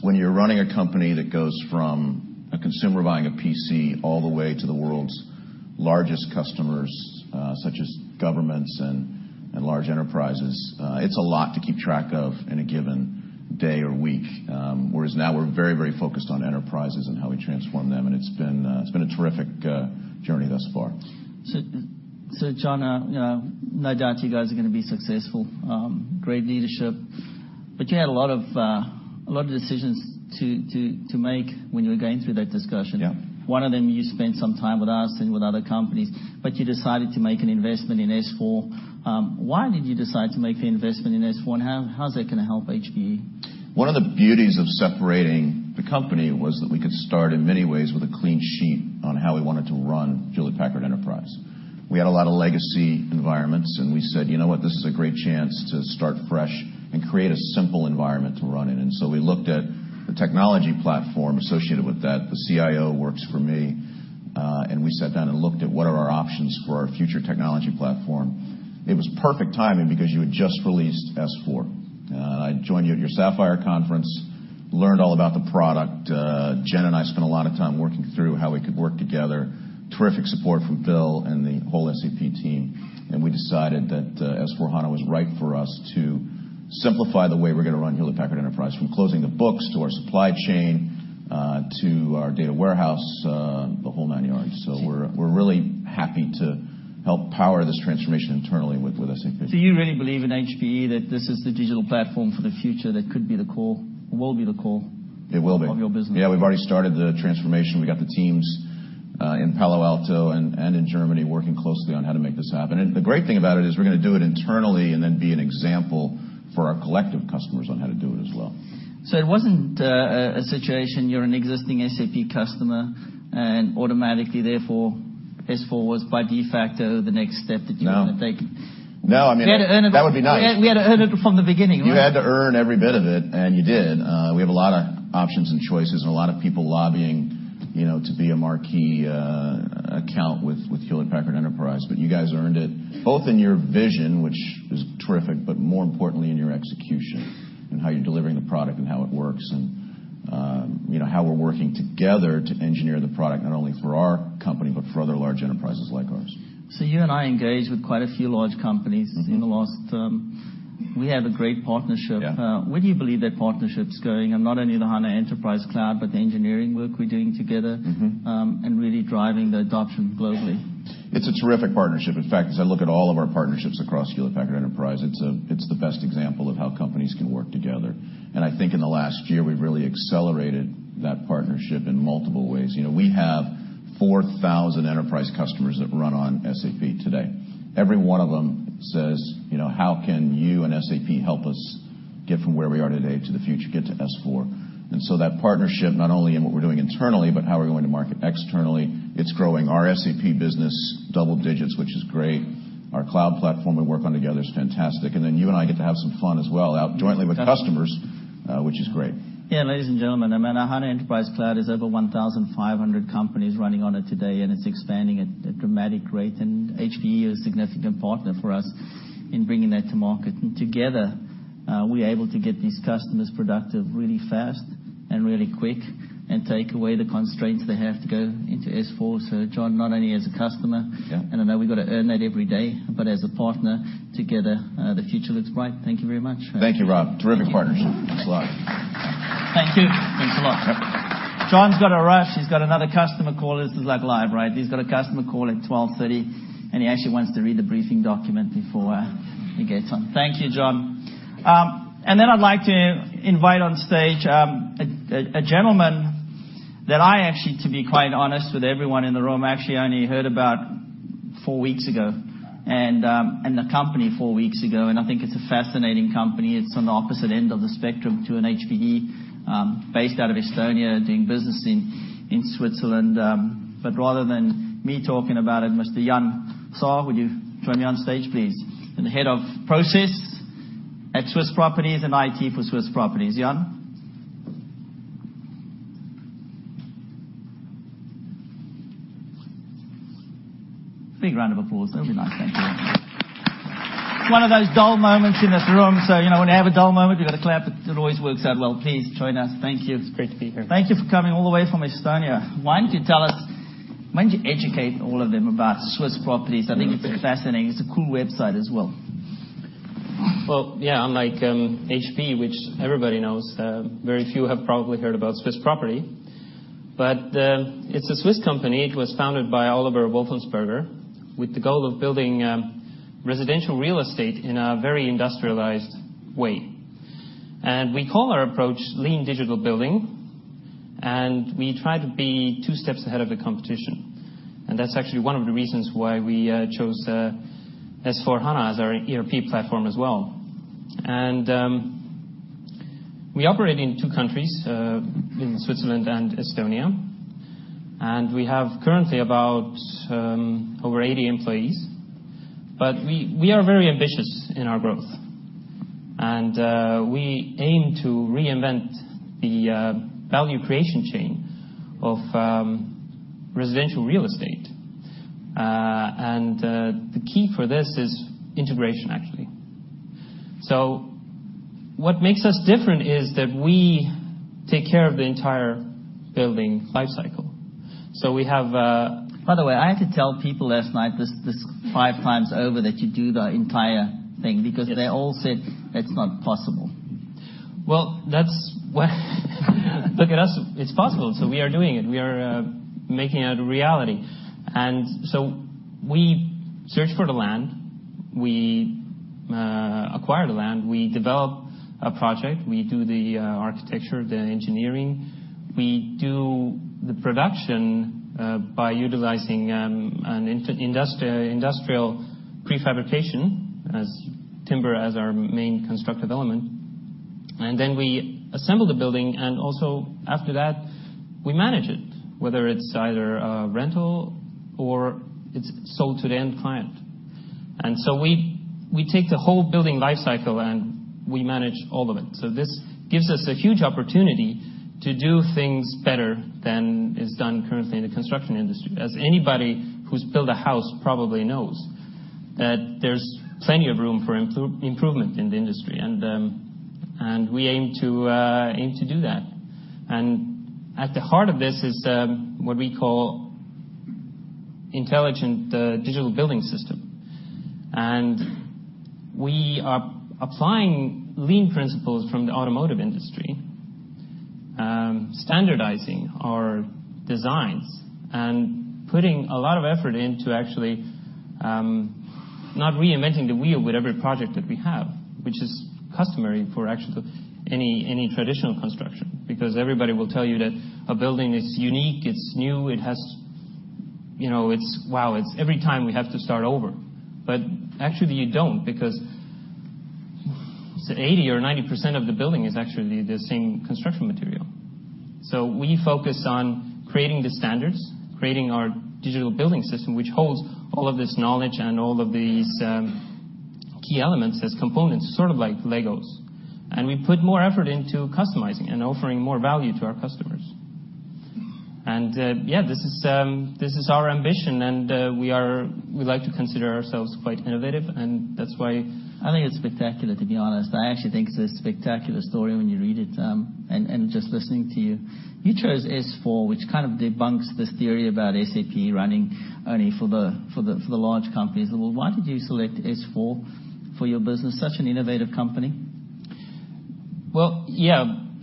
When you're running a company that goes from a consumer buying a PC all the way to the world's largest customers, such as governments and large enterprises, it's a lot to keep track of in a given day or week. Whereas now we're very focused on enterprises and how we transform them. It's been a terrific journey thus far. John, no doubt you guys are going to be successful. Great leadership. You had a lot of decisions to make when you were going through that discussion. Yeah. One of them, you spent some time with us and with other companies, but you decided to make an investment in S/4. Why did you decide to make the investment in S/4, and how's that going to help HPE? One of the beauties of separating the company was that we could start, in many ways, with a clean sheet on how we wanted to run Hewlett Packard Enterprise. We had a lot of legacy environments, and we said, "You know what? This is a great chance to start fresh and create a simple environment to run in." We looked at the technology platform associated with that. The CIO works for me. We sat down and looked at what are our options for our future technology platform. It was perfect timing because you had just released S/4. I joined you at your SAPPHIRE NOW conference, learned all about the product. Jen and I spent a lot of time working through how we could work together. Terrific support from Bill and the whole SAP team. We decided that S/4HANA was right for us to simplify the way we're going to run Hewlett Packard Enterprise, from closing the books to our supply chain, to our data warehouse, the whole nine yards. We're really happy to help power this transformation internally with SAP. Do you really believe in HPE, that this is the digital platform for the future that could be the core, will be the core? It will be. Of your business. Yeah, we've already started the transformation. We got the teams in Palo Alto and in Germany working closely on how to make this happen. The great thing about it is we're going to do it internally, and then be an example for our collective customers on how to do it as well. It wasn't a situation, you're an existing SAP customer and automatically, therefore, S/4 was by de facto the next step that you want to take? No. No. You had to earn it That would be nice. We had to earn it from the beginning, right? You had to earn every bit of it, and you did. We have a lot of options and choices, and a lot of people lobbying to be a marquee account with Hewlett Packard Enterprise. You guys earned it both in your vision, which is terrific, but more importantly in your execution, in how you're delivering the product, and how it works, and how we're working together to engineer the product, not only for our company but for other large enterprises like ours. You and I engage with quite a few large companies. In the last term, we had a great partnership. Yeah. Where do you believe that partnership's going? Not only the HANA Enterprise Cloud, but the engineering work we're doing together Really driving the adoption globally? It's a terrific partnership. In fact, as I look at all of our partnerships across Hewlett Packard Enterprise, it's the best example of how companies can work together. I think in the last year, we've really accelerated that partnership in multiple ways. We have 4,000 enterprise customers that run on SAP today. Every one of them says, "How can you and SAP help us get from where we are today to the future, get to S/4?" That partnership, not only in what we're doing internally, but how we're going to market externally, it's growing. Our SAP business, double digits, which is great. Our cloud platform we work on together is fantastic. Then you and I get to have some fun as well out jointly with customers. Yeah Which is great. Yeah, ladies and gentlemen, our HANA Enterprise Cloud is over 1,500 companies running on it today, it's expanding at a dramatic rate, HPE is a significant partner for us in bringing that to market. Together, we are able to get these customers productive really fast and really quick, take away the constraints they have to go into S/4. John, not only as a customer. Yeah I know we've got to earn that every day, but as a partner together, the future looks bright. Thank you very much. Thank you, Rob. Terrific partnership. Thanks a lot. Thank you. Thanks a lot. Yep. John's got to rush. He's got another customer call. This is live, right? He's got a customer call at 12:30 P.M., and he actually wants to read the briefing document before he gets on. Thank you, John. I'd like to invite on stage, a gentleman that I actually, to be quite honest with everyone in the room, actually only heard about four weeks ago, and the company four weeks ago. I think it's a fascinating company. It's on the opposite end of the spectrum to an HPE, based out of Estonia, doing business in Switzerland. Rather than me talking about it, Mr. Jaan Saar, would you join me on stage, please? The head of process at Swiss Property and IT for Swiss Property. Jaan? Big round of applause. That would be nice. Thank you. It's one of those dull moments in this room. When you have a dull moment, you got to clap. It always works out well. Please, join us. Thank you. It's great to be here. Thank you for coming all the way from Estonia. Why don't you tell us, why don't you educate all of them about Swiss Property? Yeah. I think it's fascinating. It's a cool website as well. Well, yeah, unlike HPE, which everybody knows, very few have probably heard about Swiss Property. It's a Swiss company. It was founded by Oliver Wolfensberger, with the goal of building residential real estate in a very industrialized way. We call our approach lean digital building, and we try to be two steps ahead of the competition. That's actually one of the reasons why we chose S/4HANA as our ERP platform as well. We operate in two countries, in Switzerland and Estonia. We have currently about over 80 employees. We are very ambitious in our growth, and we aim to reinvent the value creation chain of residential real estate. The key for this is integration, actually. What makes us different is that we take care of the entire building life cycle. We have- By the way, I had to tell people last night this five times over, that you do the entire thing, because they all said it's not possible. Well, that's what-- Look at us. It's possible. We are doing it. We are making it a reality. We search for the land. We acquire the land. We develop a project. We do the architecture, the engineering. We do the production by utilizing an industrial prefabrication as timber as our main constructive element. We assemble the building, also after that, we manage it, whether it's either a rental or it's sold to the end client. We take the whole building life cycle, and we manage all of it. This gives us a huge opportunity to do things better than is done currently in the construction industry. As anybody who's built a house probably knows, that there's plenty of room for improvement in the industry. We aim to do that. At the heart of this is what we call intelligent digital building system. We are applying lean principles from the automotive industry, standardizing our designs, and putting a lot of effort into actually not reinventing the wheel with every project that we have, which is customary for, actually, any traditional construction. Everybody will tell you that a building is unique, it's new, it's wow, it's every time we have to start over. Actually, you don't, because say 80% or 90% of the building is actually the same construction material. We focus on creating the standards, creating our digital building system, which holds all of this knowledge and all of these key elements as components, sort of like Legos. We put more effort into customizing and offering more value to our customers. Yeah, this is our ambition, and we like to consider ourselves quite innovative, and that's why. I think it's spectacular, to be honest. I actually think it's a spectacular story when you read it, and just listening to you. You chose S/4, which kind of debunks this theory about SAP running only for the large companies. Why did you select S/4 for your business? Such an innovative company.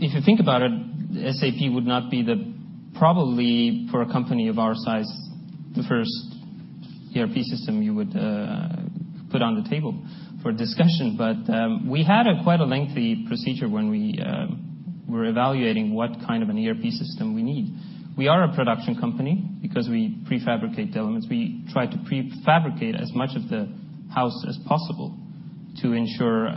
If you think about it, SAP would not be the, probably for a company of our size, the first ERP system you would put on the table for discussion. We had quite a lengthy procedure when we were evaluating what kind of an ERP system we need. We are a production company because we prefabricate the elements. We try to prefabricate as much of the house as possible to ensure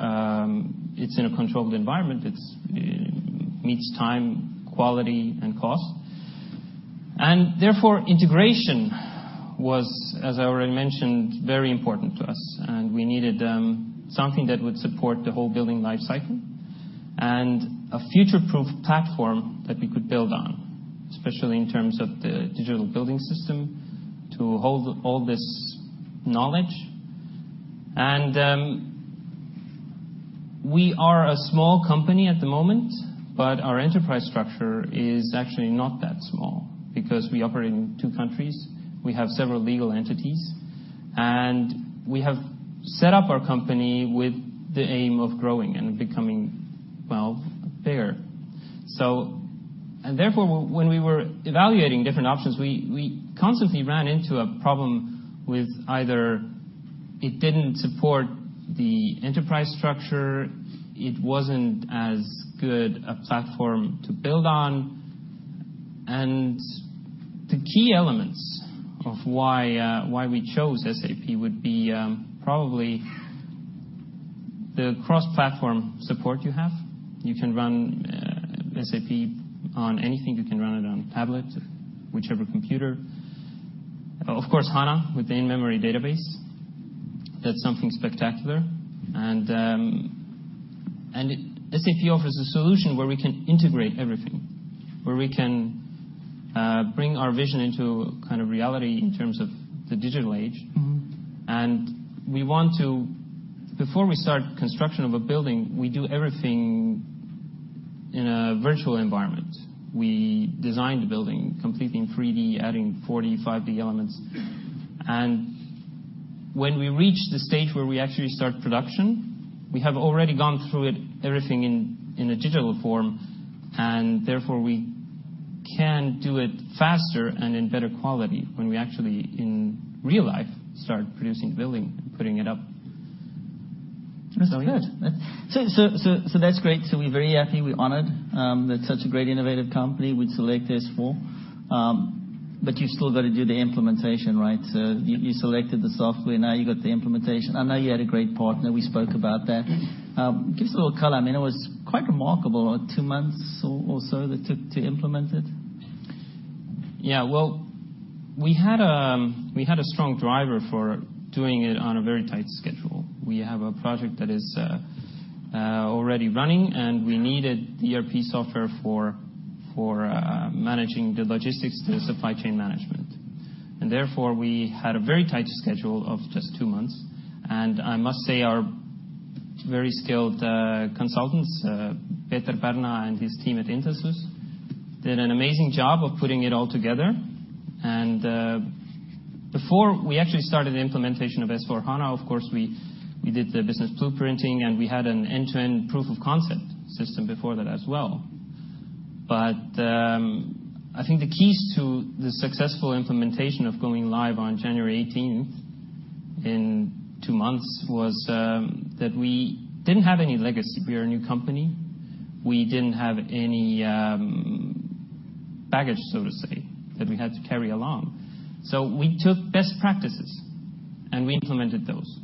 it's in a controlled environment, it meets time, quality, and cost. Therefore, integration was, as I already mentioned, very important to us, and we needed something that would support the whole building life cycle, and a future-proof platform that we could build on, especially in terms of the digital building system to hold all this knowledge. We are a small company at the moment, but our enterprise structure is actually not that small because we operate in 2 countries, we have several legal entities, and we have set up our company with the aim of growing and becoming bigger. Therefore, when we were evaluating different options, we constantly ran into a problem with either it didn't support the enterprise structure, it wasn't as good a platform to build on. The key elements of why we chose SAP would be probably the cross-platform support you have. You can run SAP on anything. You can run it on tablet, whichever computer. Of course, HANA, with the in-memory database. That's something spectacular. SAP offers a solution where we can integrate everything, where we can bring our vision into kind of reality in terms of the digital age. We want to, before we start construction of a building, we do everything in a virtual environment. We design the building completely in 3D, adding 4D, 5D elements. When we reach the stage where we actually start production, we have already gone through everything in a digital form, and therefore, we can do it faster and in better quality when we actually, in real life, start producing, building, putting it up. That's good. That's great. We're very happy. We're honored that such a great, innovative company would select S/4. But you've still got to do the implementation, right? You selected the software, now you've got the implementation. I know you had a great partner. We spoke about that. Give us a little color. I mean, it was quite remarkable, 2 months or so that took to implement it? Well, we had a strong driver for doing it on a very tight schedule. We have a project that is already running, and we needed ERP software for managing the logistics, the supply chain management. Therefore, we had a very tight schedule of just 2 months. I must say, our very skilled consultants, Peter Berna and his team at Intessence, did an amazing job of putting it all together. Before we actually started the implementation of S/4HANA, of course, we did the business blueprinting, and we had an end-to-end proof of concept system before that as well. I think the keys to the successful implementation of going live on January 18th in 2 months was that we didn't have any legacy. We are a new company. We didn't have any baggage, so to say, that we had to carry along. We took best practices, and we implemented those.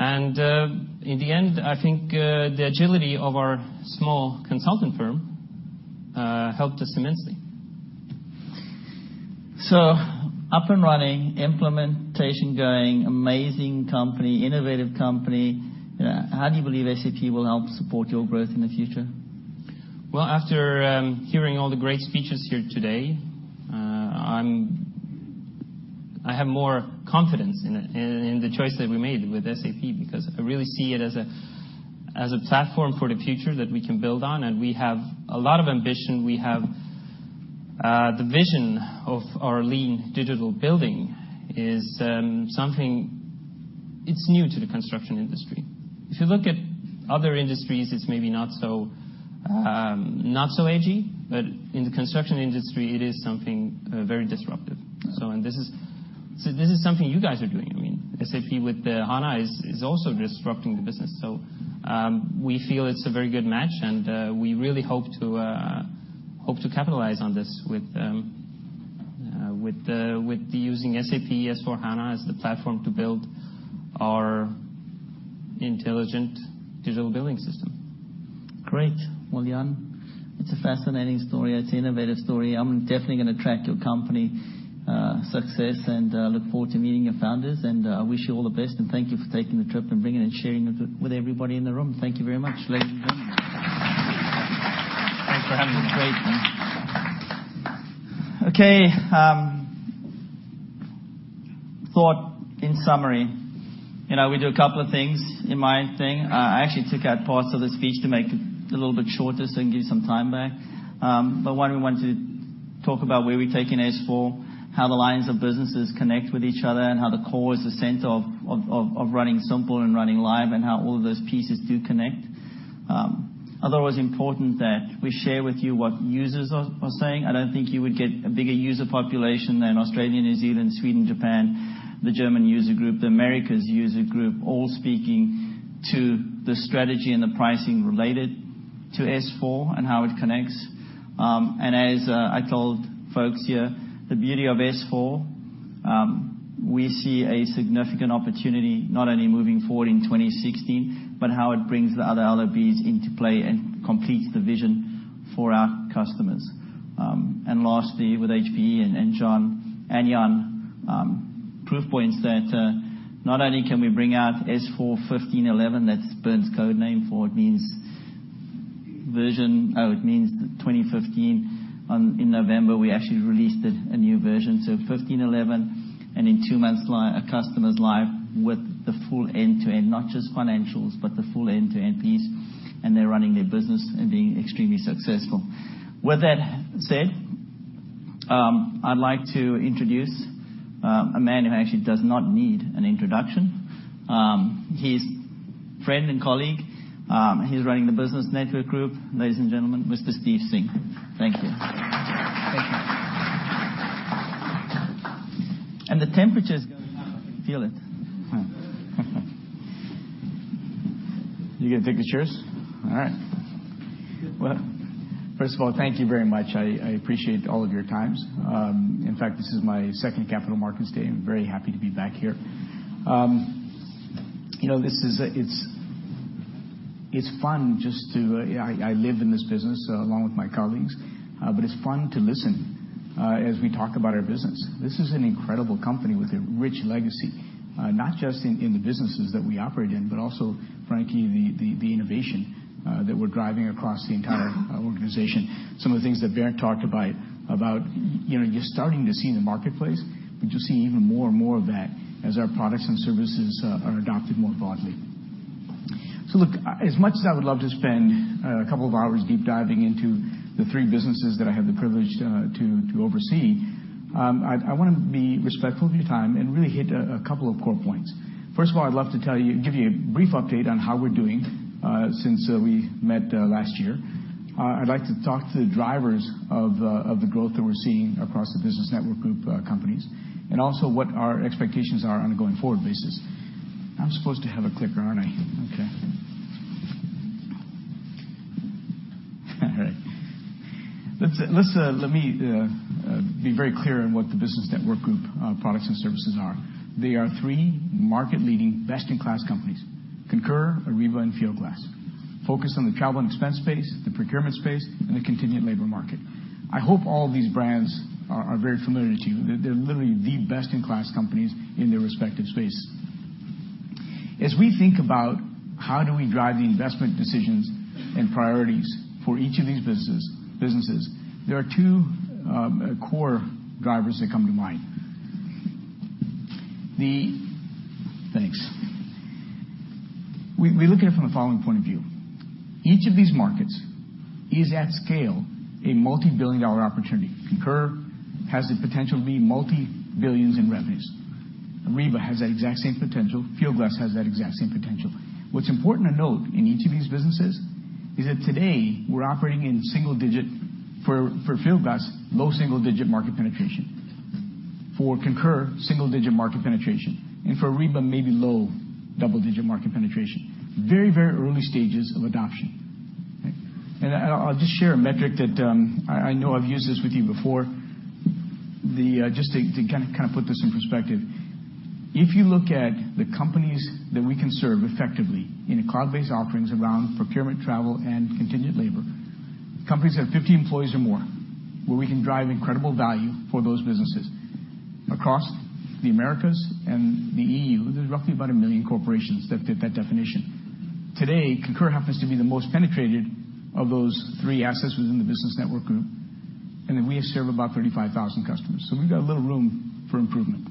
In the end, I think the agility of our small consulting firm helped us immensely. Up and running, implementation going, amazing company, innovative company. How do you believe SAP will help support your growth in the future? Well, after hearing all the great speeches here today, I have more confidence in the choice that we made with SAP, because I really see it as a platform for the future that we can build on, and we have a lot of ambition. We have the vision of our lean digital building is something It's new to the construction industry. If you look at other industries, it's maybe not so edgy, but in the construction industry, it is something very disruptive. Right. This is something you guys are doing. SAP with HANA is also disrupting the business. We feel it's a very good match, and we really hope to capitalize on this with using SAP S/4HANA as the platform to build our intelligent digital building system. Great. Well, Jaan, it's a fascinating story. It's an innovative story. I'm definitely going to track your company success, and look forward to meeting your founders. I wish you all the best, and thank you for taking the trip and bringing and sharing with everybody in the room. Thank you very much, ladies and gentlemen. Thanks for having me. It's great. Okay. Thought, in summary, we do a couple of things in my thing. I actually took out parts of the speech to make it a little bit shorter so I can give you some time back. One, we wanted to talk about where we've taken S/4, how the lines of businesses connect with each other, and how the core is the center of Run Simple and running live, and how all of those pieces do connect. Otherwise, important that we share with you what users are saying. I don't think you would get a bigger user population than Australia, New Zealand, Sweden, Japan, the DSAG, the Americas' SAP Users' Group, all speaking to the strategy and the pricing related to S/4 and how it connects. As I told folks here, the beauty of S/4, we see a significant opportunity not only moving forward in 2016, but how it brings the other LOBs into play and completes the vision for our customers. Lastly, with HPE and Jen, proof points that not only can we bring out S/4 15.11, that's Bernd's code name for it, means 2015. In November, we actually released a new version, so 15.11. In two months, a customer's live with the full end-to-end, not just financials, but the full end-to-end piece, and they're running their business and being extremely successful. With that said, I'd like to introduce a man who actually does not need an introduction. He's friend and colleague. He's running the Business Network Group. Ladies and gentlemen, Mr. Steve Singh. Thank you. Thank you. The temperature's going up. I can feel it. Are you going to take the chairs? All right. Well, first of all, thank you very much. I appreciate all of your time. In fact, this is my second capital markets day. I'm very happy to be back here. It's fun. I live in this business along with my colleagues, but it's fun to listen as we talk about our business. This is an incredible company with a rich legacy, not just in the businesses that we operate in, but also, frankly, the innovation that we're driving across the entire organization. Some of the things that Bernd talked about, you're starting to see in the marketplace. But you'll see even more and more of that as our products and services are adopted more broadly. Look, as much as I would love to spend a couple of hours deep-diving into the three businesses that I have the privilege to oversee, I want to be respectful of your time and really hit a couple of core points. First of all, I'd love to give you a brief update on how we're doing since we met last year. I'd like to talk to the drivers of the growth that we're seeing across the Business Network Group companies, and also what our expectations are on a going-forward basis. I'm supposed to have a clicker, aren't I? Okay. All right. Let me be very clear on what the Business Network Group products and services are. They are three market-leading, best-in-class companies, Concur, Ariba, and Fieldglass, focused on the travel and expense space, the procurement space, and the contingent labor market. I hope all of these brands are very familiar to you. They're literally the best-in-class companies in their respective spaces. As we think about how do we drive the investment decisions and priorities for each of these businesses, there are two core drivers that come to mind. Thanks. We look at it from the following point of view. Each of these markets is at scale, a multi-billion-dollar opportunity. Concur has the potential to be multi-billions in revenues. Ariba has that exact same potential. Fieldglass has that exact same potential. What's important to note in each of these businesses is that today, we're operating in single-digit, for Fieldglass, low single-digit market penetration. For Concur, single-digit market penetration. For Ariba, maybe low double-digit market penetration. Very early stages of adoption. I'll just share a metric that I know I've used this with you before, just to kind of put this in perspective. If you look at the companies that we can serve effectively in cloud-based offerings around procurement, travel, and contingent labor, companies that have 50 employees or more, where we can drive incredible value for those businesses. Across the Americas and the E.U., there's roughly about 1 million corporations that fit that definition. Today, Concur happens to be the most penetrated of those three assets within the Business Network Group, and then we serve about 35,000 customers. We've got a little room for improvement.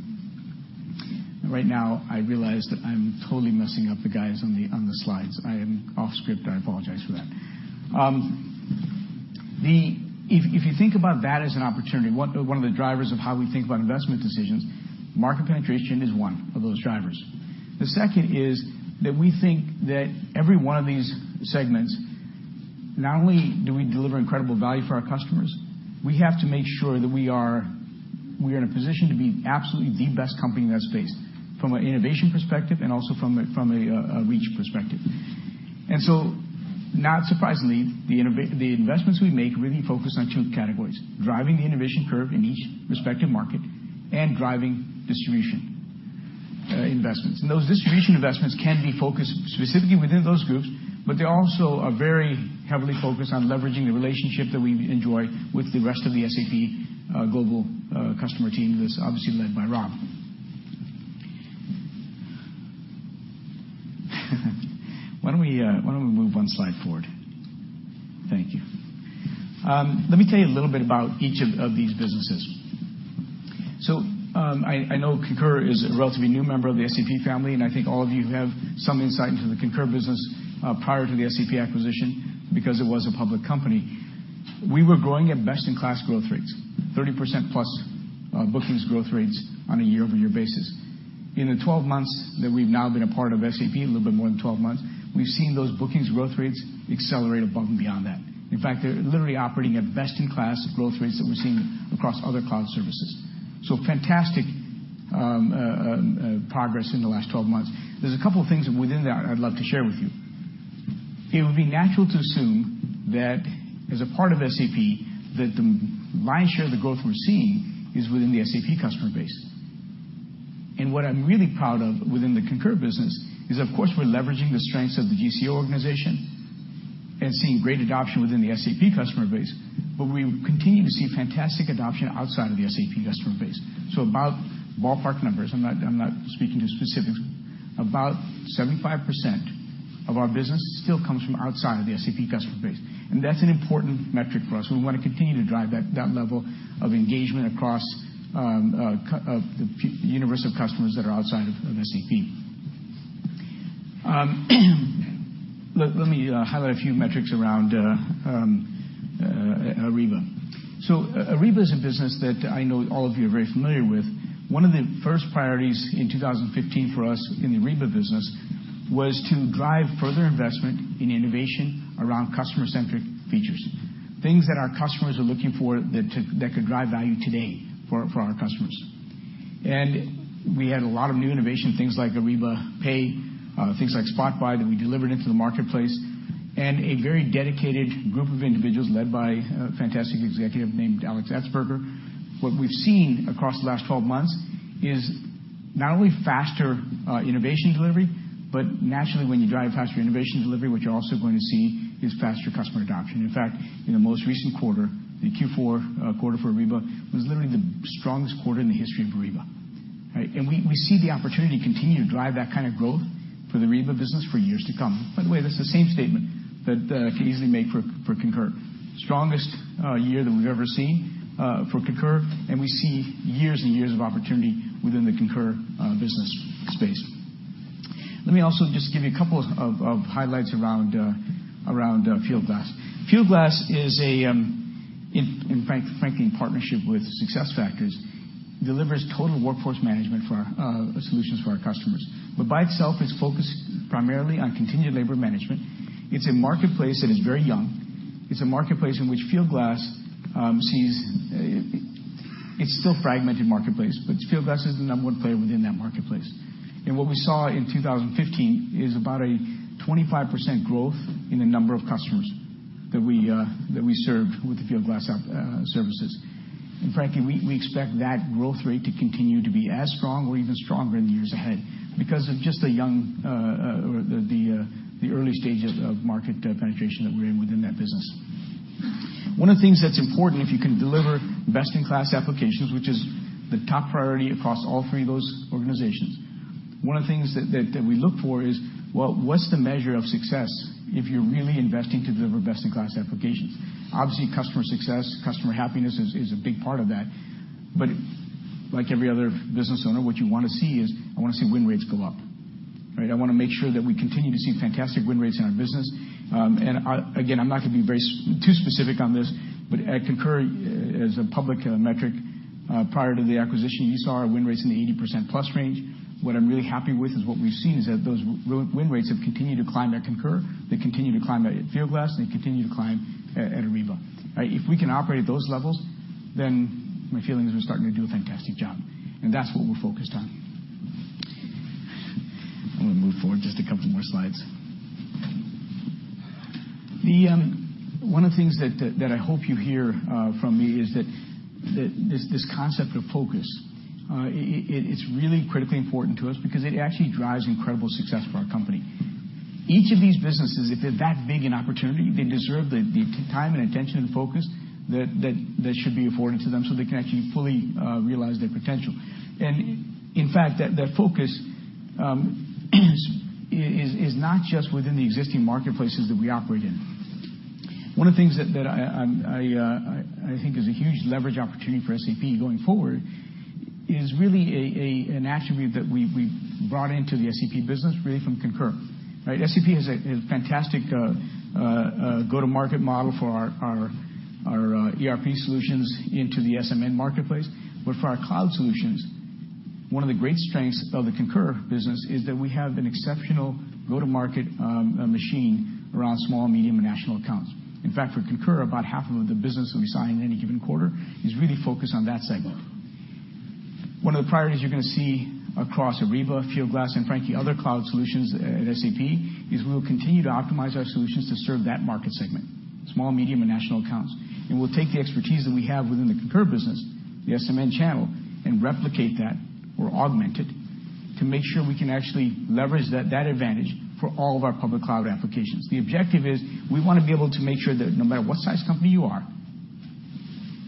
Right now, I realize that I'm totally messing up the guys on the slides. I am off script. I apologize for that. If you think about that as an opportunity, one of the drivers of how we think about investment decisions, market penetration is one of those drivers. The second is that we think that every one of these segments, not only do we deliver incredible value for our customers, we have to make sure that we are in a position to be absolutely the best company in that space, from an innovation perspective and also from a reach perspective. Not surprisingly, the investments we make really focus on two categories: driving the innovation curve in each respective market and driving distribution investments. Those distribution investments can be focused specifically within those groups, but they also are very heavily focused on leveraging the relationship that we enjoy with the rest of the SAP global customer team, that's obviously led by Rob. Why don't we move one slide forward? Thank you. Let me tell you a little bit about each of these businesses. I know Concur is a relatively new member of the SAP family, and I think all of you have some insight into the Concur business prior to the SAP acquisition, because it was a public company. We were growing at best-in-class growth rates, 30%-plus bookings growth rates on a year-over-year basis. In the 12 months that we've now been a part of SAP, a little bit more than 12 months, we've seen those bookings growth rates accelerate above and beyond that. In fact, they're literally operating at best-in-class growth rates that we've seen across other cloud services. Fantastic progress in the last 12 months. There's a couple of things within that I'd love to share with you. It would be natural to assume that as a part of SAP, that the lion's share of the growth we're seeing is within the SAP customer base. What I'm really proud of within the Concur business is, of course, we're leveraging the strengths of the GCO organization and seeing great adoption within the SAP customer base, but we continue to see fantastic adoption outside of the SAP customer base. About, ballpark numbers, I'm not speaking to specifics, about 75% of our business still comes from outside of the SAP customer base, and that's an important metric for us, and we want to continue to drive that level of engagement across the universe of customers that are outside of SAP. Let me highlight a few metrics around Ariba. Ariba is a business that I know all of you are very familiar with. One of the first priorities in 2015 for us in the Ariba business was to drive further investment in innovation around customer-centric features, things that our customers are looking for that could drive value today for our customers. We had a lot of new innovation, things like AribaPay, things like Spot Buy, that we delivered into the marketplace. A very dedicated group of individuals, led by a fantastic executive named Alex Atzberger. What we've seen across the last 12 months is not only faster innovation delivery, but naturally, when you drive faster innovation delivery, what you're also going to see is faster customer adoption. In fact, in the most recent quarter, the Q4 quarter for Ariba was literally the strongest quarter in the history of Ariba, right? We see the opportunity to continue to drive that kind of growth for the Ariba business for years to come. By the way, that's the same statement that I can easily make for Concur. Strongest year that we've ever seen for Concur, and we see years and years of opportunity within the Concur business space. Let me also just give you a couple of highlights around Fieldglass. Fieldglass is, frankly, in partnership with SuccessFactors, delivers total workforce management solutions for our customers. But by itself, it's focused primarily on contingent labor management. It's a marketplace that is very young. It's a marketplace in which Fieldglass is still a fragmented marketplace, but Fieldglass is the number one player within that marketplace. What we saw in 2015 is about a 25% growth in the number of customers that we served with the Fieldglass services. Frankly, we expect that growth rate to continue to be as strong or even stronger in the years ahead because of just the early stages of market penetration that we're in within that business. One of the things that's important, if you can deliver best-in-class applications, which is the top priority across all three of those organizations. One of the things that we look for is, well, what's the measure of success if you're really investing to deliver best-in-class applications? Obviously, customer success, customer happiness, is a big part of that. But like every other business owner, what you want to see is, I want to see win rates go up, right? I want to make sure that we continue to see fantastic win rates in our business. Again, I'm not going to be too specific on this, but at Concur, as a public metric, prior to the acquisition, you saw our win rates in the 80%-plus range. What I'm really happy with is what we've seen is that those win rates have continued to climb at Concur. They continue to climb at Fieldglass, and they continue to climb at Ariba. If we can operate at those levels, then my feeling is we're starting to do a fantastic job, and that's what we're focused on. I'm going to move forward just a couple more slides. One of the things that I hope you hear from me is this concept of focus. It's really critically important to us because it actually drives incredible success for our company. Each of these businesses, if they're that big an opportunity, they deserve the time, and attention, and focus that should be afforded to them so they can actually fully realize their potential. In fact, that focus is not just within the existing marketplaces that we operate in. One of the things that I think is a huge leverage opportunity for SAP going forward is really an attribute that we brought into the SAP business, really from Concur. SAP has a fantastic go-to-market model for our ERP solutions into the SME marketplace. For our cloud solutions, one of the great strengths of the Concur business is that we have an exceptional go-to-market machine around small, medium, and national accounts. In fact, for Concur, about half of the business that we sign in any given quarter is really focused on that segment. One of the priorities you're going to see across Ariba, Fieldglass, and frankly, other cloud solutions at SAP, is we will continue to optimize our solutions to serve that market segment, small, medium, and national accounts. We'll take the expertise that we have within the Concur business, the SMN channel, and replicate that or augment it, to make sure we can actually leverage that advantage for all of our public cloud applications. The objective is, we want to be able to make sure that no matter what size company you are,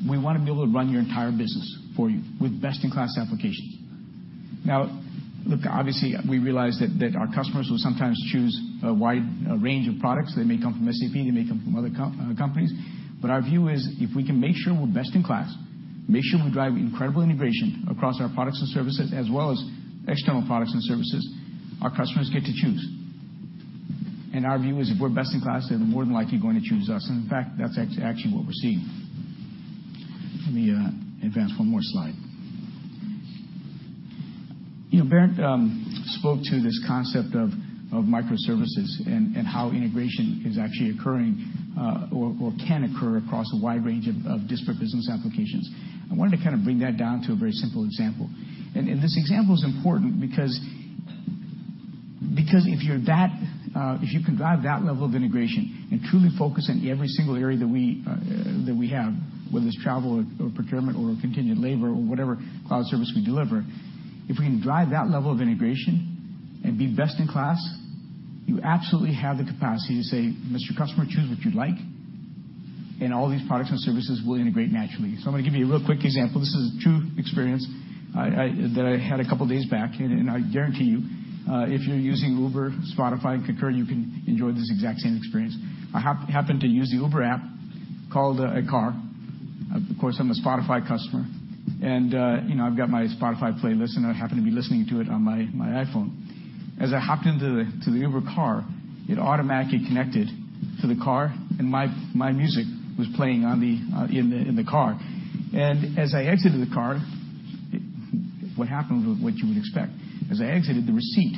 we want to be able to run your entire business for you with best-in-class applications. Look, obviously, we realize that our customers will sometimes choose a wide range of products. They may come from SAP, they may come from other companies. Our view is, if we can make sure we're best-in-class, make sure we drive incredible integration across our products and services, as well as external products and services, our customers get to choose. Our view is if we're best-in-class, they're more than likely going to choose us. In fact, that's actually what we're seeing. Let me advance one more slide. Bernd spoke to this concept of microservices and how integration is actually occurring, or can occur across a wide range of disparate business applications. I wanted to kind of bring that down to a very simple example. This example is important because if you can drive that level of integration and truly focus on every single area that we have, whether it's travel or procurement or continued labor or whatever cloud service we deliver, if we can drive that level of integration and be best-in-class, you absolutely have the capacity to say, "Mr. Customer, choose what you'd like, and all these products and services will integrate naturally." I'm going to give you a real quick example. This is a true experience that I had a couple of days back, and I guarantee you, if you're using Uber, Spotify, and Concur, you can enjoy this exact same experience. I happened to use the Uber app, called a car. Of course, I'm a Spotify customer, and I've got my Spotify playlist and I happen to be listening to it on my iPhone. As I hopped into the Uber car, it automatically connected to the car, and my music was playing in the car. As I exited the car, what happened was what you would expect. As I exited, the receipt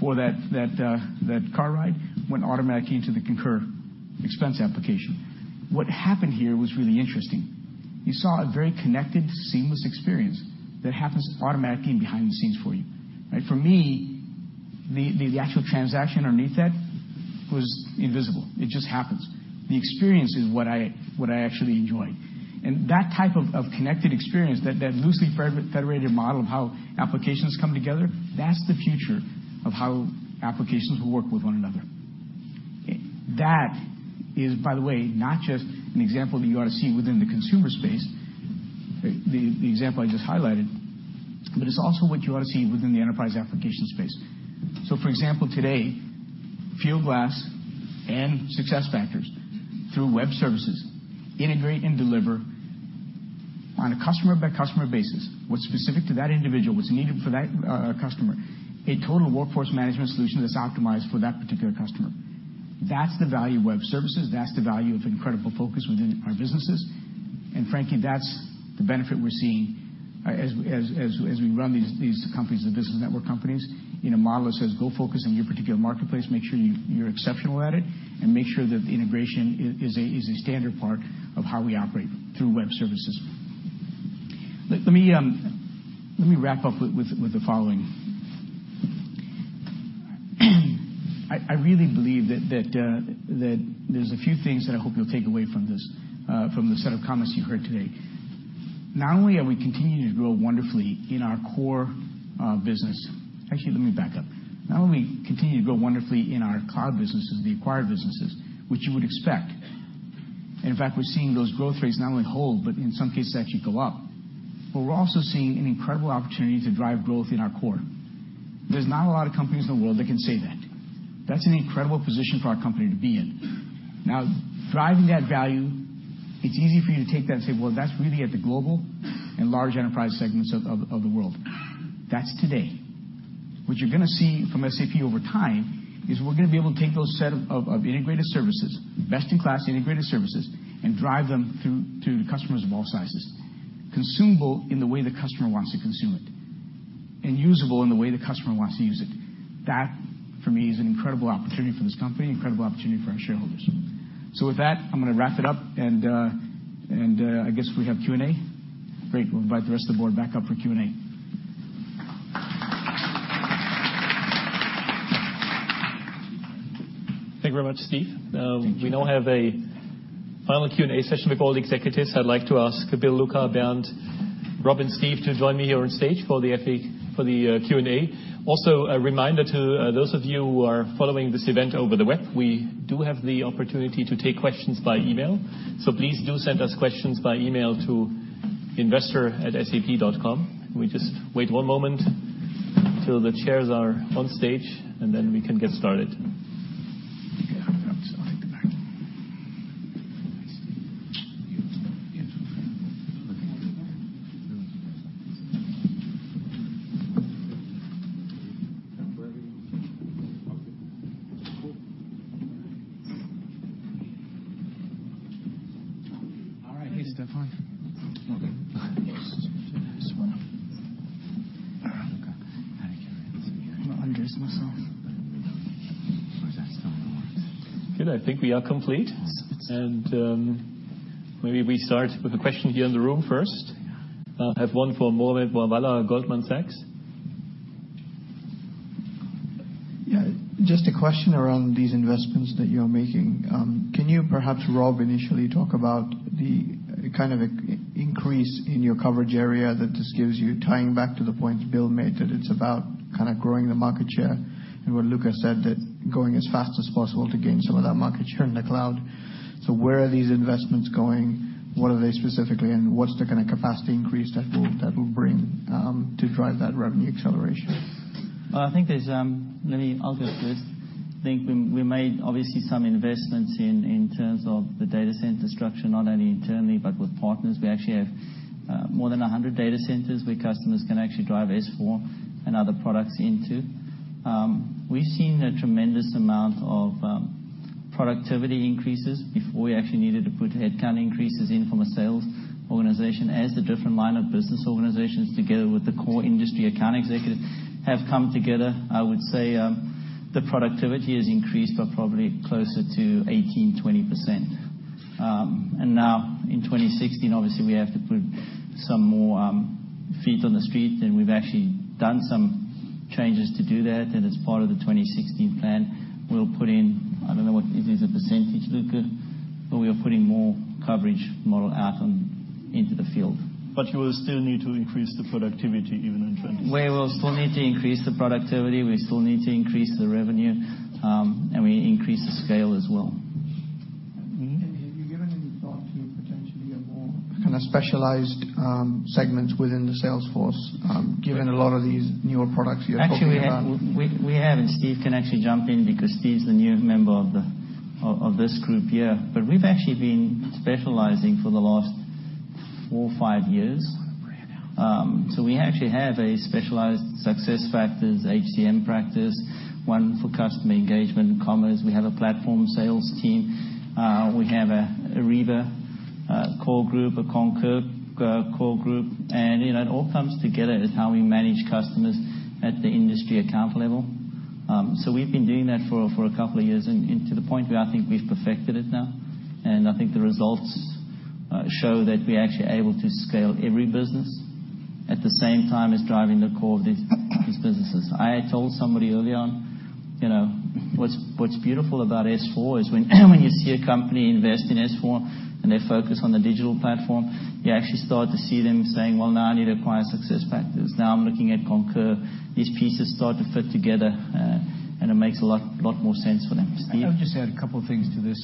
for that car ride went automatically into the Concur expense application. What happened here was really interesting. You saw a very connected, seamless experience that happens automatically behind the scenes for you. For me, the actual transaction underneath that was invisible. It just happens. The experience is what I actually enjoy. That type of connected experience, that loosely federated model of how applications come together, that's the future of how applications will work with one another. That is, by the way, not just an example that you ought to see within the consumer space, the example I just highlighted, but it's also what you ought to see within the enterprise application space. For example, today, Fieldglass and SuccessFactors, through web services, integrate and deliver on a customer-by-customer basis, what's specific to that individual, what's needed for that customer, a total workforce management solution that's optimized for that particular customer. That's the value of web services. That's the value of incredible focus within our businesses. Frankly, that's the benefit we're seeing as we run these companies, the business network companies, in a model that says, go focus on your particular marketplace, make sure you're exceptional at it, and make sure that the integration is a standard part of how we operate through web services. Let me wrap up with the following. I really believe that there's a few things that I hope you'll take away from the set of comments you heard today. Not only are we continuing to grow wonderfully in our core business. Actually, let me back up. Not only are we continuing to grow wonderfully in our cloud businesses, the acquired businesses, which you would expect. In fact, we're seeing those growth rates not only hold, but in some cases, actually go up. We're also seeing an incredible opportunity to drive growth in our core. There's not a lot of companies in the world that can say that. That's an incredible position for our company to be in. Now, driving that value, it's easy for you to take that and say, "Well, that's really at the global and large enterprise segments of the world." That's today. What you're going to see from SAP over time is we're going to be able to take those set of integrated services, best-in-class integrated services, and drive them through to customers of all sizes, consumable in the way the customer wants to consume it, and usable in the way the customer wants to use it. That, for me, is an incredible opportunity for this company, incredible opportunity for our shareholders. With that, I'm going to wrap it up, and I guess we have Q&A? Great. We'll invite the rest of the board back up for Q&A. Thank you very much, Steve. Thank you. We now have a final Q&A session with all the executives. I'd like to ask Bill, Luka, Bernd, Rob, and Steve to join me here on stage for the Q&A. A reminder to those of you who are following this event over the web, we do have the opportunity to take questions by email, so please do send us questions by email to investor@sap.com. We just wait one moment till the chairs are on stage, then we can get started. Good. I think we are complete. Maybe we start with a question here in the room first. I have one from Mohammed Moawalla, Goldman Sachs. Yeah. Just a question around these investments that you're making. Can you perhaps, Rob, initially talk about the kind of increase in your coverage area that this gives you, tying back to the point Bill made, that it's about growing the market share, and what Luka said, that going as fast as possible to gain some of that market share in the cloud. Where are these investments going? What are they specifically, and what's the kind of capacity increase that will bring to drive that revenue acceleration? Well, I think there's. Let me, I'll go first. I think we made, obviously, some investments in terms of the data center structure, not only internally but with partners. We actually have more than 100 data centers where customers can actually drive S/4 and other products into. We've seen a tremendous amount of productivity increases before we actually needed to put headcount increases in from a sales organization. As the different line of business organizations, together with the core industry account executives, have come together, I would say the productivity has increased by probably closer to 18%-20%. Now, in 2016, obviously, we have to put some more feet on the street. We've actually done some changes to do that. As part of the 2016 plan, we'll put in, I don't know what it is, a percentage, Luka, we are putting more coverage model out into the field. You will still need to increase the productivity even in 2016. We will still need to increase the productivity, we still need to increase the revenue, and we increase the scale as well. Have you given any thought to potentially a more kind of specialized segment within the sales force, given a lot of these newer products you're talking about? Actually, we have, Steve can actually jump in because Steve's the new member of this group here. We've actually been specializing for the last four or five years. We actually have a specialized SuccessFactors HCM practice, one for customer engagement and commerce. We have a platform sales team. We have a Ariba core group, a Concur core group, and it all comes together as how we manage customers at the industry account level. We've been doing that for a couple of years, and to the point where I think we've perfected it now. I think the results show that we are actually able to scale every business at the same time as driving the core of these businesses. I told somebody early on, what's beautiful about S/4 is when you see a company invest in S/4 and they focus on the digital platform, you actually start to see them saying, "Well, now I need to acquire SuccessFactors. Now I'm looking at Concur." These pieces start to fit together, and it makes a lot more sense for them. Steve? I'll just add a couple of things to this.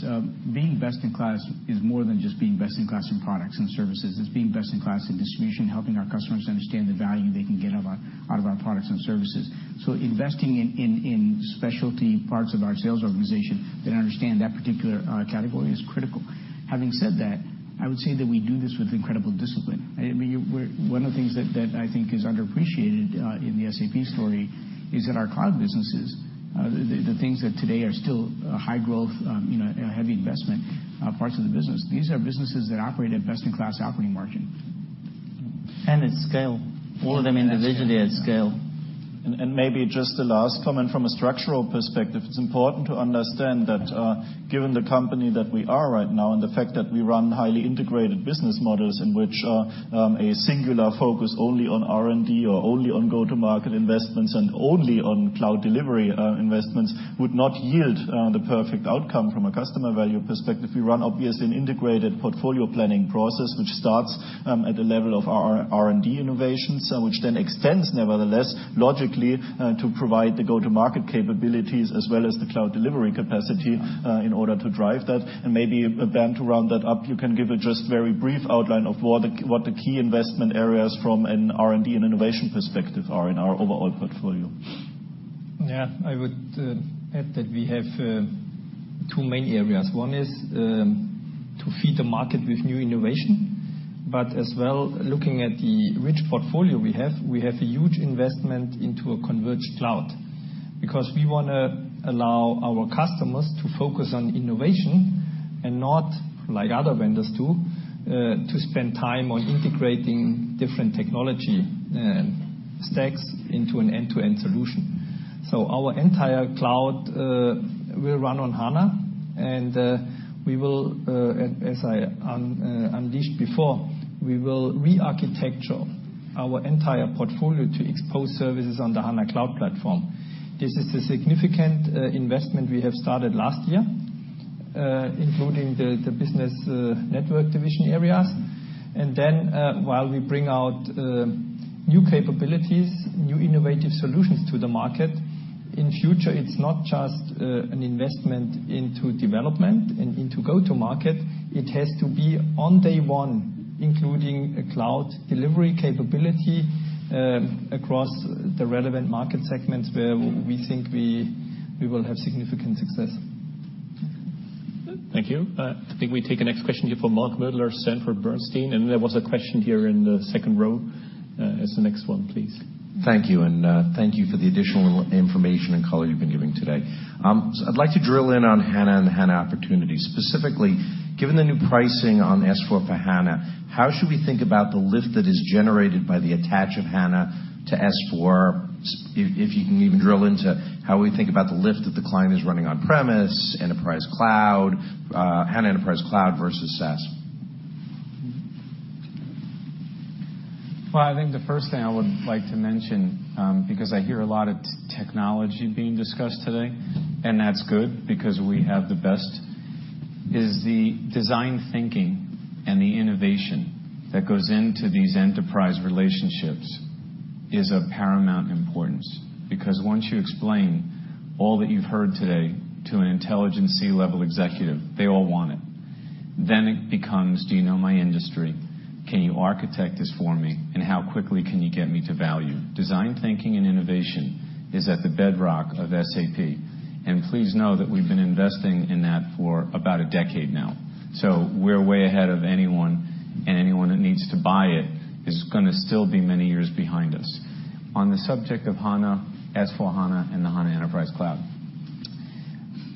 Being best in class is more than just being best in class in products and services. It's being best in class in distribution, helping our customers understand the value they can get out of our products and services. Investing in specialty parts of our sales organization that understand that particular category is critical. Having said that, I would say that we do this with incredible discipline. One of the things that I think is underappreciated in the SAP story is that our cloud businesses, the things that today are still high growth, heavy investment parts of the business, these are businesses that operate at best in class operating margin. It's scale. All of them individually at scale. Maybe just the last comment from a structural perspective, it's important to understand that given the company that we are right now and the fact that we run highly integrated business models in which a singular focus only on R&D or only on go-to-market investments and only on cloud delivery investments would not yield the perfect outcome from a customer value perspective. We run, obviously, an integrated portfolio planning process, which starts at the level of our R&D innovations, which then extends, nevertheless, logically, to provide the go-to-market capabilities as well as the cloud delivery capacity in order to drive that. Maybe, Bernd, to round that up, you can give a just very brief outline of what the key investment areas from an R&D and innovation perspective are in our overall portfolio. Yeah. I would add that we have two main areas. One is to feed the market with new innovation. As well, looking at the rich portfolio we have, we have a huge investment into a converged cloud. We want to allow our customers to focus on innovation, and not, like other vendors do, to spend time on integrating different technology stacks into an end-to-end solution. Our entire cloud will run on SAP HANA, and we will, as I unleashed before, we will rearchitecture our entire portfolio to expose services on the SAP HANA Cloud Platform. This is the significant investment we have started last year, including the business network division areas. Then, while we bring out new capabilities, new innovative solutions to the market, in future, it's not just an investment into development and into go-to-market. It has to be on day one, including a cloud delivery capability across the relevant market segments where we think we will have significant success. Thank you. I think we take the next question here from Mark Moerdler, Sanford Bernstein. There was a question here in the second row as the next one, please. Thank you. Thank you for the additional information and color you've been giving today. I'd like to drill in on HANA and the HANA opportunity, specifically, given the new pricing on S/4 for HANA, how should we think about the lift that is generated by the attach of HANA to S/4? If you can even drill into how we think about the lift that the client is running on-premise, Enterprise Cloud, HANA Enterprise Cloud versus SaaS. I think the first thing I would like to mention, because I hear a lot of technology being discussed today, that's good because we have the best, is the design thinking and the innovation that goes into these enterprise relationships is of paramount importance. Once you explain all that you've heard today to an intelligent C-level executive, they all want it. It becomes, do you know my industry? Can you architect this for me? How quickly can you get me to value? Design thinking and innovation is at the bedrock of SAP. Please know that we've been investing in that for about a decade now. We're way ahead of anyone that needs to buy it is going to still be many years behind us. On the subject of HANA, S/4HANA, and the HANA Enterprise Cloud.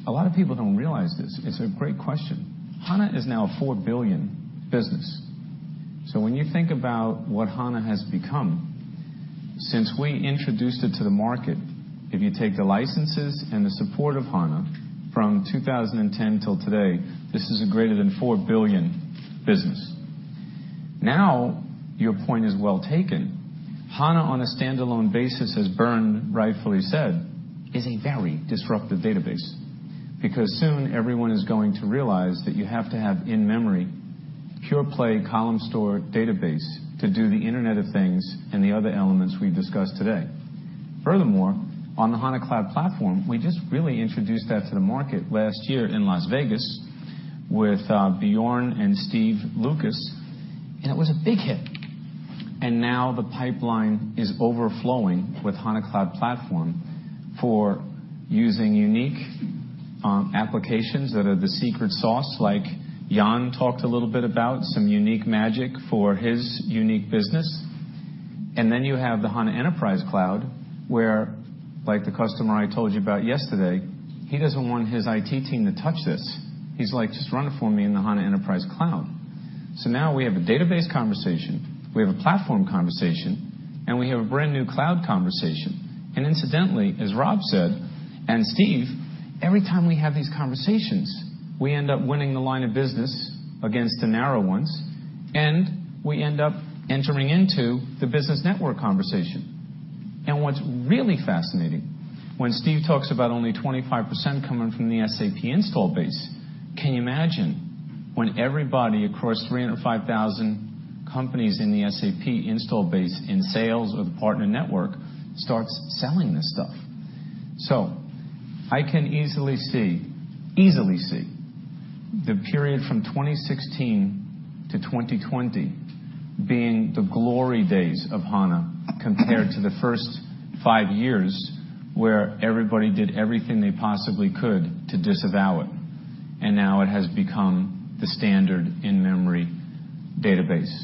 A lot of people don't realize this. It's a great question. HANA is now a 4 billion business. When you think about what HANA has become since we introduced it to the market, if you take the licenses and the support of HANA from 2010 till today, this is a greater than 4 billion business. Now, your point is well taken. HANA on a standalone basis, as Bernd rightfully said, is a very disruptive database. Soon everyone is going to realize that you have to have in-memory, pure play column store database to do the Internet of Things and the other elements we've discussed today. Furthermore, on the HANA Cloud Platform, we just really introduced that to the market last year in Las Vegas with Björn and Steve Lucas. It was a big hit. The pipeline is overflowing with SAP HANA Cloud Platform for using unique applications that are the secret sauce, like Jaan talked a little bit about, some unique magic for his unique business. You have the SAP HANA Enterprise Cloud, where like the customer I told you about yesterday, he doesn't want his IT team to touch this. He's like, "Just run it for me in the SAP HANA Enterprise Cloud." Now we have a database conversation, we have a platform conversation, we have a brand-new cloud conversation. As Rob said, and Steve, every time we have these conversations, we end up winning the line of business against the narrow ones, we end up entering into the business network conversation. When Steve talks about only 25% coming from the SAP install base, can you imagine when everybody across 305,000 companies in the SAP install base in sales or the partner network starts selling this stuff? I can easily see the period from 2016 to 2020 being the glory days of SAP HANA compared to the first five years where everybody did everything they possibly could to disavow it. Now it has become the standard in-memory database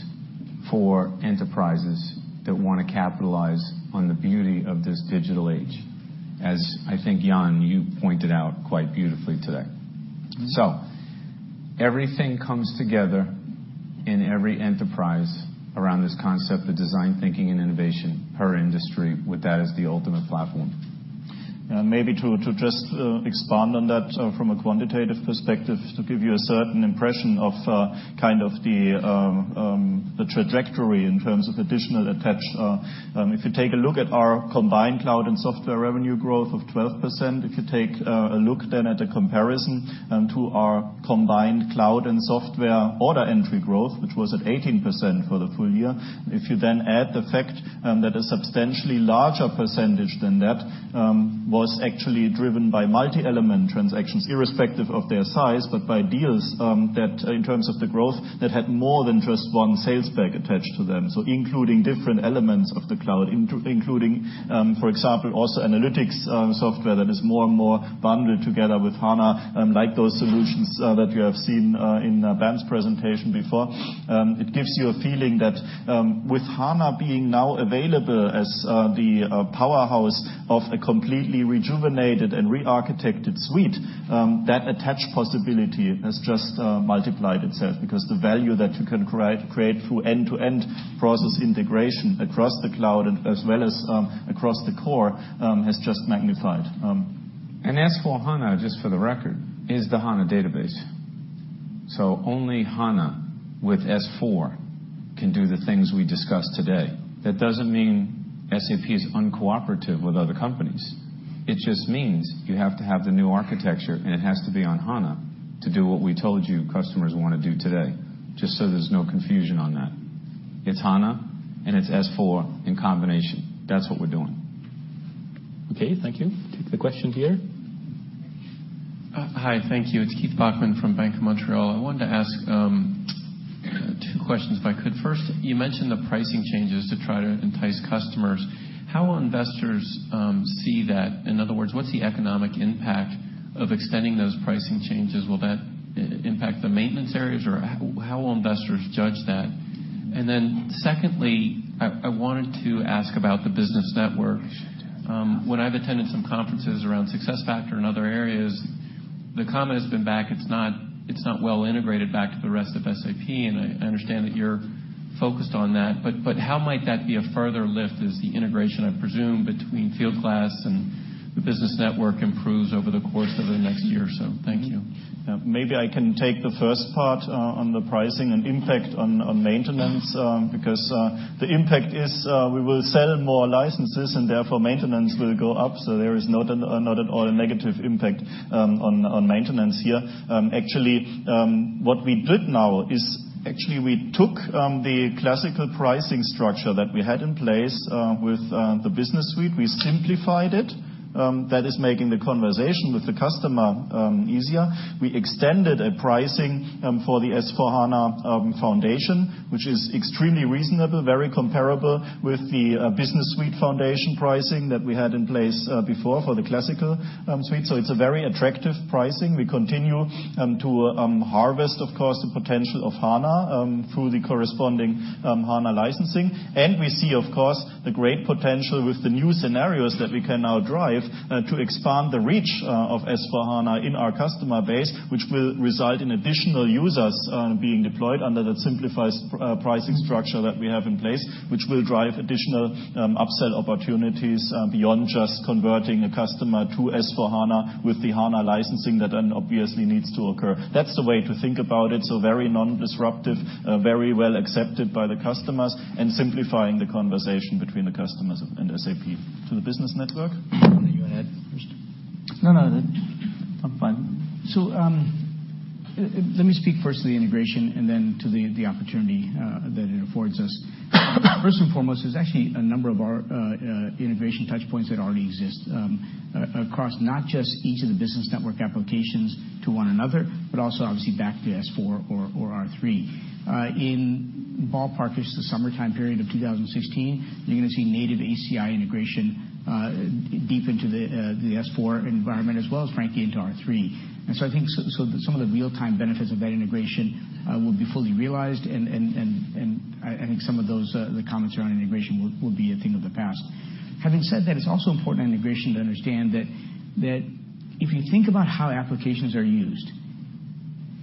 for enterprises that want to capitalize on the beauty of this digital age. As I think, Jaan, you pointed out quite beautifully today. Everything comes together in every enterprise around this concept of design thinking and innovation per industry with that as the ultimate platform. To give you a certain impression of kind of the trajectory in terms of additional attach. Our combined cloud and software revenue growth of 12%, a comparison to our combined cloud and software order entry growth, which was at 18% for the full year. The fact that a substantially larger percentage than that was actually driven by multi-element transactions, irrespective of their size, but by deals that had more than just one sales bag attached to them. Including different elements of the cloud, including, for example, also analytics software that is more and more bundled together with SAP HANA, like those solutions that you have seen in Bernd's presentation before. With SAP HANA being now available as the powerhouse of a completely rejuvenated and rearchitected suite, that attach possibility has just multiplied itself because the value that you can create through end-to-end process integration across the cloud as well as across the core, has just magnified. S/4HANA, just for the record, is the HANA database. Only HANA with S/4 can do the things we discussed today. That doesn't mean SAP is uncooperative with other companies. It just means you have to have the new architecture, and it has to be on HANA to do what we told you customers want to do today. Just so there's no confusion on that. It's HANA, and it's S/4 in combination. That's what we're doing. Okay, thank you. Take the question here. Hi, thank you. It's Keith Bachman from Bank of Montreal. Two questions if I could. You mentioned the pricing changes to try to entice customers. How will investors see that? In other words, what's the economic impact of extending those pricing changes? Will that impact the maintenance areas? How will investors judge that? Secondly, I wanted to ask about the business network. When I've attended some conferences around SuccessFactors and other areas, the comment has been back, it's not well integrated back to the rest of SAP, and I understand that you're focused on that. How might that be a further lift as the integration, I presume, between Fieldglass and the business network improves over the course of the next year or so? Thank you. Maybe I can take the first part on the pricing and impact on maintenance, the impact is, we will sell more licenses and therefore maintenance will go up. There is not at all a negative impact on maintenance here. Actually, what we did now is actually we took the classical pricing structure that we had in place with the business suite. We simplified it. That is making the conversation with the customer easier. We extended a pricing for the S/4HANA foundation, which is extremely reasonable, very comparable with the business suite foundation pricing that we had in place before for the classical suite. It's a very attractive pricing. We continue to harvest, of course, the potential of HANA through the corresponding HANA licensing. We see, of course, the great potential with the new scenarios that we can now drive to expand the reach of S/4HANA in our customer base, which will result in additional users being deployed under that simplified pricing structure that we have in place, which will drive additional upsell opportunities beyond just converting a customer to S/4HANA with the HANA licensing that then obviously needs to occur. That's the way to think about it, so very non-disruptive, very well accepted by the customers, and simplifying the conversation between the customers and SAP. To the business network? Anything you want to add first? No, I'm fine. Let me speak first to the integration and then to the opportunity that it affords us. First and foremost, there's actually a number of our integration touchpoints that already exist, across not just each of the business network applications to one another, but also obviously back to S/4 or R/3. In ballpark, it's the summertime period of 2016, you're going to see native API integration deep into the S/4 environment as well as, frankly, into R/3. I think the comments around integration will be a thing of the past. Having said that, it's also important in integration to understand that if you think about how applications are used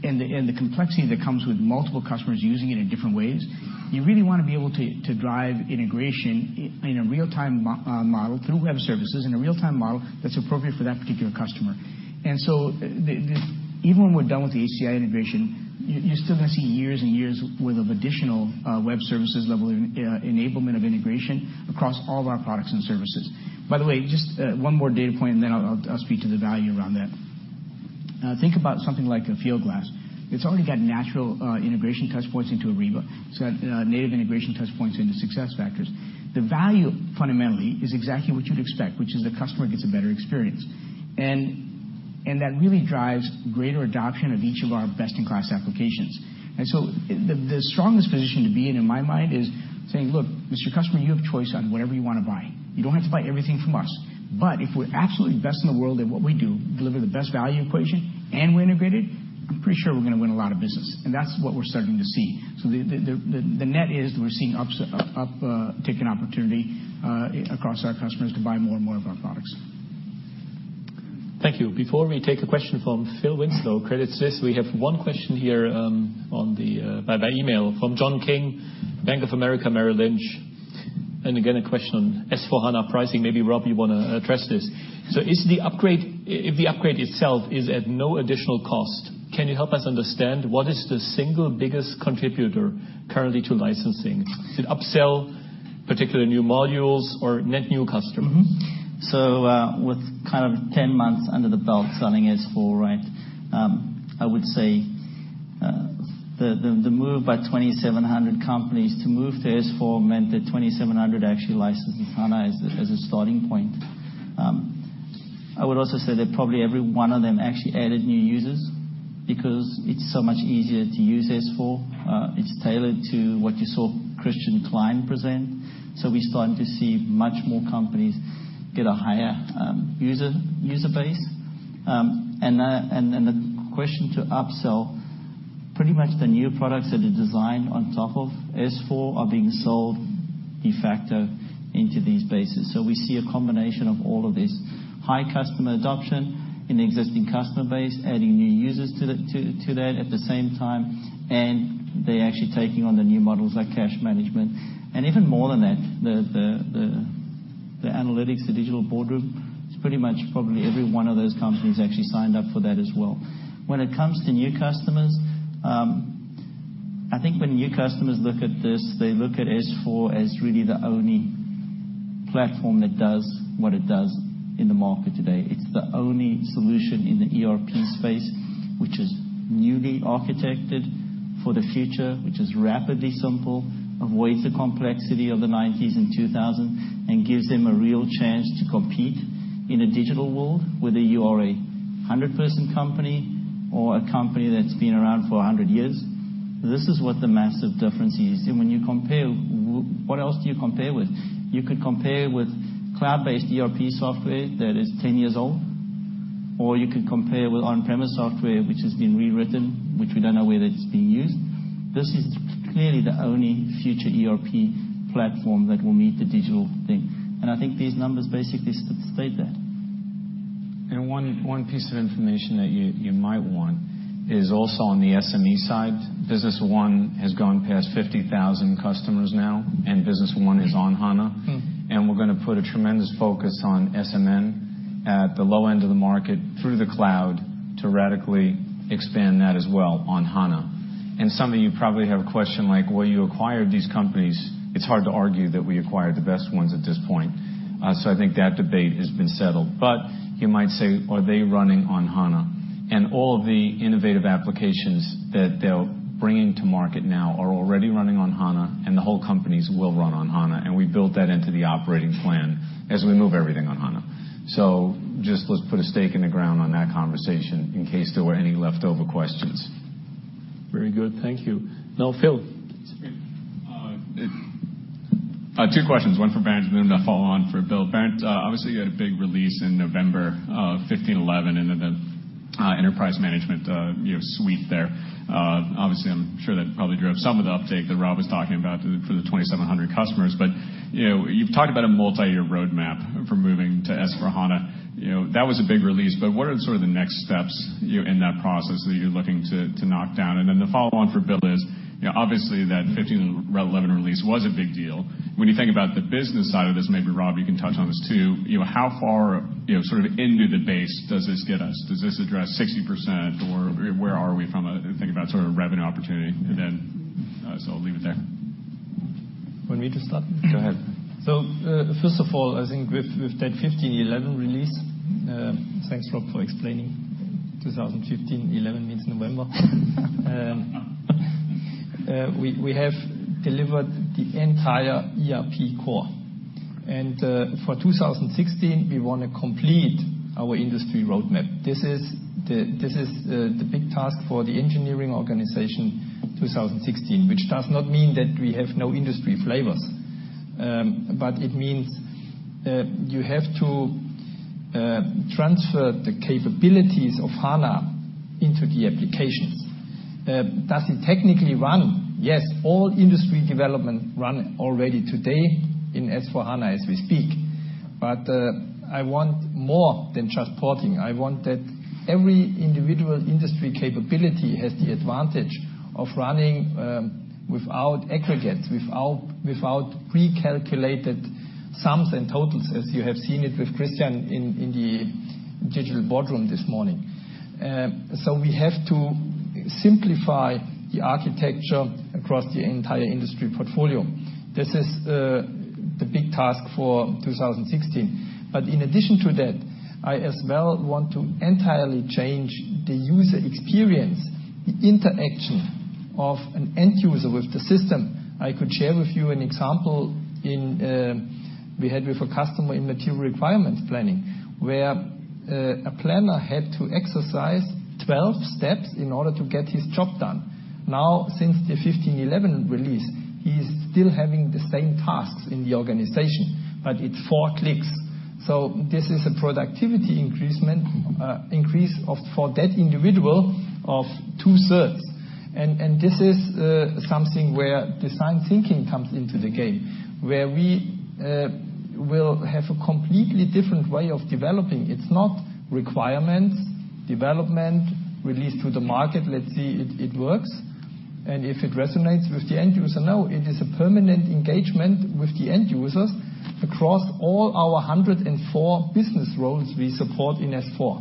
and the complexity that comes with multiple customers using it in different ways, you really want to be able to drive integration in a real-time model through web services, in a real-time model that's appropriate for that particular customer. Even when we're done with the API integration, you're still going to see years and years worth of additional web services level enablement of integration across all of our products and services. By the way, just one more data point and then I'll speak to the value around that. Think about something like a Fieldglass. It's already got natural integration touchpoints into Ariba. It's got native integration touchpoints into SuccessFactors. The value fundamentally is exactly what you'd expect, which is the customer gets a better experience. That really drives greater adoption of each of our best-in-class applications. The strongest position to be in my mind, is saying, "Look, Mr Customer, you have choice on whatever you want to buy. You don't have to buy everything from us." If we're absolutely best in the world at what we do, deliver the best value equation, and we're integrated, I'm pretty sure we're going to win a lot of business. That's what we're starting to see. The net is we're seeing up-taken opportunity across our customers to buy more and more of our products. Thank you. Before we take a question from Philip Winslow, Credit Suisse, we have one question here by email from John King, Bank of America, Merrill Lynch. Again, a question on SAP S/4HANA pricing. Maybe, Rob, you want to address this. If the upgrade itself is at no additional cost, can you help us understand what is the single biggest contributor currently to licensing? Is it upsell, particular new modules, or net new customer? With kind of 10 months under the belt selling S/4, I would say the move by 2,700 companies to move to S/4 meant that 2,700 actually licensed with SAP HANA as a starting point. I would also say that probably every one of them actually added new users because it's so much easier to use S/4. It's tailored to what you saw Christian Klein present. We're starting to see much more companies get a higher user base. The question to upsell, pretty much the new products that are designed on top of S/4 are being sold de facto into these bases. We see a combination of all of this. High customer adoption in the existing customer base, adding new users to that at the same time, and they're actually taking on the new models like cash management. Even more than that, the analytics, the SAP Digital Boardroom, it's pretty much probably every one of those companies actually signed up for that as well. When it comes to new customers, I think when new customers look at this, they look at S/4 as really the only platform that does what it does in the market today. It's the only solution in the ERP space, which is newly architected for the future, which is rapidly simple, avoids the complexity of the '90s and 2000s, and gives them a real chance to compete in a digital world with a ERP. 100-person company or a company that's been around for 100 years, this is what the massive difference is. When you compare, what else do you compare with? You could compare with cloud-based ERP software that is 10 years old, or you could compare with on-premise software, which has been rewritten, which we don't know where that's being used. This is clearly the only future ERP platform that will meet the digital thing. I think these numbers basically state that. One piece of information that you might want is also on the SME side. Business One has gone past 50,000 customers now, and Business One is on HANA. We're going to put a tremendous focus on SME at the low end of the market through the cloud to radically expand that as well on HANA. Some of you probably have a question like, well, you acquired these companies. It's hard to argue that we acquired the best ones at this point. I think that debate has been settled. You might say, "Are they running on HANA?" All of the innovative applications that they're bringing to market now are already running on HANA, and the whole companies will run on HANA, and we built that into the operating plan as we move everything on HANA. Just, let's put a stake in the ground on that conversation in case there were any leftover questions. Very good. Thank you. Now, Phil. That's great. Two questions, one for Bernd, and then a follow-on for Bill. Bernd, obviously, you had a big release in November of 1511 into the enterprise management suite there. Obviously, I'm sure that probably drove some of the uptake that Rob was talking about for the 2,700 customers. You've talked about a multi-year roadmap for moving to SAP S/4HANA. That was a big release, but what are the next steps in that process that you're looking to knock down? The follow-on for Bill is, obviously, that 1511 release was a big deal. When you think about the business side of this, maybe Rob, you can touch on this, too. How far into the base does this get us? Does this address 60%, or where are we from a, think about revenue opportunity? I'll leave it there. Want me to start? Go ahead. First of all, I think with that 1511 release, thanks, Rob, for explaining. 2015, 11 means November. We have delivered the entire ERP core. For 2016, we want to complete our industry roadmap. This is the big task for the engineering organization, 2016, which does not mean that we have no industry flavors. It means you have to transfer the capabilities of SAP HANA into the applications. Does it technically run? Yes, all industry development run already today in SAP S/4HANA as we speak. I want more than just porting. I want that every individual industry capability has the advantage of running without aggregates, without pre-calculated sums and totals as you have seen it with Christian in the SAP Digital Boardroom this morning. We have to simplify the architecture across the entire industry portfolio. This is the big task for 2016. In addition to that, I as well want to entirely change the user experience, the interaction of an end user with the system. I could share with you an example we had with a customer in material requirements planning, where a planner had to exercise 12 steps in order to get his job done. Now, since the 15.11 release, he is still having the same tasks in the organization, but in four clicks. This is a productivity increase for that individual of two-thirds. This is something where design thinking comes into the game, where we will have a completely different way of developing. It's not requirements, development, release to the market. Let's see it works. If it resonates with the end user, now it is a permanent engagement with the end users across all our 104 business roles we support in S/4.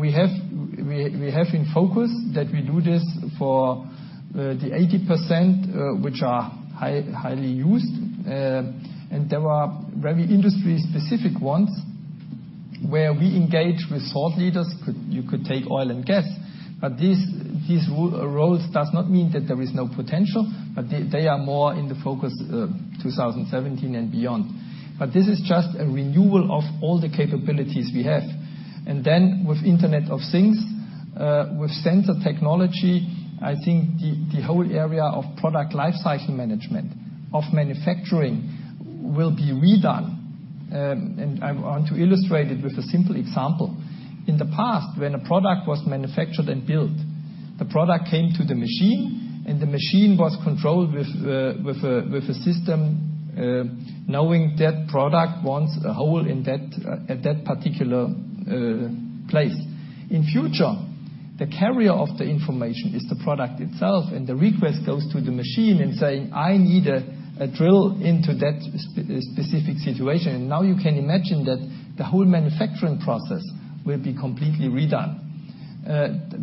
We have in focus that we do this for the 80%, which are highly used. There are very industry-specific ones where we engage with thought leaders. You could take oil and gas. These roles does not mean that there is no potential, but they are more in the focus, 2017 and beyond. This is just a renewal of all the capabilities we have. With Internet of Things, with sensor technology, I think the whole area of product life cycle management of manufacturing will be redone. I want to illustrate it with a simple example. In the past, when a product was manufactured and built, the product came to the machine, and the machine was controlled with a system knowing that product wants a hole at that particular place. In future, the carrier of the information is the product itself, the request goes to the machine and saying, "I need a drill into that specific situation." Now you can imagine that the whole manufacturing process will be completely redone.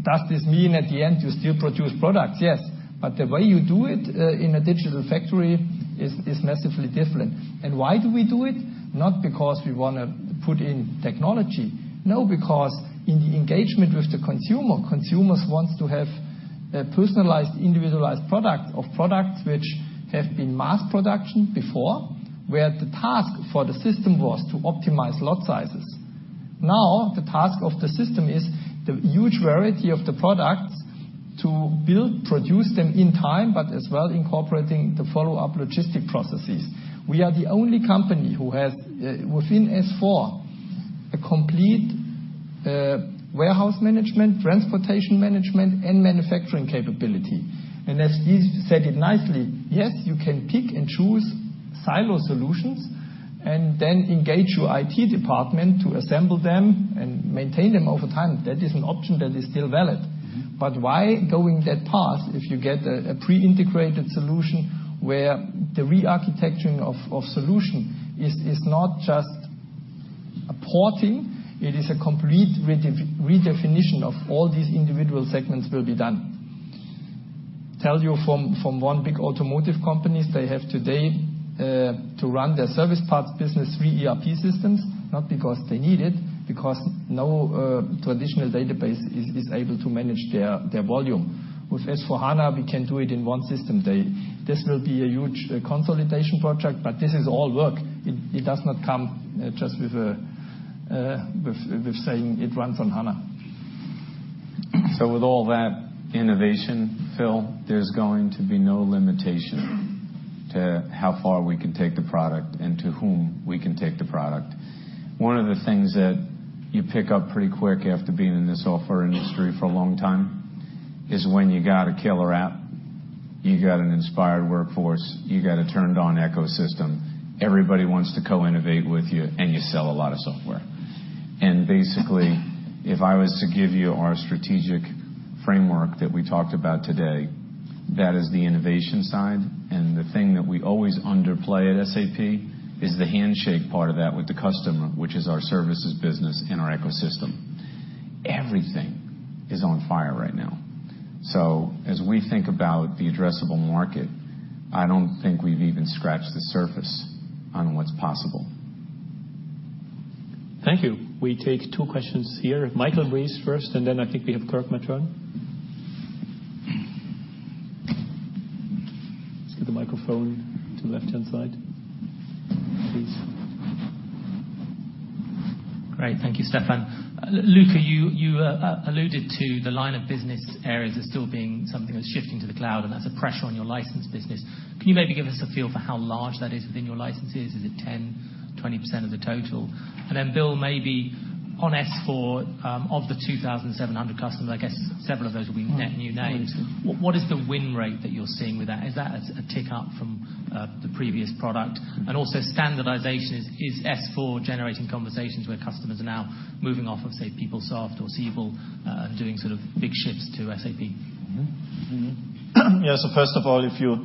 Does this mean at the end you still produce products? Yes. The way you do it in a digital factory is massively different. Why do we do it? Not because we want to put in technology. No, because in the engagement with the consumer, consumers want to have a personalized, individualized product of products which have been mass production before, where the task for the system was to optimize lot sizes. Now, the task of the system is the huge variety of the products to build, produce them in time, but as well incorporating the follow-up logistic processes. We are the only company who has, within S/4, a complete warehouse management, transportation management, and manufacturing capability. As Yves said it nicely, yes, you can pick and choose silo solutions and then engage your IT department to assemble them and maintain them over time. That is an option that is still valid. Why go that path if you get a pre-integrated solution where the re-architecturing of solution is not just a porting, it is a complete redefinition of all these individual segments will be done. Tell you from one big automotive companies, they have today to run their service parts business, three ERP systems, not because they need it, because no traditional database is able to manage their volume. With S/4HANA, we can do it in one system. This will be a huge consolidation project, this is all work. It does not come just with saying it runs on SAP HANA. With all that innovation, Phil, there's going to be no limitation to how far we can take the product and to whom we can take the product. One of the things that you pick up pretty quick after being in this software industry for a long time is when you got a killer app, you got an inspired workforce, you got a turned on ecosystem, everybody wants to co-innovate with you, and you sell a lot of software. Basically, if I was to give you our strategic framework that we talked about today, that is the innovation side. The thing that we always underplay at SAP is the handshake part of that with the customer, which is our services business and our ecosystem. Everything is on fire right now. As we think about the addressable market, I don't think we've even scratched the surface on what's possible. Thank you. We take two questions here. Michael Rees first, and then I think we have Kirk Materne. Let's get the microphone to the left-hand side, please. Thank you, Stefan. Luka, you alluded to the line of business areas as still being something that's shifting to the cloud, and that's a pressure on your license business. Can you maybe give us a feel for how large that is within your licenses? Is it 10%, 20% of the total? Bill, maybe on S/4, of the 2,700 customers, I guess several of those will be net new names. What is the win rate that you're seeing with that? Is that a tick up from the previous product? Standardization. Is S/4 generating conversations where customers are now moving off of, say, PeopleSoft or Siebel, doing sort of big shifts to SAP? First of all, if you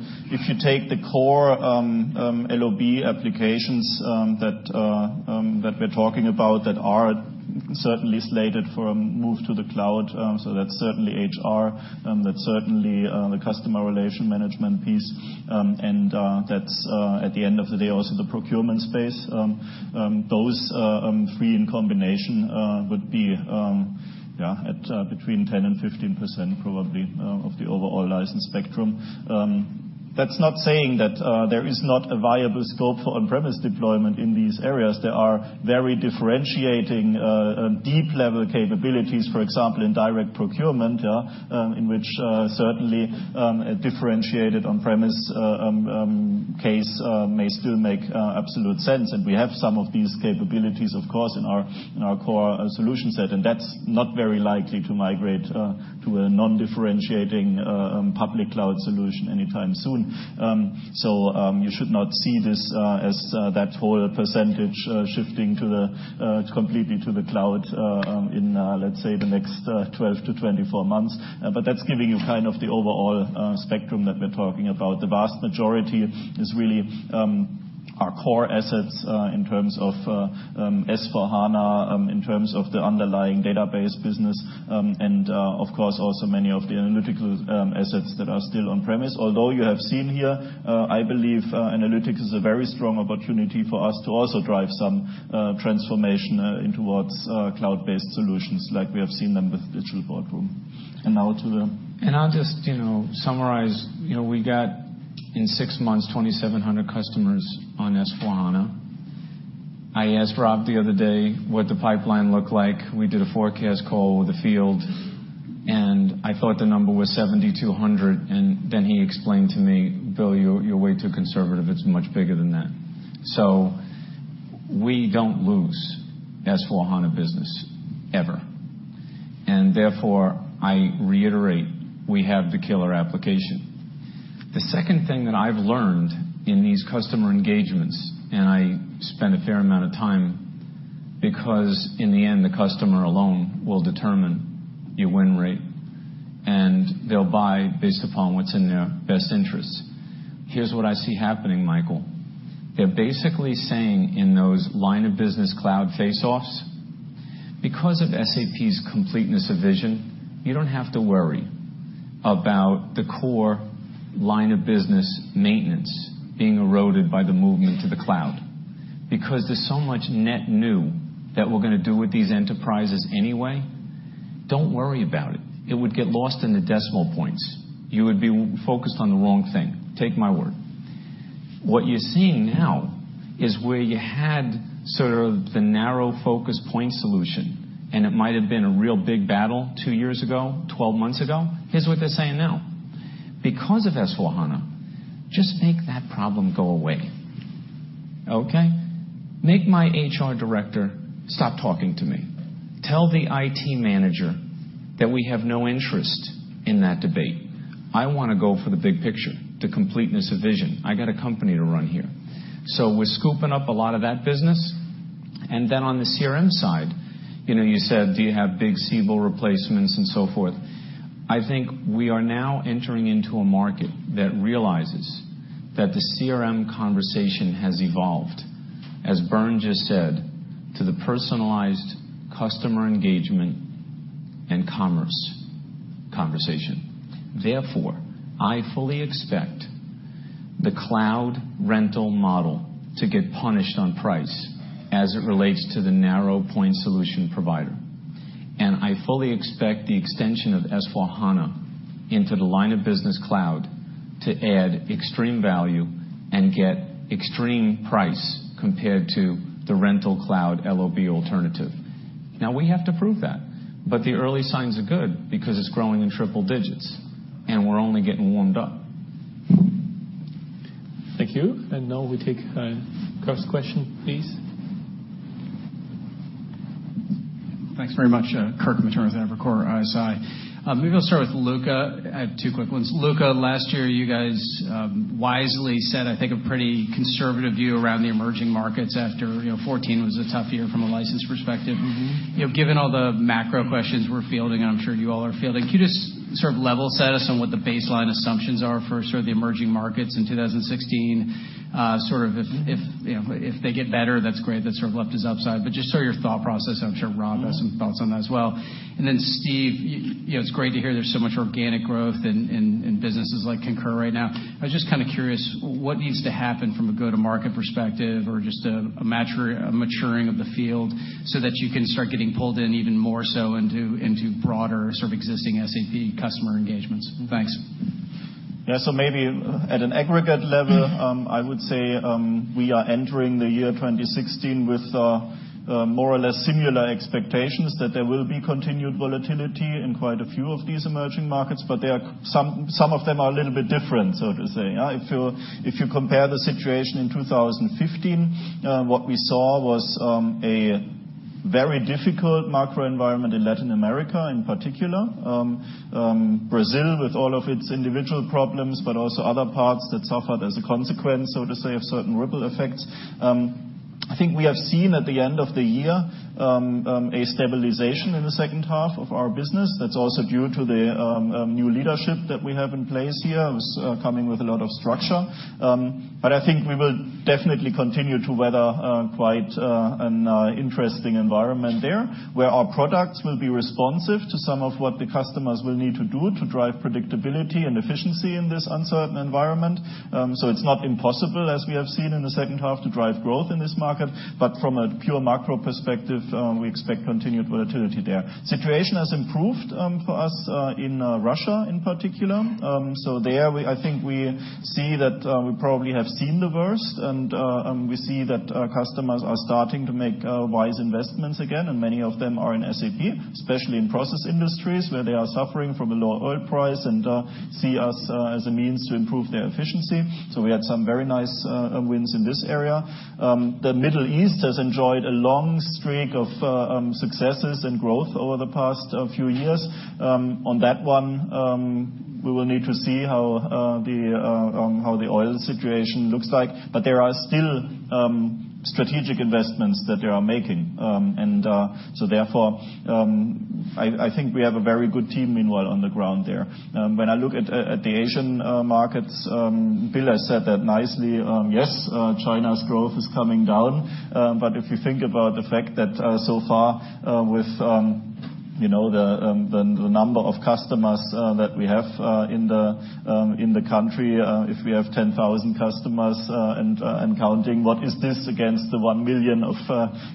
take the core LOB applications that we're talking about that are certainly slated for a move to the cloud, that's certainly HR, that's certainly the customer relationship management piece, and that's at the end of the day, also the procurement space. Those three in combination would be at between 10% and 15% probably of the overall license spectrum. That's not saying that there is not a viable scope for on-premise deployment in these areas. There are very differentiating deep level capabilities, for example, in direct procurement, yeah, in which certainly a differentiated on-premise case may still make absolute sense. We have some of these capabilities, of course, in our core solution set, and that's not very likely to migrate to a non-differentiating public cloud solution anytime soon. You should not see this as that whole percentage shifting completely to the cloud in, let's say, the next 12 to 24 months. That's giving you kind of the overall spectrum that we're talking about. The vast majority is really our core assets in terms of S/4HANA, in terms of the underlying database business, and of course, also many of the analytical assets that are still on premise. Although you have seen here, I believe analytics is a very strong opportunity for us to also drive some transformation into what's cloud-based solutions like we have seen them with Digital Boardroom. Now to Bill. I'll just summarize. We got, in 6 months, 2,700 customers on S/4HANA. I asked Rob the other day what the pipeline looked like. We did a forecast call with the field, I thought the number was 7,200, then he explained to me, "Bill, you're way too conservative. It's much bigger than that." We don't lose S/4HANA business, ever. Therefore, I reiterate, we have the killer application. The second thing that I've learned in these customer engagements, I spend a fair amount of time because in the end, the customer alone will determine your win rate, they'll buy based upon what's in their best interests. Here's what I see happening, Michael. They're basically saying in those line of business cloud face-offs, because of SAP's completeness of vision, you don't have to worry about the core line of business maintenance being eroded by the movement to the cloud because there's so much net new that we're going to do with these enterprises anyway. Don't worry about it. It would get lost in the decimal points. You would be focused on the wrong thing. Take my word. What you're seeing now is where you had sort of the narrow focus point solution, it might have been a real big battle 2 years ago, 12 months ago. Here's what they're saying now. Of S/4HANA, just make that problem go away. Okay? Make my HR director stop talking to me. Tell the IT manager that we have no interest in that debate. I want to go for the big picture, the completeness of vision. I got a company to run here. We're scooping up a lot of that business. On the CRM side, you said, "Do you have big Siebel replacements?" so forth. I think we are now entering into a market that realizes that the CRM conversation has evolved, as Bernd just said, to the personalized customer engagement and commerce conversation. I fully expect the cloud rental model to get punished on price as it relates to the narrow point solution provider. I fully expect the extension of S/4HANA into the line of business cloud to add extreme value and get extreme price compared to the rental cloud LOB alternative. We have to prove that, the early signs are good because it's growing in triple digits, we're only getting warmed up. Thank you. Now we take Kirk's question, please. Thanks very much. Kirk Materne with Evercore ISI. Maybe I'll start with Luka. I have two quick ones. Luka, last year, you guys wisely said, I think, a pretty conservative view around the emerging markets after 2014 was a tough year from a license perspective. Given all the macro questions we're fielding, I'm sure you all are fielding, could you just sort of level set us on what the baseline assumptions are for sort of the emerging markets in 2016? Sort of if they get better, that's great. That sort of left as upside. Just sort of your thought process. I'm sure Rob has some thoughts on that as well. Steve, it's great to hear there's so much organic growth in businesses like Concur right now. I was just kind of curious, what needs to happen from a go-to-market perspective or just a maturing of the field so that you can start getting pulled in even more so into broader sort of existing SAP customer engagements? Thanks. Maybe at an aggregate level, I would say, we are entering the year 2016 with more or less similar expectations that there will be continued volatility in quite a few of these emerging markets, but some of them are a little bit different, so to say. If you compare the situation in 2015, what we saw was a very difficult macro environment in Latin America, in particular. Brazil with all of its individual problems, but also other parts that suffered as a consequence, so to say, of certain ripple effects. I think we have seen at the end of the year, a stabilization in the second half of our business. That's also due to the new leadership that we have in place here, who's coming with a lot of structure. I think we will definitely continue to weather quite an interesting environment there, where our products will be responsive to some of what the customers will need to do to drive predictability and efficiency in this uncertain environment. It's not impossible, as we have seen in the second half, to drive growth in this market. From a pure macro perspective, we expect continued volatility there. Situation has improved for us in Russia in particular. There, I think we see that we probably have seen the worst, and we see that customers are starting to make wise investments again, and many of them are in SAP, especially in process industries where they are suffering from a lower oil price and see us as a means to improve their efficiency. We had some very nice wins in this area. The Middle East has enjoyed a long streak of successes and growth over the past few years. On that one, we will need to see how the oil situation looks like. There are still strategic investments that they are making. Therefore, I think we have a very good team meanwhile on the ground there. When I look at the Asian markets, Bill has said that nicely. Yes, China's growth is coming down. If you think about the fact that so far with the number of customers that we have in the country, if we have 10,000 customers and counting, what is this against the 1 million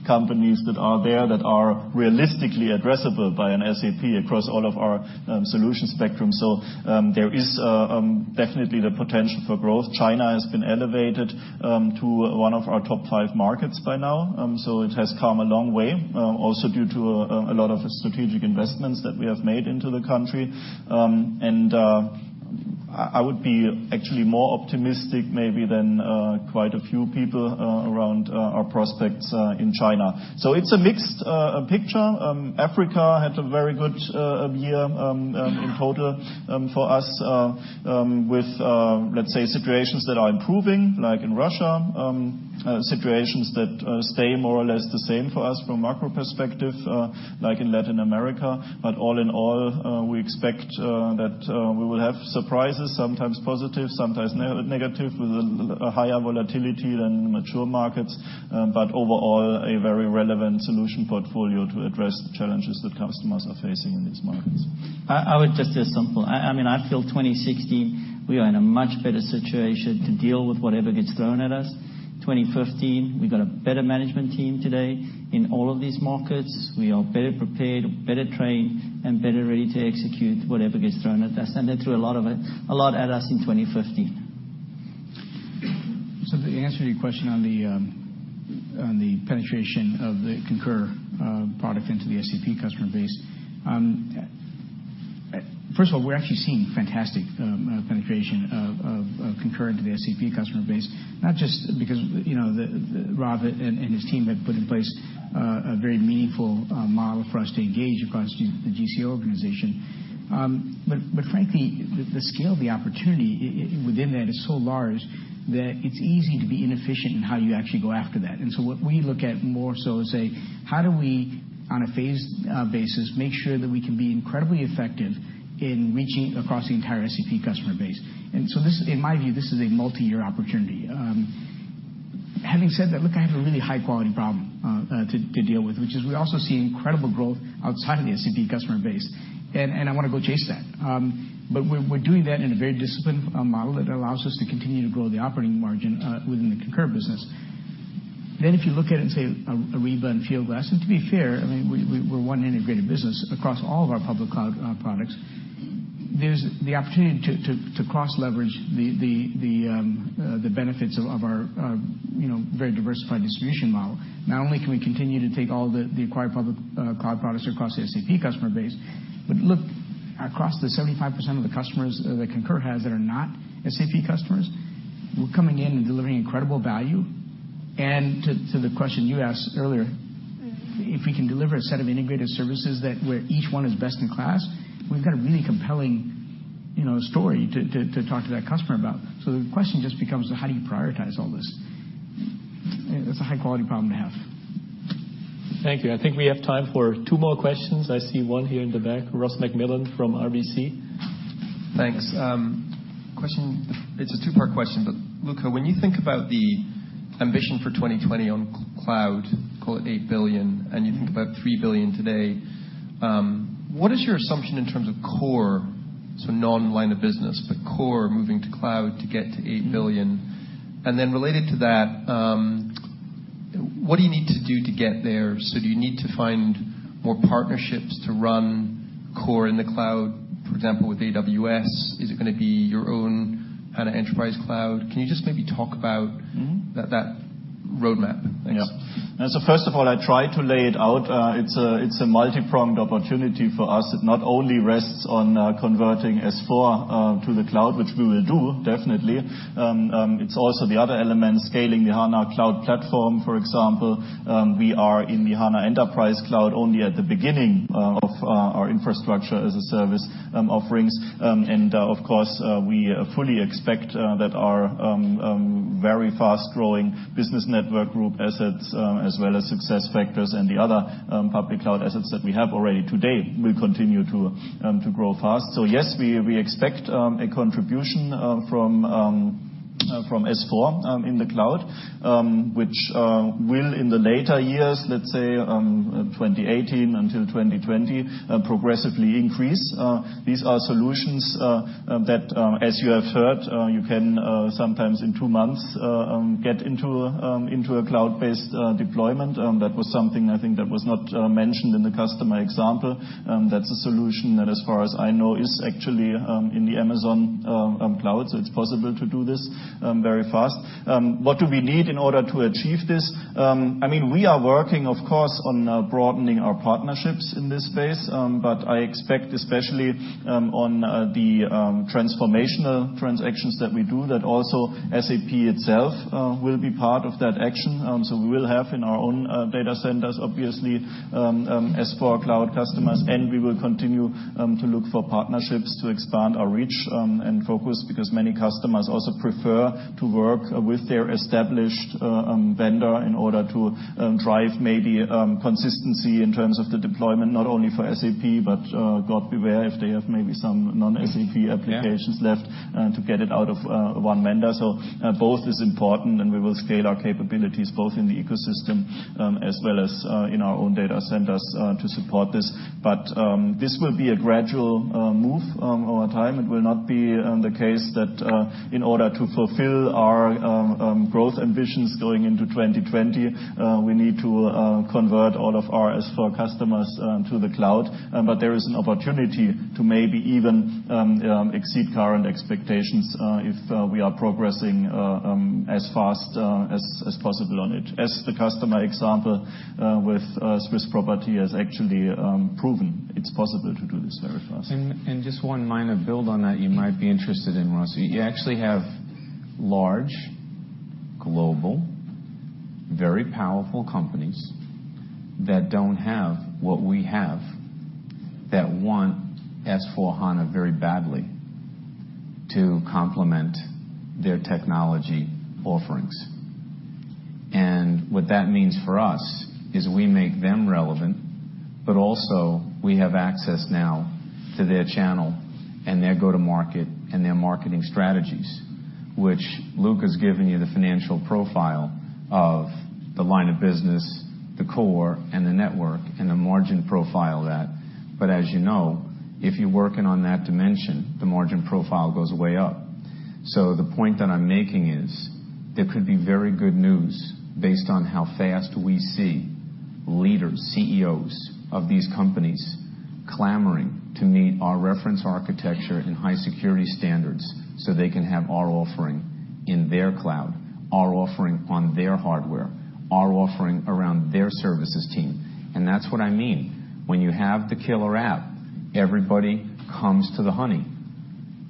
companies that are there that are realistically addressable by SAP across all of our solution spectrum? There is definitely the potential for growth. China has been elevated to one of our top five markets by now. It has come a long way, also due to a lot of strategic investments that we have made into the country. I would be actually more optimistic maybe than quite a few people around our prospects in China. It's a mixed picture. Africa had a very good year in total for us with, let's say, situations that are improving, like in Russia. Situations that stay more or less the same for us from a macro perspective, like in Latin America. All in all, we expect that we will have surprises, sometimes positive, sometimes negative, with a higher volatility than mature markets. Overall, a very relevant solution portfolio to address the challenges that customers are facing in these markets. I would just say simple. I feel 2016, we are in a much better situation to deal with whatever gets thrown at us. 2015, we got a better management team today in all of these markets. We are better prepared, better trained, and better ready to execute whatever gets thrown at us, and they threw a lot at us in 2015. The answer to your question on the penetration of the Concur product into the SAP customer base. First of all, we're actually seeing fantastic penetration of Concur into the SAP customer base, not just because Rob and his team have put in place a very meaningful model for us to engage across the GCO organization. Frankly, the scale of the opportunity within that is so large that it's easy to be inefficient in how you actually go after that. What we look at more so is, how do we, on a phased basis, make sure that we can be incredibly effective in reaching across the entire SAP customer base? In my view, this is a multi-year opportunity. Having said that, look, I have a really high-quality problem to deal with, which is we're also seeing incredible growth outside of the SAP customer base. I want to go chase that. We're doing that in a very disciplined model that allows us to continue to grow the operating margin within the Concur business. If you look at it and say, Ariba and Fieldglass, and to be fair, we're one integrated business across all of our public cloud products. There's the opportunity to cross-leverage the benefits of our very diversified distribution model. Not only can we continue to take all the acquired public cloud products across the SAP customer base, but look, across the 75% of the customers that Concur has that are not SAP customers, we're coming in and delivering incredible value. To the question you asked earlier, if we can deliver a set of integrated services where each one is best in class, we've got a really compelling story to talk to that customer about. The question just becomes, how do you prioritize all this? It's a high-quality problem to have. Thank you. I think we have time for two more questions. I see one here in the back. Ross MacMillan from RBC. Thanks. It's a two-part question. Luka, when you think about the ambition for 2020 on cloud, call it 8 billion, you think about 3 billion today, what is your assumption in terms of core, so non-line of business, but core moving to cloud to get to 8 billion? Related to that, what do you need to do to get there? Do you need to find more partnerships to run core in the cloud, for example, with AWS? Is it going to be your own kind of enterprise cloud? Can you just maybe talk about that road map? Thanks. Yeah. First of all, I tried to lay it out. It's a multi-pronged opportunity for us. It not only rests on converting S/4 to the cloud, which we will do, definitely. It's also the other elements, scaling the HANA Cloud Platform, for example. We are in the HANA Enterprise Cloud only at the beginning of our infrastructure as a service offerings. And of course, we fully expect that our very fast-growing Business Network Group assets as well as SuccessFactors and the other public cloud assets that we have already today will continue to grow fast. Yes, we expect a contribution from S/4 in the cloud, which will in the later years, let's say 2018 until 2020, progressively increase. These are solutions that, as you have heard, you can sometimes in two months, get into a cloud-based deployment. That was something I think that was not mentioned in the customer example. That's a solution that, as far as I know, is actually in the Amazon cloud. It's possible to do this very fast. What do we need in order to achieve this? We are working, of course, on broadening our partnerships in this space. I expect, especially on the transformational transactions that we do, that also SAP itself will be part of that action. We will have in our own data centers, obviously, S/4 Cloud customers, and we will continue to look for partnerships to expand our reach and focus because many customers also prefer to work with their established vendor in order to drive maybe consistency in terms of the deployment, not only for SAP, but God beware if they have maybe some non-SAP applications left to get it out of one vendor. Both is important, we will scale our capabilities both in the ecosystem as well as in our own data centers to support this. This will be a gradual move over time. It will not be the case that in order to fulfill our growth ambitions going into 2020, we need to convert all of our S/4 customers to the cloud. There is an opportunity to maybe even exceed current expectations if we are progressing as fast as possible on it. As the customer example with Swiss Property has actually proven, it's possible to do this very fast. Just one minor build on that you might be interested in, Ross. You actually have large, global, very powerful companies that don't have what we have that want S/4HANA very badly to complement their technology offerings. What that means for us is we make them relevant, but also we have access now to their channel and their go-to-market and their marketing strategies. Which Luka has given you the financial profile of the line of business, the core, and the network, and the margin profile of that. As you know, if you're working on that dimension, the margin profile goes way up. The point that I'm making is there could be very good news based on how fast we see leaders, CEOs of these companies Clamoring to meet our reference architecture and high security standards so they can have our offering in their cloud, our offering on their hardware, our offering around their services team. That's what I mean. When you have the killer app, everybody comes to the honey.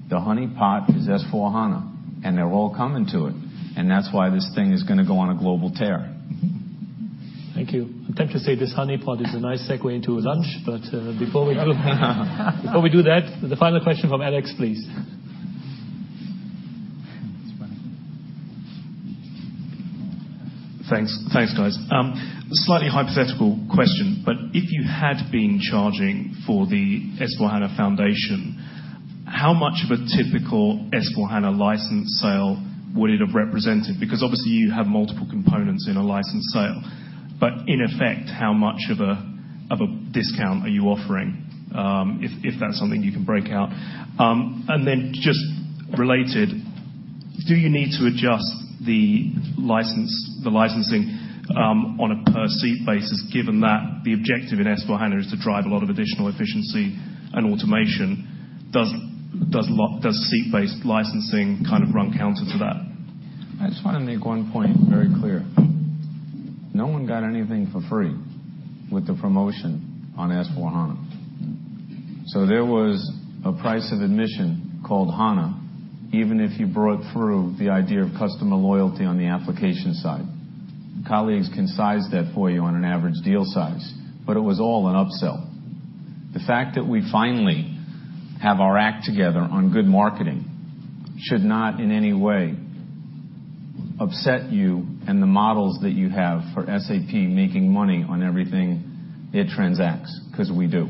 The honeypot is S/4HANA, and they're all coming to it, and that's why this thing is going to go on a global tear. Thank you. I'm tempted to say this honeypot is a nice segue into lunch, before we do that, the final question from Alex, please. Thanks. Thanks, guys. Slightly hypothetical question, but if you had been charging for the S/4HANA foundation, how much of a typical S/4HANA license sale would it have represented? Obviously, you have multiple components in a license sale, but in effect, how much of a discount are you offering? If that's something you can break out. Then just related, do you need to adjust the licensing on a per seat basis, given that the objective in S/4HANA is to drive a lot of additional efficiency and automation? Does seat-based licensing kind of run counter to that? I just want to make one point very clear. No one got anything for free with the promotion on S/4HANA. There was a price of admission called HANA, even if you broke through the idea of customer loyalty on the application side. Colleagues can size that for you on an average deal size, but it was all an upsell. The fact that we finally have our act together on good marketing should not in any way upset you and the models that you have for SAP making money on everything it transacts, because we do.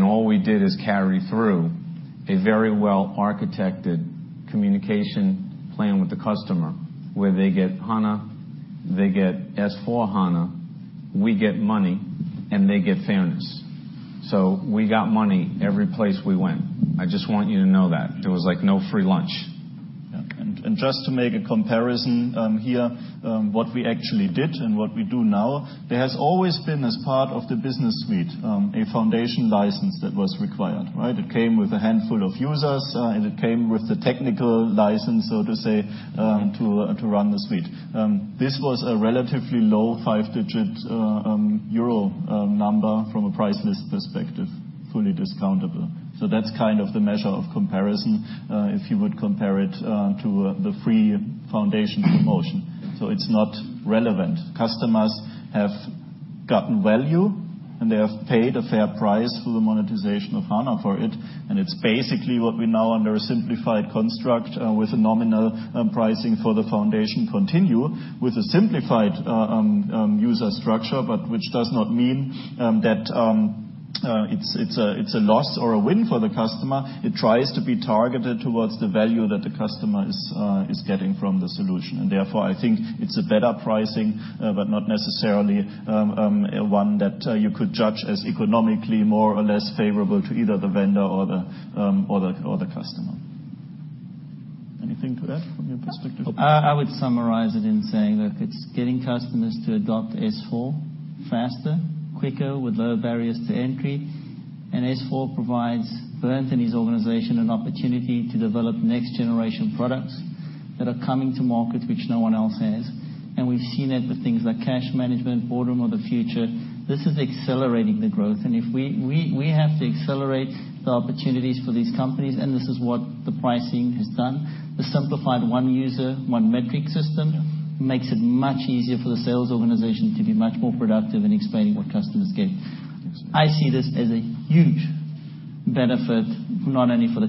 All we did is carry through a very well-architected communication plan with the customer, where they get HANA, they get S/4HANA, we get money, and they get fairness. We got money every place we went. I just want you to know that. There was no free lunch. Just to make a comparison here, what we actually did and what we do now, there has always been, as part of the business suite, a foundation license that was required. Right? It came with a handful of users, and it came with the technical license, so to say, to run the suite. This was a relatively low five-digit euro number from a price list perspective, fully discountable. That's kind of the measure of comparison, if you would compare it to the free foundation promotion. It's not relevant. Customers have gotten value, and they have paid a fair price through the monetization of SAP HANA for it, and it's basically what we now, under a simplified construct with a nominal pricing for the foundation, continue with a simplified user structure, but which does not mean that it's a loss or a win for the customer. It tries to be targeted towards the value that the customer is getting from the solution. Therefore, I think it's a better pricing, but not necessarily one that you could judge as economically more or less favorable to either the vendor or the customer. Anything to add from your perspective? I would summarize it in saying that it's getting customers to adopt S/4 faster, quicker, with low barriers to entry. S/4 provides Bernd and his organization an opportunity to develop next-generation products that are coming to market, which no one else has. We've seen it with things like cash management, boardroom of the future. This is accelerating the growth. If we have to accelerate the opportunities for these companies, and this is what the pricing has done. The simplified one user, one metric system makes it much easier for the sales organization to be much more productive in explaining what customers get. I see this as a huge benefit, not only for the-